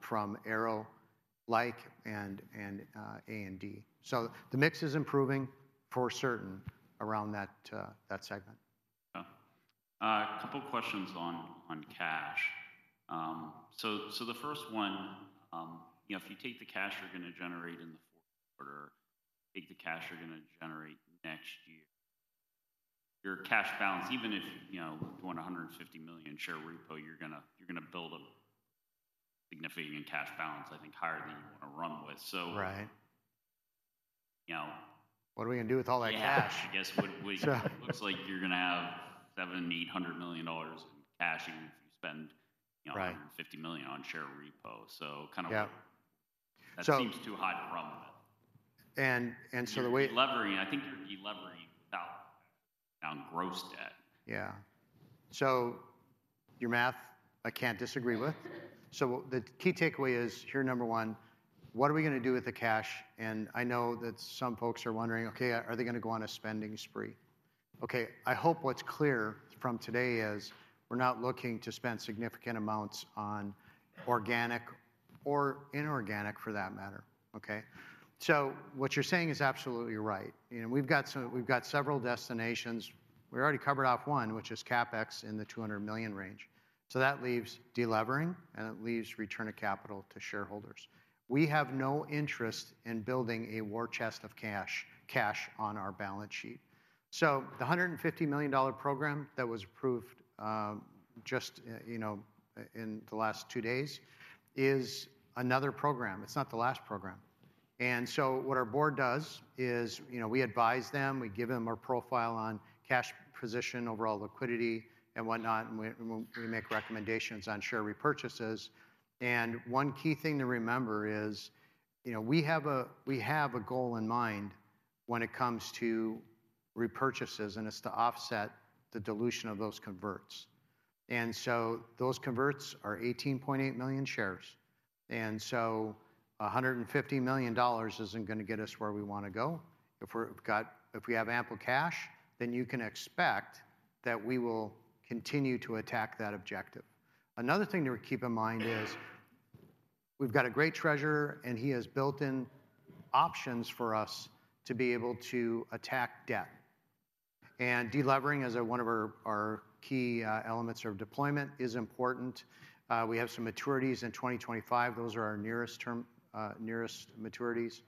from aero-like and A and D. So the mix is improving, for certain, around that that segment. Yeah. A couple questions on cash. So the first one, you know, if you take the cash you're going to generate in the fourth quarter, take the cash you're going to generate next year, your cash balance, even if, you know, doing a $150 million share repo, you're going to, you're going to build a significant cash balance, I think, higher than you want to run with. So- Right. You know- What are we going to do with all that cash? Yeah, I guess, what- Right. it looks like you're going to have $700 million-$800 million in cash, even if you spend- Right. $150 million on share repo. So kind of- Yeah. So- That seems too high to run with. So the way- You're delevering. I think you're delevering down, down gross debt. Yeah. So your math, I can't disagree with. So the key takeaway is, here, number one, what are we going to do with the cash? And I know that some folks are wondering, "Okay, are they going to go on a spending spree?" Okay, I hope what's clear from today is, we're not looking to spend significant amounts on organic or inorganic, for that matter, okay? So what you're saying is absolutely right. You know, we've got several destinations. We already covered off one, which is CapEx in the $200 million range. So that leaves delevering, and it leaves return of capital to shareholders. We have no interest in building a war chest of cash, cash on our balance sheet. So the $150 million program that was approved, just, you know, in the last two days, is another program, it's not the last program. And so what our board does is, you know, we advise them, we give them our profile on cash position, overall liquidity, and whatnot, and we make recommendations on share repurchases. And one key thing to remember is, you know, we have a goal in mind when it comes to repurchases, and it's to offset the dilution of those converts. And so those converts are 18.8 million shares, and so $150 million isn't going to get us where we want to go. If we have ample cash, then you can expect that we will continue to attack that objective. Another thing to keep in mind is, we've got a great treasurer, and he has built in options for us to be able to attack debt. Delevering is one of our key elements of deployment and is important. We have some maturities in 2025, those are our nearest term nearest maturities.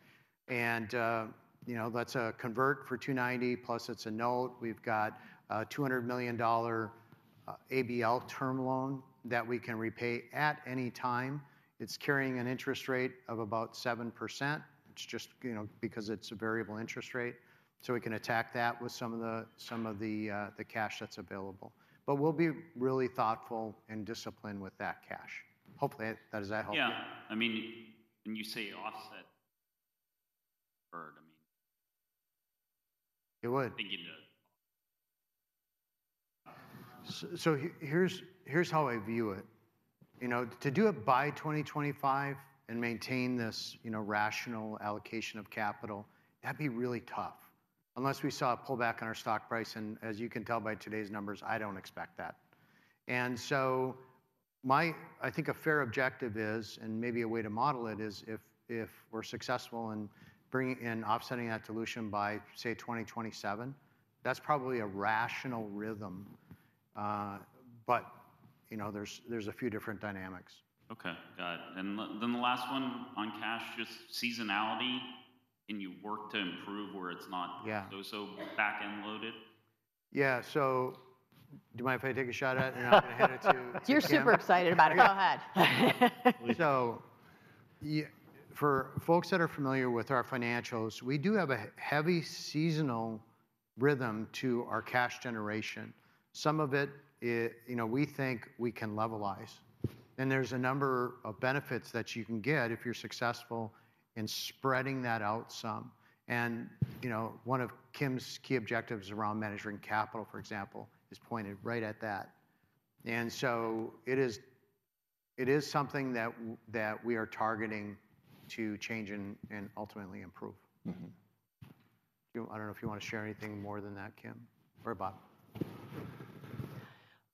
You know, that's a convert for $290, plus it's a note. We've got a $200 million ABL term loan that we can repay at any time. It's carrying an interest rate of about 7%. It's just, you know, because it's a variable interest rate, so we can attack that with some of the cash that's available. But we'll be really thoughtful and disciplined with that cash. Hopefully, that does that help? Yeah. I mean, when you say offset convert, I mean, It would. I think it does. So here's how I view it. You know, to do it by 2025 and maintain this, you know, rational allocation of capital, that'd be really tough, unless we saw a pullback on our stock price, and as you can tell by today's numbers, I don't expect that. And so my-- I think a fair objective is, and maybe a way to model it, is if, if we're successful in bringing in, offsetting that dilution by, say, 2027, that's probably a rational rhythm. But, you know, there's, there's a few different dynamics. Okay, got it. And then the last one on cash, just seasonality, can you work to improve where it's not- Yeah so, so back-end loaded? Yeah, so do you mind if I take a shot at it and then I'm going to hand it to, to Kim? You're super excited about it. Go ahead. So for folks that are familiar with our financials, we do have a heavy seasonal rhythm to our cash generation. Some of it, you know, we think we can levelize. And there's a number of benefits that you can get if you're successful in spreading that out some. And, you know, one of Kim's key objectives around managing capital, for example, is pointed right at that. And so it is- it is something that we are targeting to change and ultimately improve. Mm-hmm. You, I don't know if you wanna share anything more than that, Kim or Bob?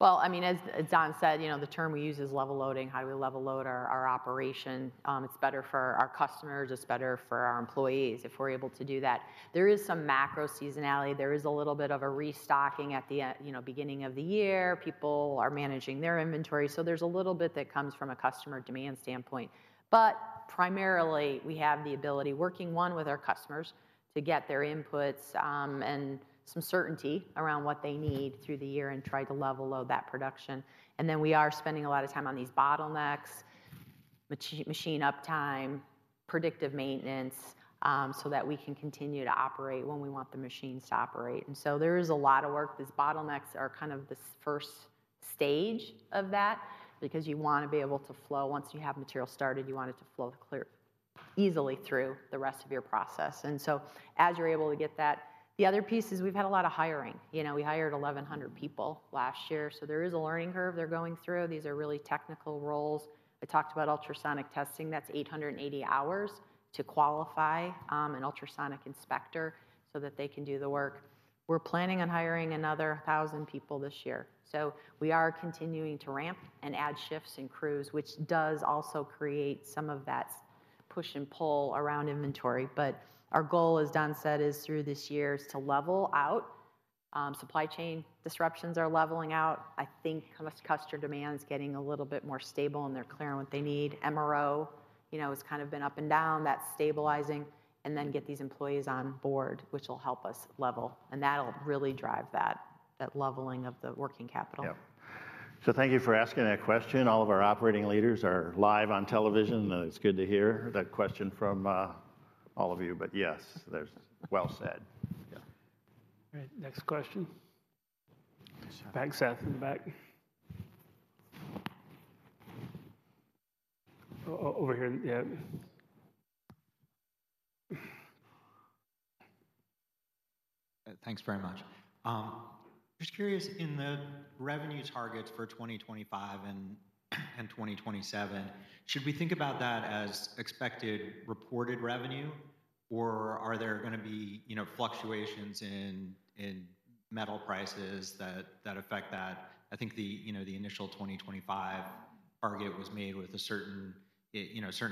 Well, I mean, as Don said, you know, the term we use is level loading. How do we level load our operation? It's better for our customers, it's better for our employees if we're able to do that. There is some macro seasonality. There is a little bit of a restocking at the, you know, beginning of the year. People are managing their inventory, so there's a little bit that comes from a customer demand standpoint. But primarily, we have the ability, working, one, with our customers, to get their inputs, and some certainty around what they need through the year and try to level load that production. And then we are spending a lot of time on these bottlenecks, machine uptime, predictive maintenance, so that we can continue to operate when we want the machines to operate. So there is a lot of work. These bottlenecks are kind of this first stage of that, because you wanna be able to flow. Once you have material started, you want it to flow clear—easily through the rest of your process. As you're able to get that. The other piece is we've had a lot of hiring. You know, we hired 1,100 people last year, so there is a learning curve they're going through. These are really technical roles. I talked about ultrasonic testing. That's 880 hours to qualify an ultrasonic inspector so that they can do the work. We're planning on hiring another 1,000 people this year, so we are continuing to ramp and add shifts and crews, which does also create some of that push and pull around inventory. Our goal, as Don said, is through this year, is to level out. Supply chain disruptions are leveling out. I think customer demand is getting a little bit more stable, and they're clear on what they need. MRO, you know, has kind of been up and down, that's stabilizing, and then get these employees on board, which will help us level, and that'll really drive that, that leveling of the working capital. Yep. So thank you for asking that question. All of our operating leaders are live on television; it's good to hear that question from all of you. But yes, there's— Well said. Yeah. All right, next question. Back, Seth, in the back. Over here. Yeah. Thanks very much. Just curious, in the revenue targets for 2025 and 2027, should we think about that as expected reported revenue, or are there gonna be, you know, fluctuations in metal prices that affect that? I think the, you know, the initial 2025 target was made with a certain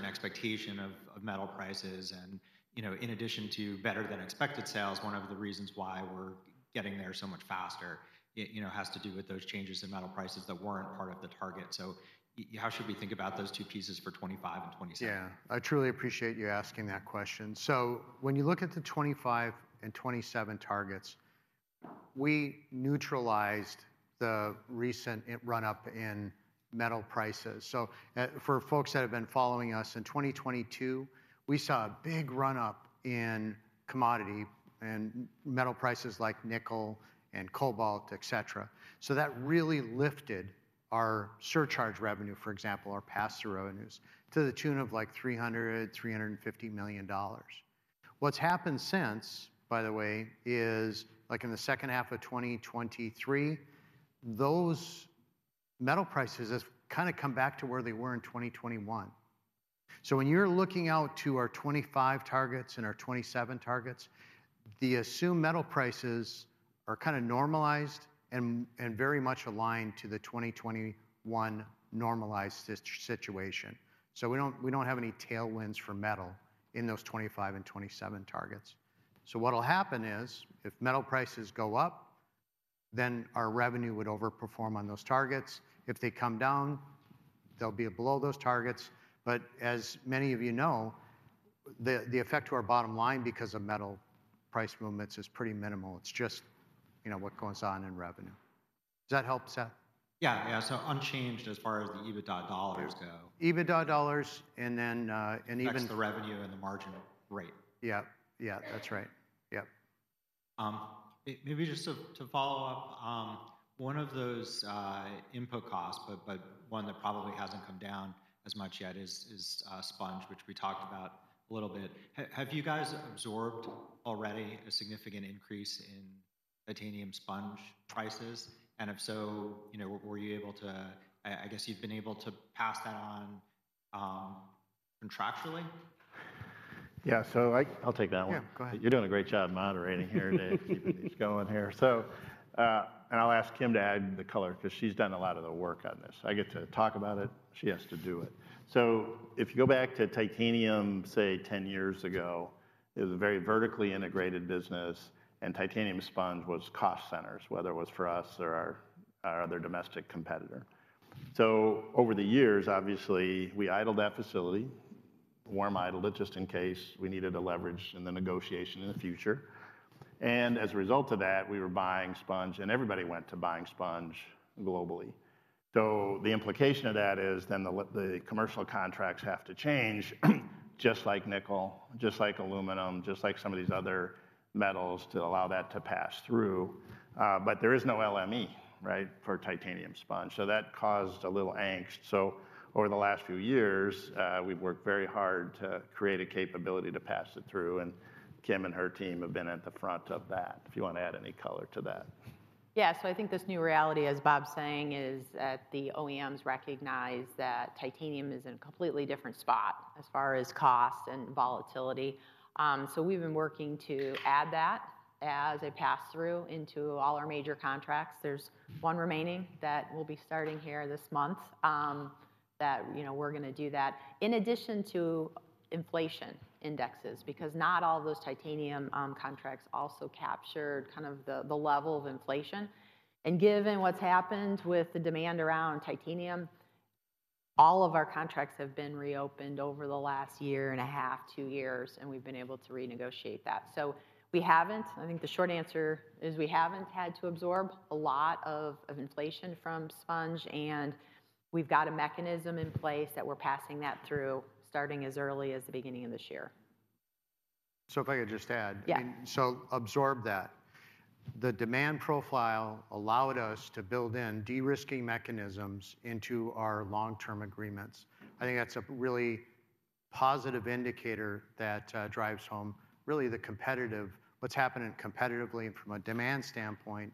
expectation of metal prices. And, you know, in addition to better than expected sales, one of the reasons why we're getting there so much faster, it, you know, has to do with those changes in metal prices that weren't part of the target. So how should we think about those two pieces for 2025 and 2027? Yeah, I truly appreciate you asking that question. So when you look at the 2025 and 2027 targets, we neutralized the recent run-up in metal prices. So, for folks that have been following us, in 2022, we saw a big run-up in commodity and metal prices like nickel and cobalt, et cetera. So that really lifted our surcharge revenue, for example, our pass-through revenues, to the tune of, like, $300 million-$350 million. What's happened since, by the way, is, like, in the second half of 2023, those metal prices have kinda come back to where they were in 2021. So when you're looking out to our 2025 targets and our 2027 targets, the assumed metal prices are kinda normalized and very much aligned to the 2021 normalized situation. So we don't, we don't have any tailwinds for metal in those 2025 and 2027 targets. So what'll happen is, if metal prices go up, then our revenue would overperform on those targets. If they come down, they'll be below those targets. But as many of you know, the, the effect to our bottom line because of metal price movements is pretty minimal. It's just, you know, what goes on in revenue. Does that help, Seth? Yeah. Yeah, so unchanged as far as the EBITDA dollars go. EBITDA dollars, and then, and even- That's the revenue and the margin rate. Yep. Yeah, that's right. Yep. Maybe just to follow up, one of those input costs, but one that probably hasn't come down as much yet is sponge, which we talked about a little bit. Have you guys absorbed already a significant increase in titanium sponge prices? And if so, you know, were you able to. I guess you've been able to pass that on contractually? Yeah, so I- I'll take that one. Yeah, go ahead. You're doing a great job moderating here, Don—keeping things going here. So, and I'll ask Kim to add the color, 'cause she's done a lot of the work on this. I get to talk about it, she has to do it. So if you go back to titanium, say, 10 years ago, it was a very vertically integrated business, and titanium sponge was cost centers, whether it was for us or our, our other domestic competitor. So over the years, obviously, we idled that facility, warm idled it, just in case we needed a leverage in the negotiation in the future. And as a result of that, we were buying sponge, and everybody went to buying sponge globally. So the implication of that is then the commercial contracts have to change, just like nickel, just like aluminum, just like some of these other metals, to allow that to pass through. But there is no LME, right, for titanium sponge, so that caused a little angst. So over the last few years, we've worked very hard to create a capability to pass it through, and Kim and her team have been at the front of that, if you wanna add any color to that. Yeah, so I think this new reality, as Bob's saying, is that the OEMs recognize that titanium is in a completely different spot as far as cost and volatility. So we've been working to add that as a pass-through into all our major contracts. There's one remaining that will be starting here this month, that, you know, we're gonna do that. In addition to inflation indexes, because not all of those titanium contracts also captured kind of the level of inflation. And given what's happened with the demand around titanium, all of our contracts have been reopened over the last year and a half, two years, and we've been able to renegotiate that. So we haven't. I think the short answer is we haven't had to absorb a lot of inflation from sponge, and we've got a mechanism in place that we're passing that through, starting as early as the beginning of this year. So if I could just add. Yeah. I mean, so absorb that. The demand profile allowed us to build in de-risking mechanisms into our long-term agreements. I think that's a really positive indicator that drives home really what's happening competitively and from a demand standpoint,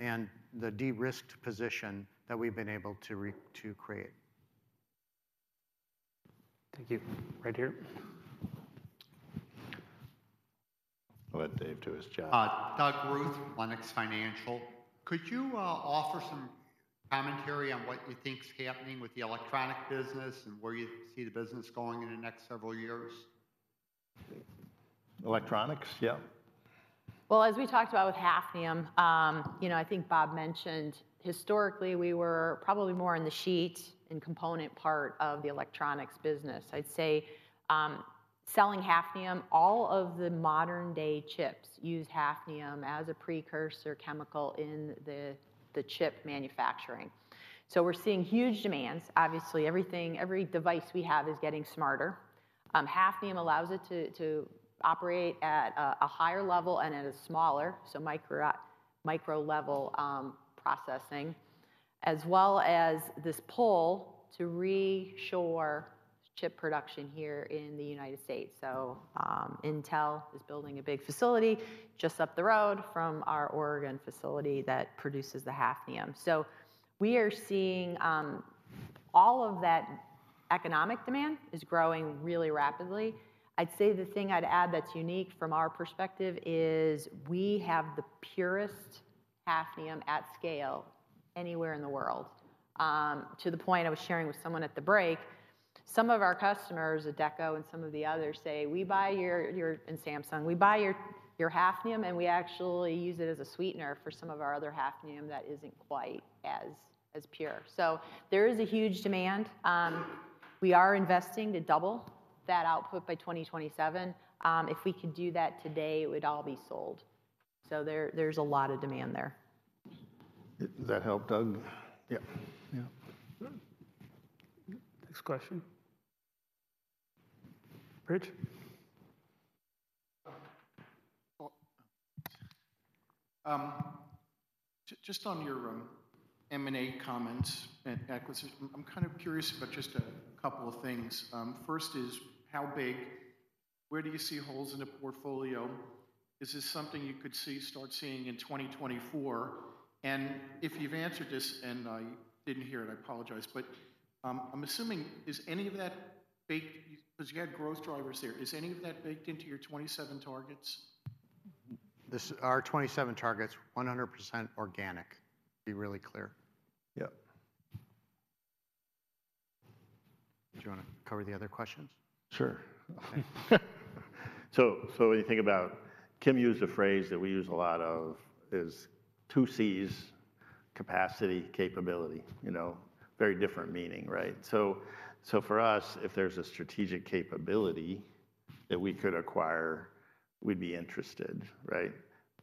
and the de-risked position that we've been able to create. Thank you. Right here. Let Dave do his job. Doug Ruth, Lenox Financial. Could you offer some commentary on what you think's happening with the electronic business and where you see the business going in the next several years? Electronics? Yeah. Well, as we talked about with hafnium, you know, I think Bob mentioned historically, we were probably more in the sheet and component part of the electronics business. I'd say, selling hafnium, all of the modern-day chips use hafnium as a precursor chemical in the chip manufacturing. So we're seeing huge demands. Obviously, everything, every device we have is getting smarter. Hafnium allows it to operate at a higher level and it is smaller, so micro level processing, as well as this pull to reshore chip production here in the United States. So, Intel is building a big facility just up the road from our Oregon facility that produces the hafnium. So we are seeing all of that economic demand is growing really rapidly. I'd say the thing I'd add that's unique from our perspective is, we have the purest hafnium at scale anywhere in the world. To the point I was sharing with someone at the break, some of our customers, ADEKA and some of the others, say, "We buy your hafnium." And Samsung. "We buy your hafnium, and we actually use it as a sweetener for some of our other hafnium that isn't quite as pure." So there is a huge demand. We are investing to double that output by 2027. If we could do that today, it would all be sold. So there's a lot of demand there. Did that help, Doug? Yeah. Yeah. Good. Next question. Rich? Well, just on your M&A comments and acquisition, I'm kind of curious about just a couple of things. First is, how big? Where do you see holes in the portfolio? Is this something you could see, start seeing in 2024? And if you've answered this and I didn't hear it, I apologize, but, I'm assuming, is any of that baked. Because you had growth drivers there, is any of that baked into your 2027 targets? Our 2027 target's 100% organic, to be really clear. Yep. Do you wanna cover the other questions? Sure. So when you think about, Kim used a phrase that we use a lot of, is two Cs: capacity, capability. You know, very different meaning, right? So for us, if there's a strategic capability that we could acquire, we'd be interested, right?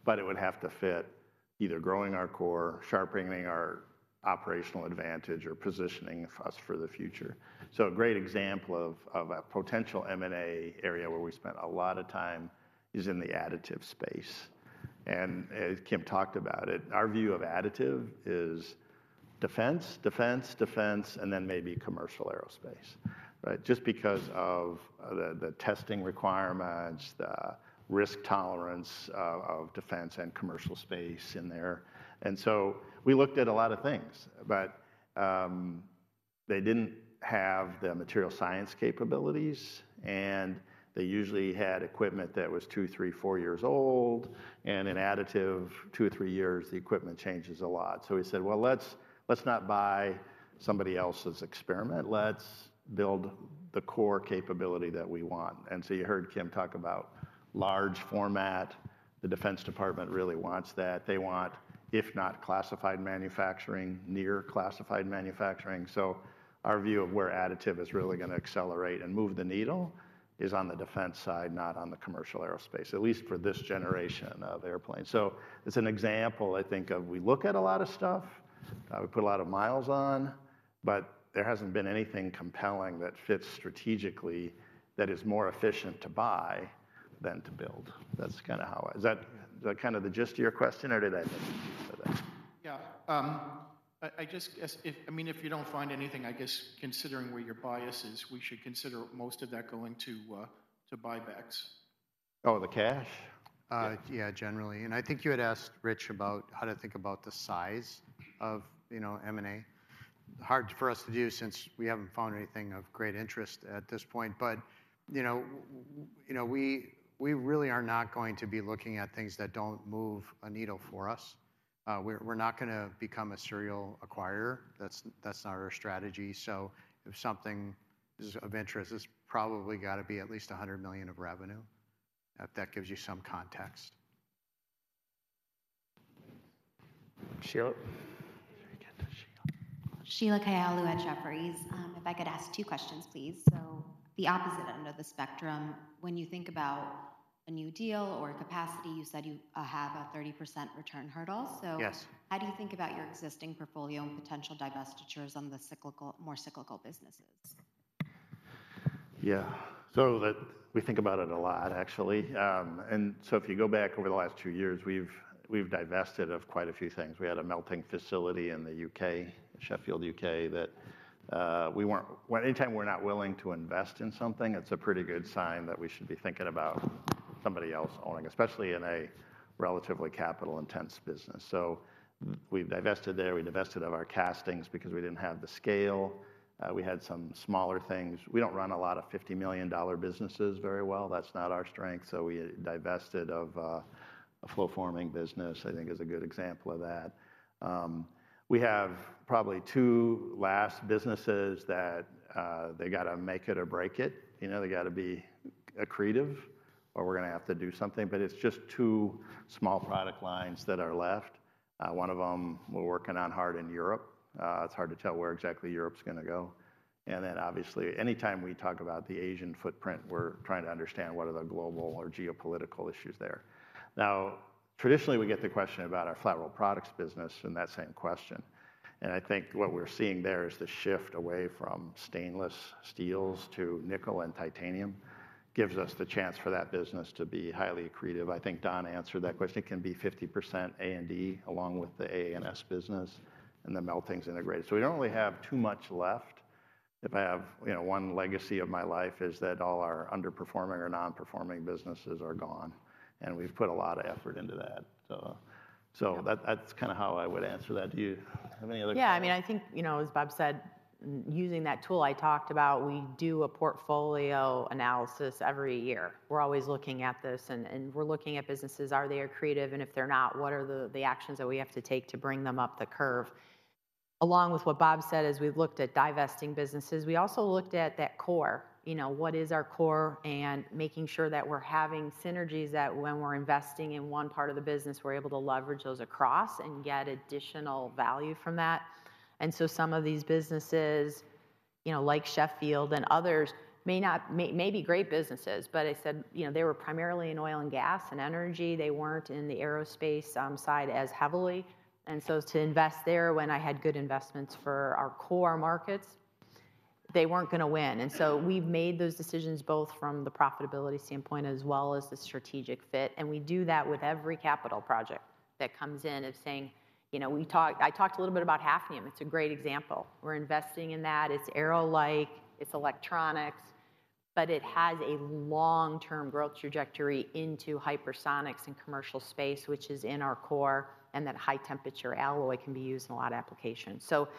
But it would have to fit either growing our core, sharpening our operational advantage, or positioning us for the future. So a great example of a potential M&A area where we spent a lot of time is in the additive space, and as Kim talked about it, our view of additive is defense, defense, defense, and then maybe commercial aerospace, right? Just because of the testing requirements, the risk tolerance of defense and commercial space in there. We looked at a lot of things, but they didn't have the material science capabilities, and they usually had equipment that was two years, three years, four years old, and in additive, two or three years, the equipment changes a lot. So we said, "Well, let's not buy somebody else's experiment. Let's build the core capability that we want." And so you heard Kim talk about large format. The Defense Department really wants that. They want, if not classified manufacturing, near classified manufacturing. So our view of where additive is really gonna accelerate and move the needle is on the defense side, not on the commercial aerospace, at least for this generation of airplanes. So it's an example, I think, of we look at a lot of stuff, we put a lot of miles on, but there hasn't been anything compelling that fits strategically that is more efficient to buy than to build. That's kinda how. Is that the kind of the gist of your question, or did I get it? Yeah, I just guess if, I mean, if you don't find anything, I guess considering where your bias is, we should consider most of that going to buybacks. Oh, the cash? Yeah, generally. And I think you had asked Rich about how to think about the size of, you know, M&A. Hard for us to do since we haven't found anything of great interest at this point. But, you know, we really are not going to be looking at things that don't move a needle for us. We're not gonna become a serial acquirer. That's not our strategy. So if something is of interest, it's probably gotta be at least $100 million of revenue, if that gives you some context. Sheila? Can I get to Sheila? Sheila Kahyaoglu at Jefferies. If I could ask two questions, please. So the opposite end of the spectrum, when you think about a new deal or capacity, you said you have a 30% return hurdle. Yes. How do you think about your existing portfolio and potential divestitures on the cyclical, more cyclical businesses? Yeah. So we think about it a lot, actually. And so if you go back over the last two years, we've, we've divested of quite a few things. We had a melting facility in the U.K., Sheffield, U.K., that we weren't. Anytime we're not willing to invest in something, it's a pretty good sign that we should be thinking about somebody else owning, especially in a relatively capital-intense business. So we've divested there, we divested of our castings because we didn't have the scale. We had some smaller things. We don't run a lot of $50 million businesses very well. That's not our strength, so we divested of a flow forming business, I think is a good example of that. We have probably two last businesses that they gotta make it or break it, you know? They gotta be accretive or we're gonna have to do something. But it's just two small product lines that are left. One of them, we're working on hard in Europe. It's hard to tell where exactly Europe's gonna go. And then, obviously, anytime we talk about the Asian footprint, we're trying to understand what are the global or geopolitical issues there. Now, traditionally, we get the question about our Flat Rolled Products business in that same question. And I think what we're seeing there is the shift away from stainless steels to nickel and titanium, gives us the chance for that business to be highly accretive. I think Don answered that question. It can be 50% A&D, along with the AA&S business, and the melting's integrated. So we don't really have too much left. If I have, you know, one legacy of my life, is that all our underperforming or non-performing businesses are gone, and we've put a lot of effort into that. So, that- Yeah. - that's kinda how I would answer that. Do you have any other comments? Yeah, I mean, I think, you know, as Bob said, using that tool I talked about, we do a portfolio analysis every year. We're always looking at this and we're looking at businesses. Are they accretive? And if they're not, what are the actions that we have to take to bring them up the curve? Along with what Bob said, as we've looked at divesting businesses, we also looked at that core. You know, what is our core? And making sure that we're having synergies, that when we're investing in one part of the business, we're able to leverage those across and get additional value from that. And so some of these businesses, you know, like Sheffield and others, may not be great businesses, but I said, you know, they were primarily in oil and gas and energy. They weren't in the aerospace side as heavily, and so to invest there, when I had good investments for our core markets, they weren't gonna win. And so we've made those decisions, both from the profitability standpoint as well as the strategic fit, and we do that with every capital project that comes in, of saying. You know, we talked, I talked a little bit about hafnium. It's a great example. We're investing in that. It's aero-like, it's electronics, but it has a long-term growth trajectory into hypersonics and commercial space, which is in our core, and that high-temperature alloy can be used in a lot of applications. So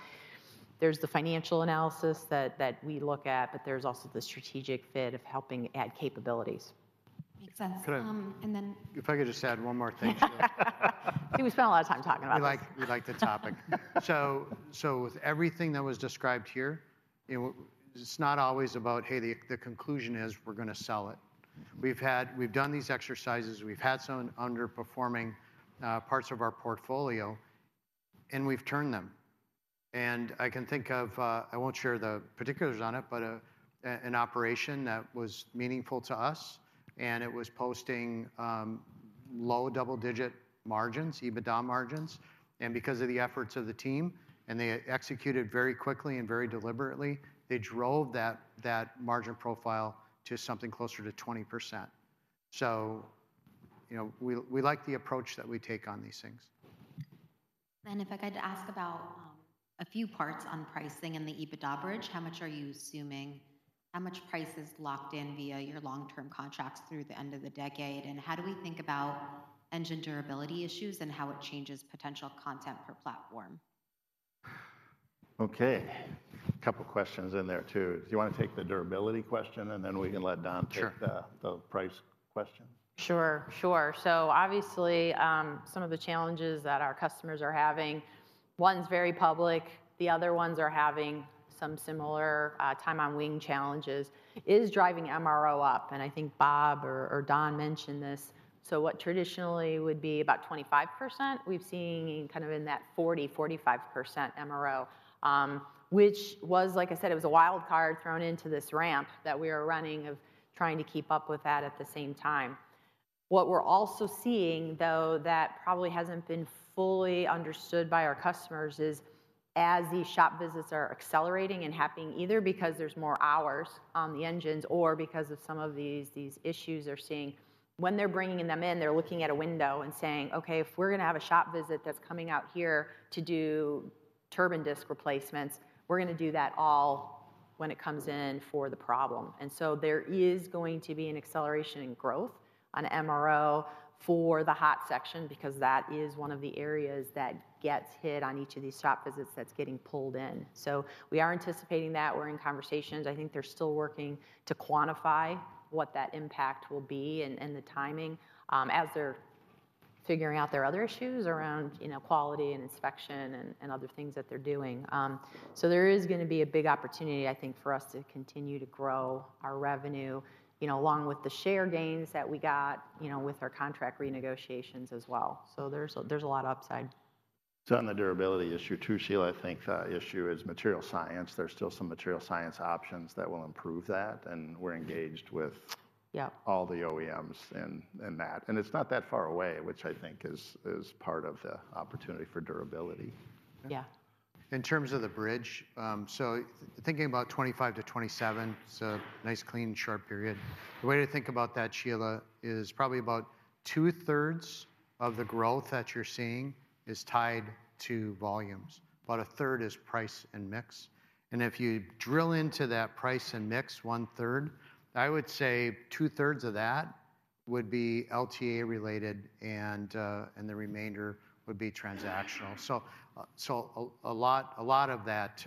there's the financial analysis that we look at, but there's also the strategic fit of helping add capabilities. Makes sense. Could I- and then- If I could just add one more thing to it. We spent a lot of time talking about this. We like, we like the topic. So, so with everything that was described here, it's not always about, "Hey, the, the conclusion is we're gonna sell it." We've had. We've done these exercises, we've had some underperforming parts of our portfolio, and we've turned them. And I can think of. I won't share the particulars on it, but an operation that was meaningful to us, and it was posting low double-digit margins, EBITDA margins. And because of the efforts of the team, and they executed very quickly and very deliberately, they drove that margin profile to something closer to 20%. So, you know, we like the approach that we take on these things. If I could ask about a few parts on pricing and the EBITDA bridge. How much are you assuming? How much price is locked in via your long-term contracts through the end of the decade? How do we think about engine durability issues and how it changes potential content per platform? Okay. A couple of questions in there, too. Do you wanna take the durability question, and then we can let Don- Sure take the price question? Sure, sure. So obviously, some of the challenges that our customers are having, one's very public, the other ones are having some similar time on wing challenges, is driving MRO up, and I think Bob or, or Don mentioned this. So what traditionally would be about 25%, we've seen kind of in that 40%-45% MRO, which was, like I said, it was a wild card thrown into this ramp that we are running of trying to keep up with that at the same time. What we're also seeing, though, that probably hasn't been fully understood by our customers, is- As these shop visits are accelerating and happening, either because there's more hours on the engines or because of some of these, these issues they're seeing when they're bringing them in, they're looking at a window and saying: "Okay, if we're gonna have a shop visit that's coming out here to do turbine disk replacements, we're gonna do that all when it comes in for the problem." And so there is going to be an acceleration in growth on MRO for the hot section, because that is one of the areas that gets hit on each of these shop visits that's getting pulled in. So we are anticipating that. We're in conversations. I think they're still working to quantify what that impact will be and, and the timing, as they're figuring out their other issues around, you know, quality and inspection, and, and other things that they're doing. So there is gonna be a big opportunity, I think, for us to continue to grow our revenue, you know, along with the share gains that we got, you know, with our contract renegotiations as well. So there's a lot of upside. On the durability issue, too, Sheila, I think the issue is material science. There's still some material science options that will improve that, and we're engaged with- Yeah all the OEMs in that. And it's not that far away, which I think is part of the opportunity for durability. Yeah. In terms of the bridge, so thinking about 2025-2027, it's a nice, clean, sharp period. The way to think about that, Sheila, is probably about 2/3 of the growth that you're seeing is tied to volumes, but a third is price and mix. And if you drill into that price and mix 1/3, I would say two-thirds of that would be LTA related, and the remainder would be transactional. So, a lot of that,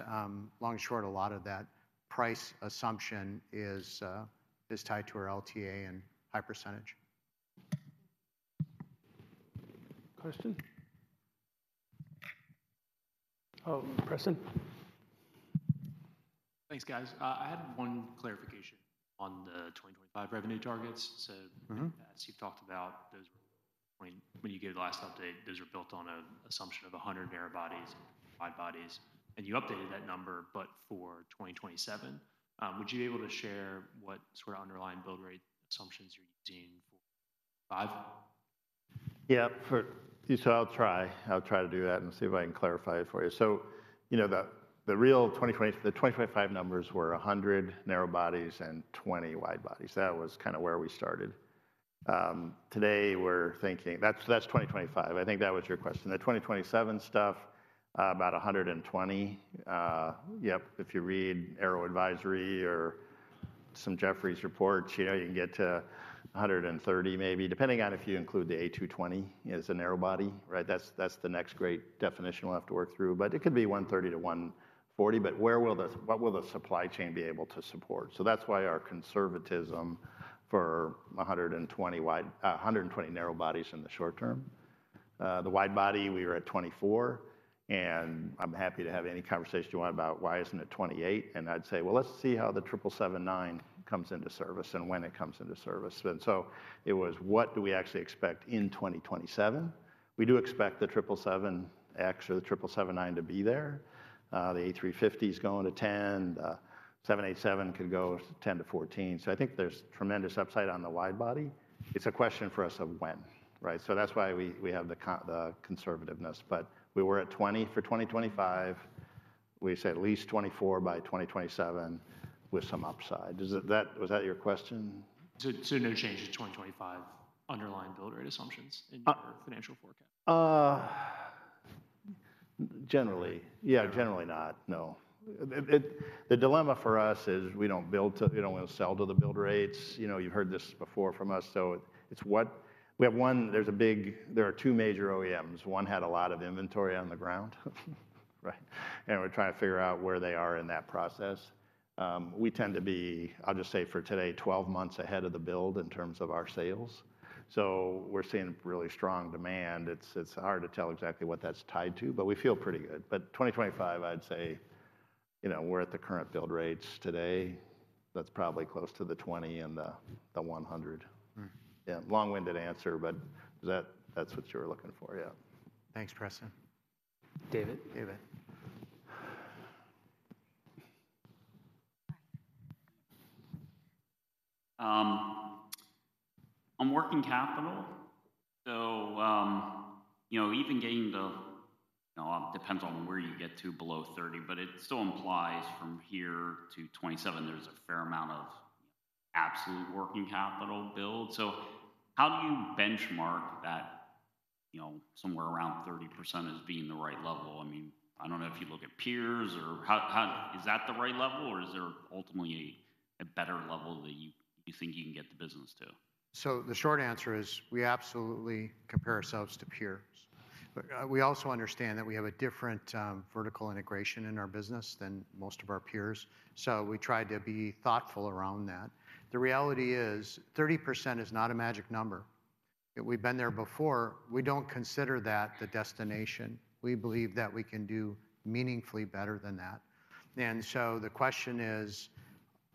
long and short, a lot of that price assumption is tied to our LTA and high percentage. Question? Oh, Preston. Thanks, guys. I had one clarification on the 2025 revenue targets. Mm-hmm. As you've talked about, those were, when you gave the last update, those were built on an assumption of 100 narrow bodies and wide bodies, and you updated that number, but for 2027. Would you be able to share what sort of underlying build rate assumptions you're using for 2025? Yeah, so I'll try. I'll try to do that and see if I can clarify it for you. So you know the, the real 2025 numbers were 100 narrow bodies and 20 wide bodies. That was kind of where we started. Today, we're thinking. That's, that's 2025. I think that was your question. The 2027 stuff, about 120. Yep, if you read Aero Advisory or some Jefferies reports, you know, you can get to 130, maybe, depending on if you include the A220 as a narrow body, right? That's, that's the next great definition we'll have to work through, but it could be 130-140. But where will the-- what will the supply chain be able to support? So that's why our conservatism for 120 wide, 120 narrow bodies in the short term. The wide body, we are at 24, and I'm happy to have any conversation you want about why isn't it 28? And I'd say: "Well, let's see how the 777-9 comes into service and when it comes into service." And so it was, what do we actually expect in 2027? We do expect the 777X or the 777-9 to be there. The A350 is going to 10. The 787 could go 10-14. So I think there's tremendous upside on the wide body. It's a question for us of when, right? So that's why we, we have the conservativeness. But we were at 20 for 2025. We said at least 24 by 2027, with some upside. Is it that-- Was that your question? No change to 2025 underlying build rate assumptions- Uh in your financial forecast? Uh, generally- Okay. Yeah, generally not, no. It, it. The dilemma for us is we don't build to. We don't want to sell to the build rates. You know, you've heard this before from us, so it's what. We have one. There's a big. There are two major OEMs. One had a lot of inventory on the ground, right? And we're trying to figure out where they are in that process. We tend to be, I'll just say for today, 12 months ahead of the build in terms of our sales, so we're seeing really strong demand. It's, it's hard to tell exactly what that's tied to, but we feel pretty good. But 2025, I'd say, you know, we're at the current build rates today. That's probably close to the 20 and the, the 100. Mm. Yeah, long-winded answer, but is that—that's what you were looking for? Yeah. Thanks, Preston. David? David. On working capital, so, you know, even getting the. You know, depends on where you get to below 30, but it still implies from here to 27, there's a fair amount of absolute working capital build. So how do you benchmark that, you know, somewhere around 30% as being the right level? I mean, I don't know if you look at peers or how. Is that the right level, or is there ultimately a better level that you think you can get the business to? So the short answer is, we absolutely compare ourselves to peers, but, we also understand that we have a different, vertical integration in our business than most of our peers, so we try to be thoughtful around that. The reality is, 30% is not a magic number. We've been there before. We don't consider that the destination. We believe that we can do meaningfully better than that. And so the question is,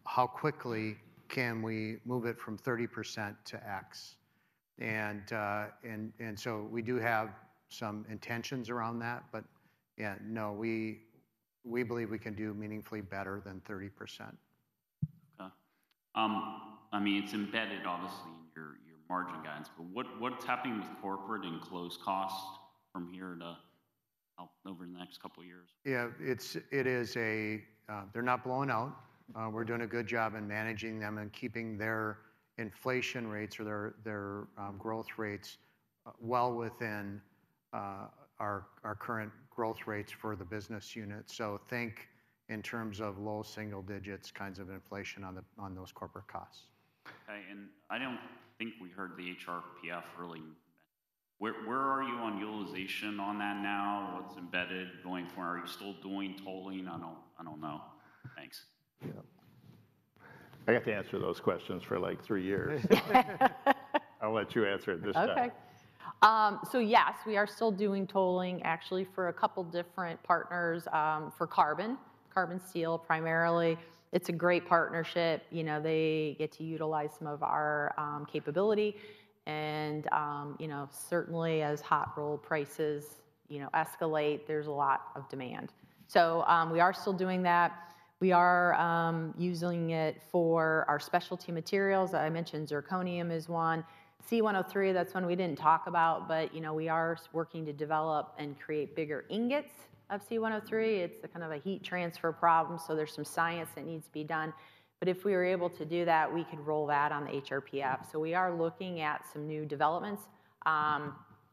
how quickly can we move it from 30% to X? And so we do have some intentions around that, but yeah, no, we, we believe we can do meaningfully better than 30%. Okay. I mean, it's embedded obviously in your margin guidance, but what's happening with corporate and SG&A costs from here to over the next couple of years? Yeah, it's, it is a. They're not blowing out. We're doing a good job in managing them and keeping their inflation rates or their, their, growth rates, well within, our, our current growth rates for the business unit. So think in terms of low single digits, kinds of inflation on the, on those corporate costs. Okay. I don't think we heard the HRPF really. Where, where are you on utilization on that now? What's embedded going forward? Are you still doing tolling? I don't, I don't know. Thanks. Yeah. I got to answer those questions for, like, three years. I'll let you answer it this time. Okay. So yes, we are still doing tolling, actually, for a couple different partners, for carbon, carbon steel, primarily. It's a great partnership. You know, they get to utilize some of our, capability and, you know, certainly as hot rolled prices, you know, escalate, there's a lot of demand. So, we are still doing that. We are, using it for our specialty materials. I mentioned zirconium is one. C-103, that's one we didn't talk about, but, you know, we are working to develop and create bigger ingots of C-103. It's a kind of a heat transfer problem, so there's some science that needs to be done. But if we were able to do that, we could roll that on the HRPF. So we are looking at some new developments.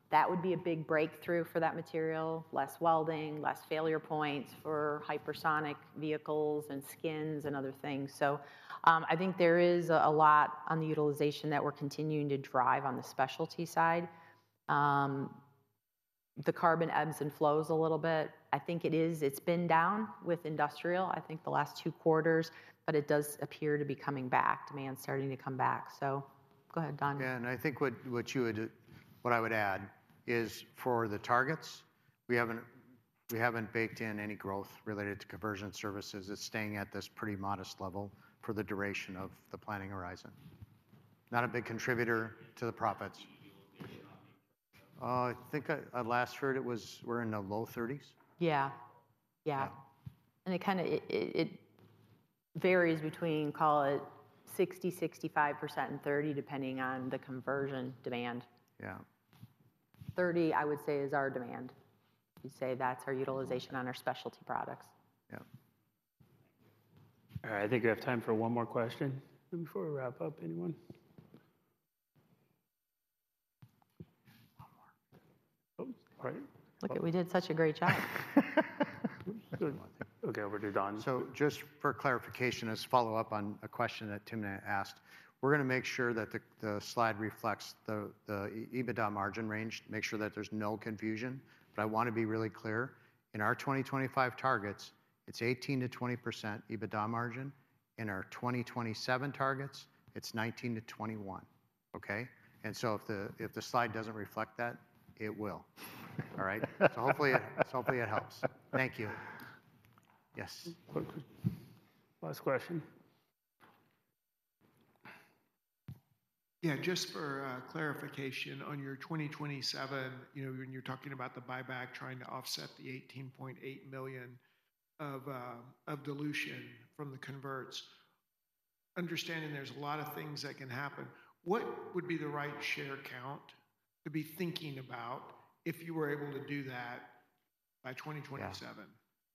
That would be a big breakthrough for that material, less welding, less failure points for hypersonic vehicles and skins and other things. So, I think there is a lot on the utilization that we're continuing to drive on the specialty side. The carbon ebbs and flows a little bit. I think it is. It's been down with industrial, I think, the last two quarters, but it does appear to be coming back, demand's starting to come back. So go ahead, Don. Yeah, and I think what I would add is for the targets, we haven't baked in any growth related to conversion services. It's staying at this pretty modest level for the duration of the planning horizon. Not a big contributor to the profits. Do you know the utilization on? I think I last heard it was we're in the low 30s. Yeah. Yeah. Yeah. It kinda varies between, call it 60%-65% and 30%, depending on the conversion demand. Yeah. 30, I would say, is our demand. I'd say that's our utilization on our specialty products. Yeah. All right, I think we have time for one more question before we wrap up. Anyone? One more. Oh, right. Look, we did such a great job. Okay, over to Don. So just for clarification, as a follow-up on a question that Tim asked, we're gonna make sure that the slide reflects the EBITDA margin range, to make sure that there's no confusion, but I want to be really clear. In our 2025 targets, it's 18%-20% EBITDA margin. In our 2027 targets, it's 19%-21%. Okay? And so if the slide doesn't reflect that, it will. All right? So hopefully it helps. Thank you. Yes. Last question. Yeah, just for clarification, on your 2027, you know, when you're talking about the buyback, trying to offset the 18.8 million of dilution from the converts, understanding there's a lot of things that can happen, what would be the right share count to be thinking about if you were able to do that by 2027? Yeah.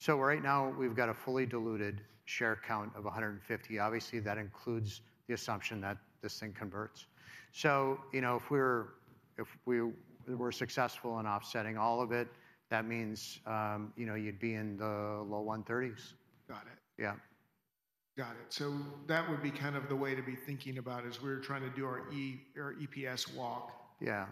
So right now, we've got a fully diluted share count of 150. Obviously, that includes the assumption that this thing converts. So, you know, if we were successful in offsetting all of it, that means, you know, you'd be in the low 130s. Got it. Yeah. Got it. So that would be kind of the way to be thinking about as we're trying to do our EPS walk. Yeah.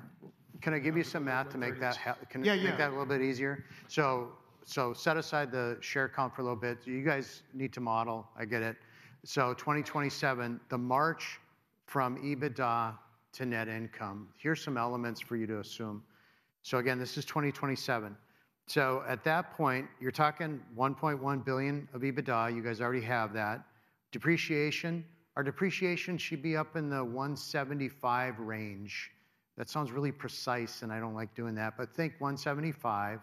Can I give you some math to make that ha- Yeah, yeah. Can I make that a little bit easier? So, so set aside the share count for a little bit. You guys need to model, I get it. So 2027, the march from EBITDA to net income, here's some elements for you to assume. So again, this is 2027. So at that point, you're talking $1.1 billion of EBITDA. You guys already have that. Depreciation, our depreciation should be up in the $175 million range. That sounds really precise, and I don't like doing that, but think $175 million.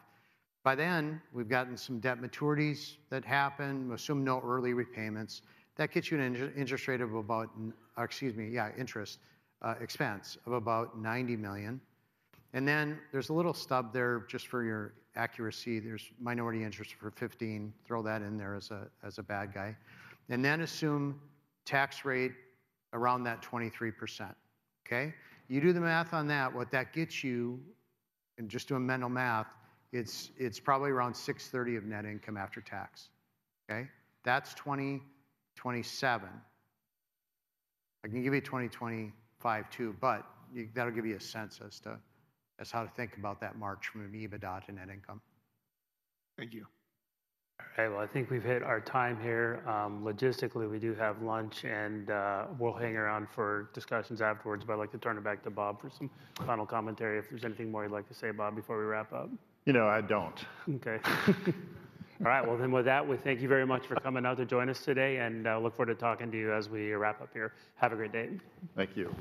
By then, we've gotten some debt maturities that happen. We assume no early repayments. That gets you an interest rate of about. Excuse me, yeah, interest expense of about $90 million. And then there's a little stub there just for your accuracy. There's minority interest for $15 million. Throw that in there as a bad guy, and then assume tax rate around that 23%, okay? You do the math on that, what that gets you, and just doing mental math, it's probably around $630 million of net income after tax, okay? That's 2027. I can give you a 2025, too, but you-- that'll give you a sense as to how to think about that march from an EBITDA to net income. Thank you. All right. Well, I think we've hit our time here. Logistically, we do have lunch, and we'll hang around for discussions afterwards, but I'd like to turn it back to Bob for some final commentary, if there's anything more you'd like to say, Bob, before we wrap up. You know, I don't. Okay. All right. Well, then with that, we thank you very much for coming out to join us today, and look forward to talking to you as we wrap up here. Have a great day. Thank you.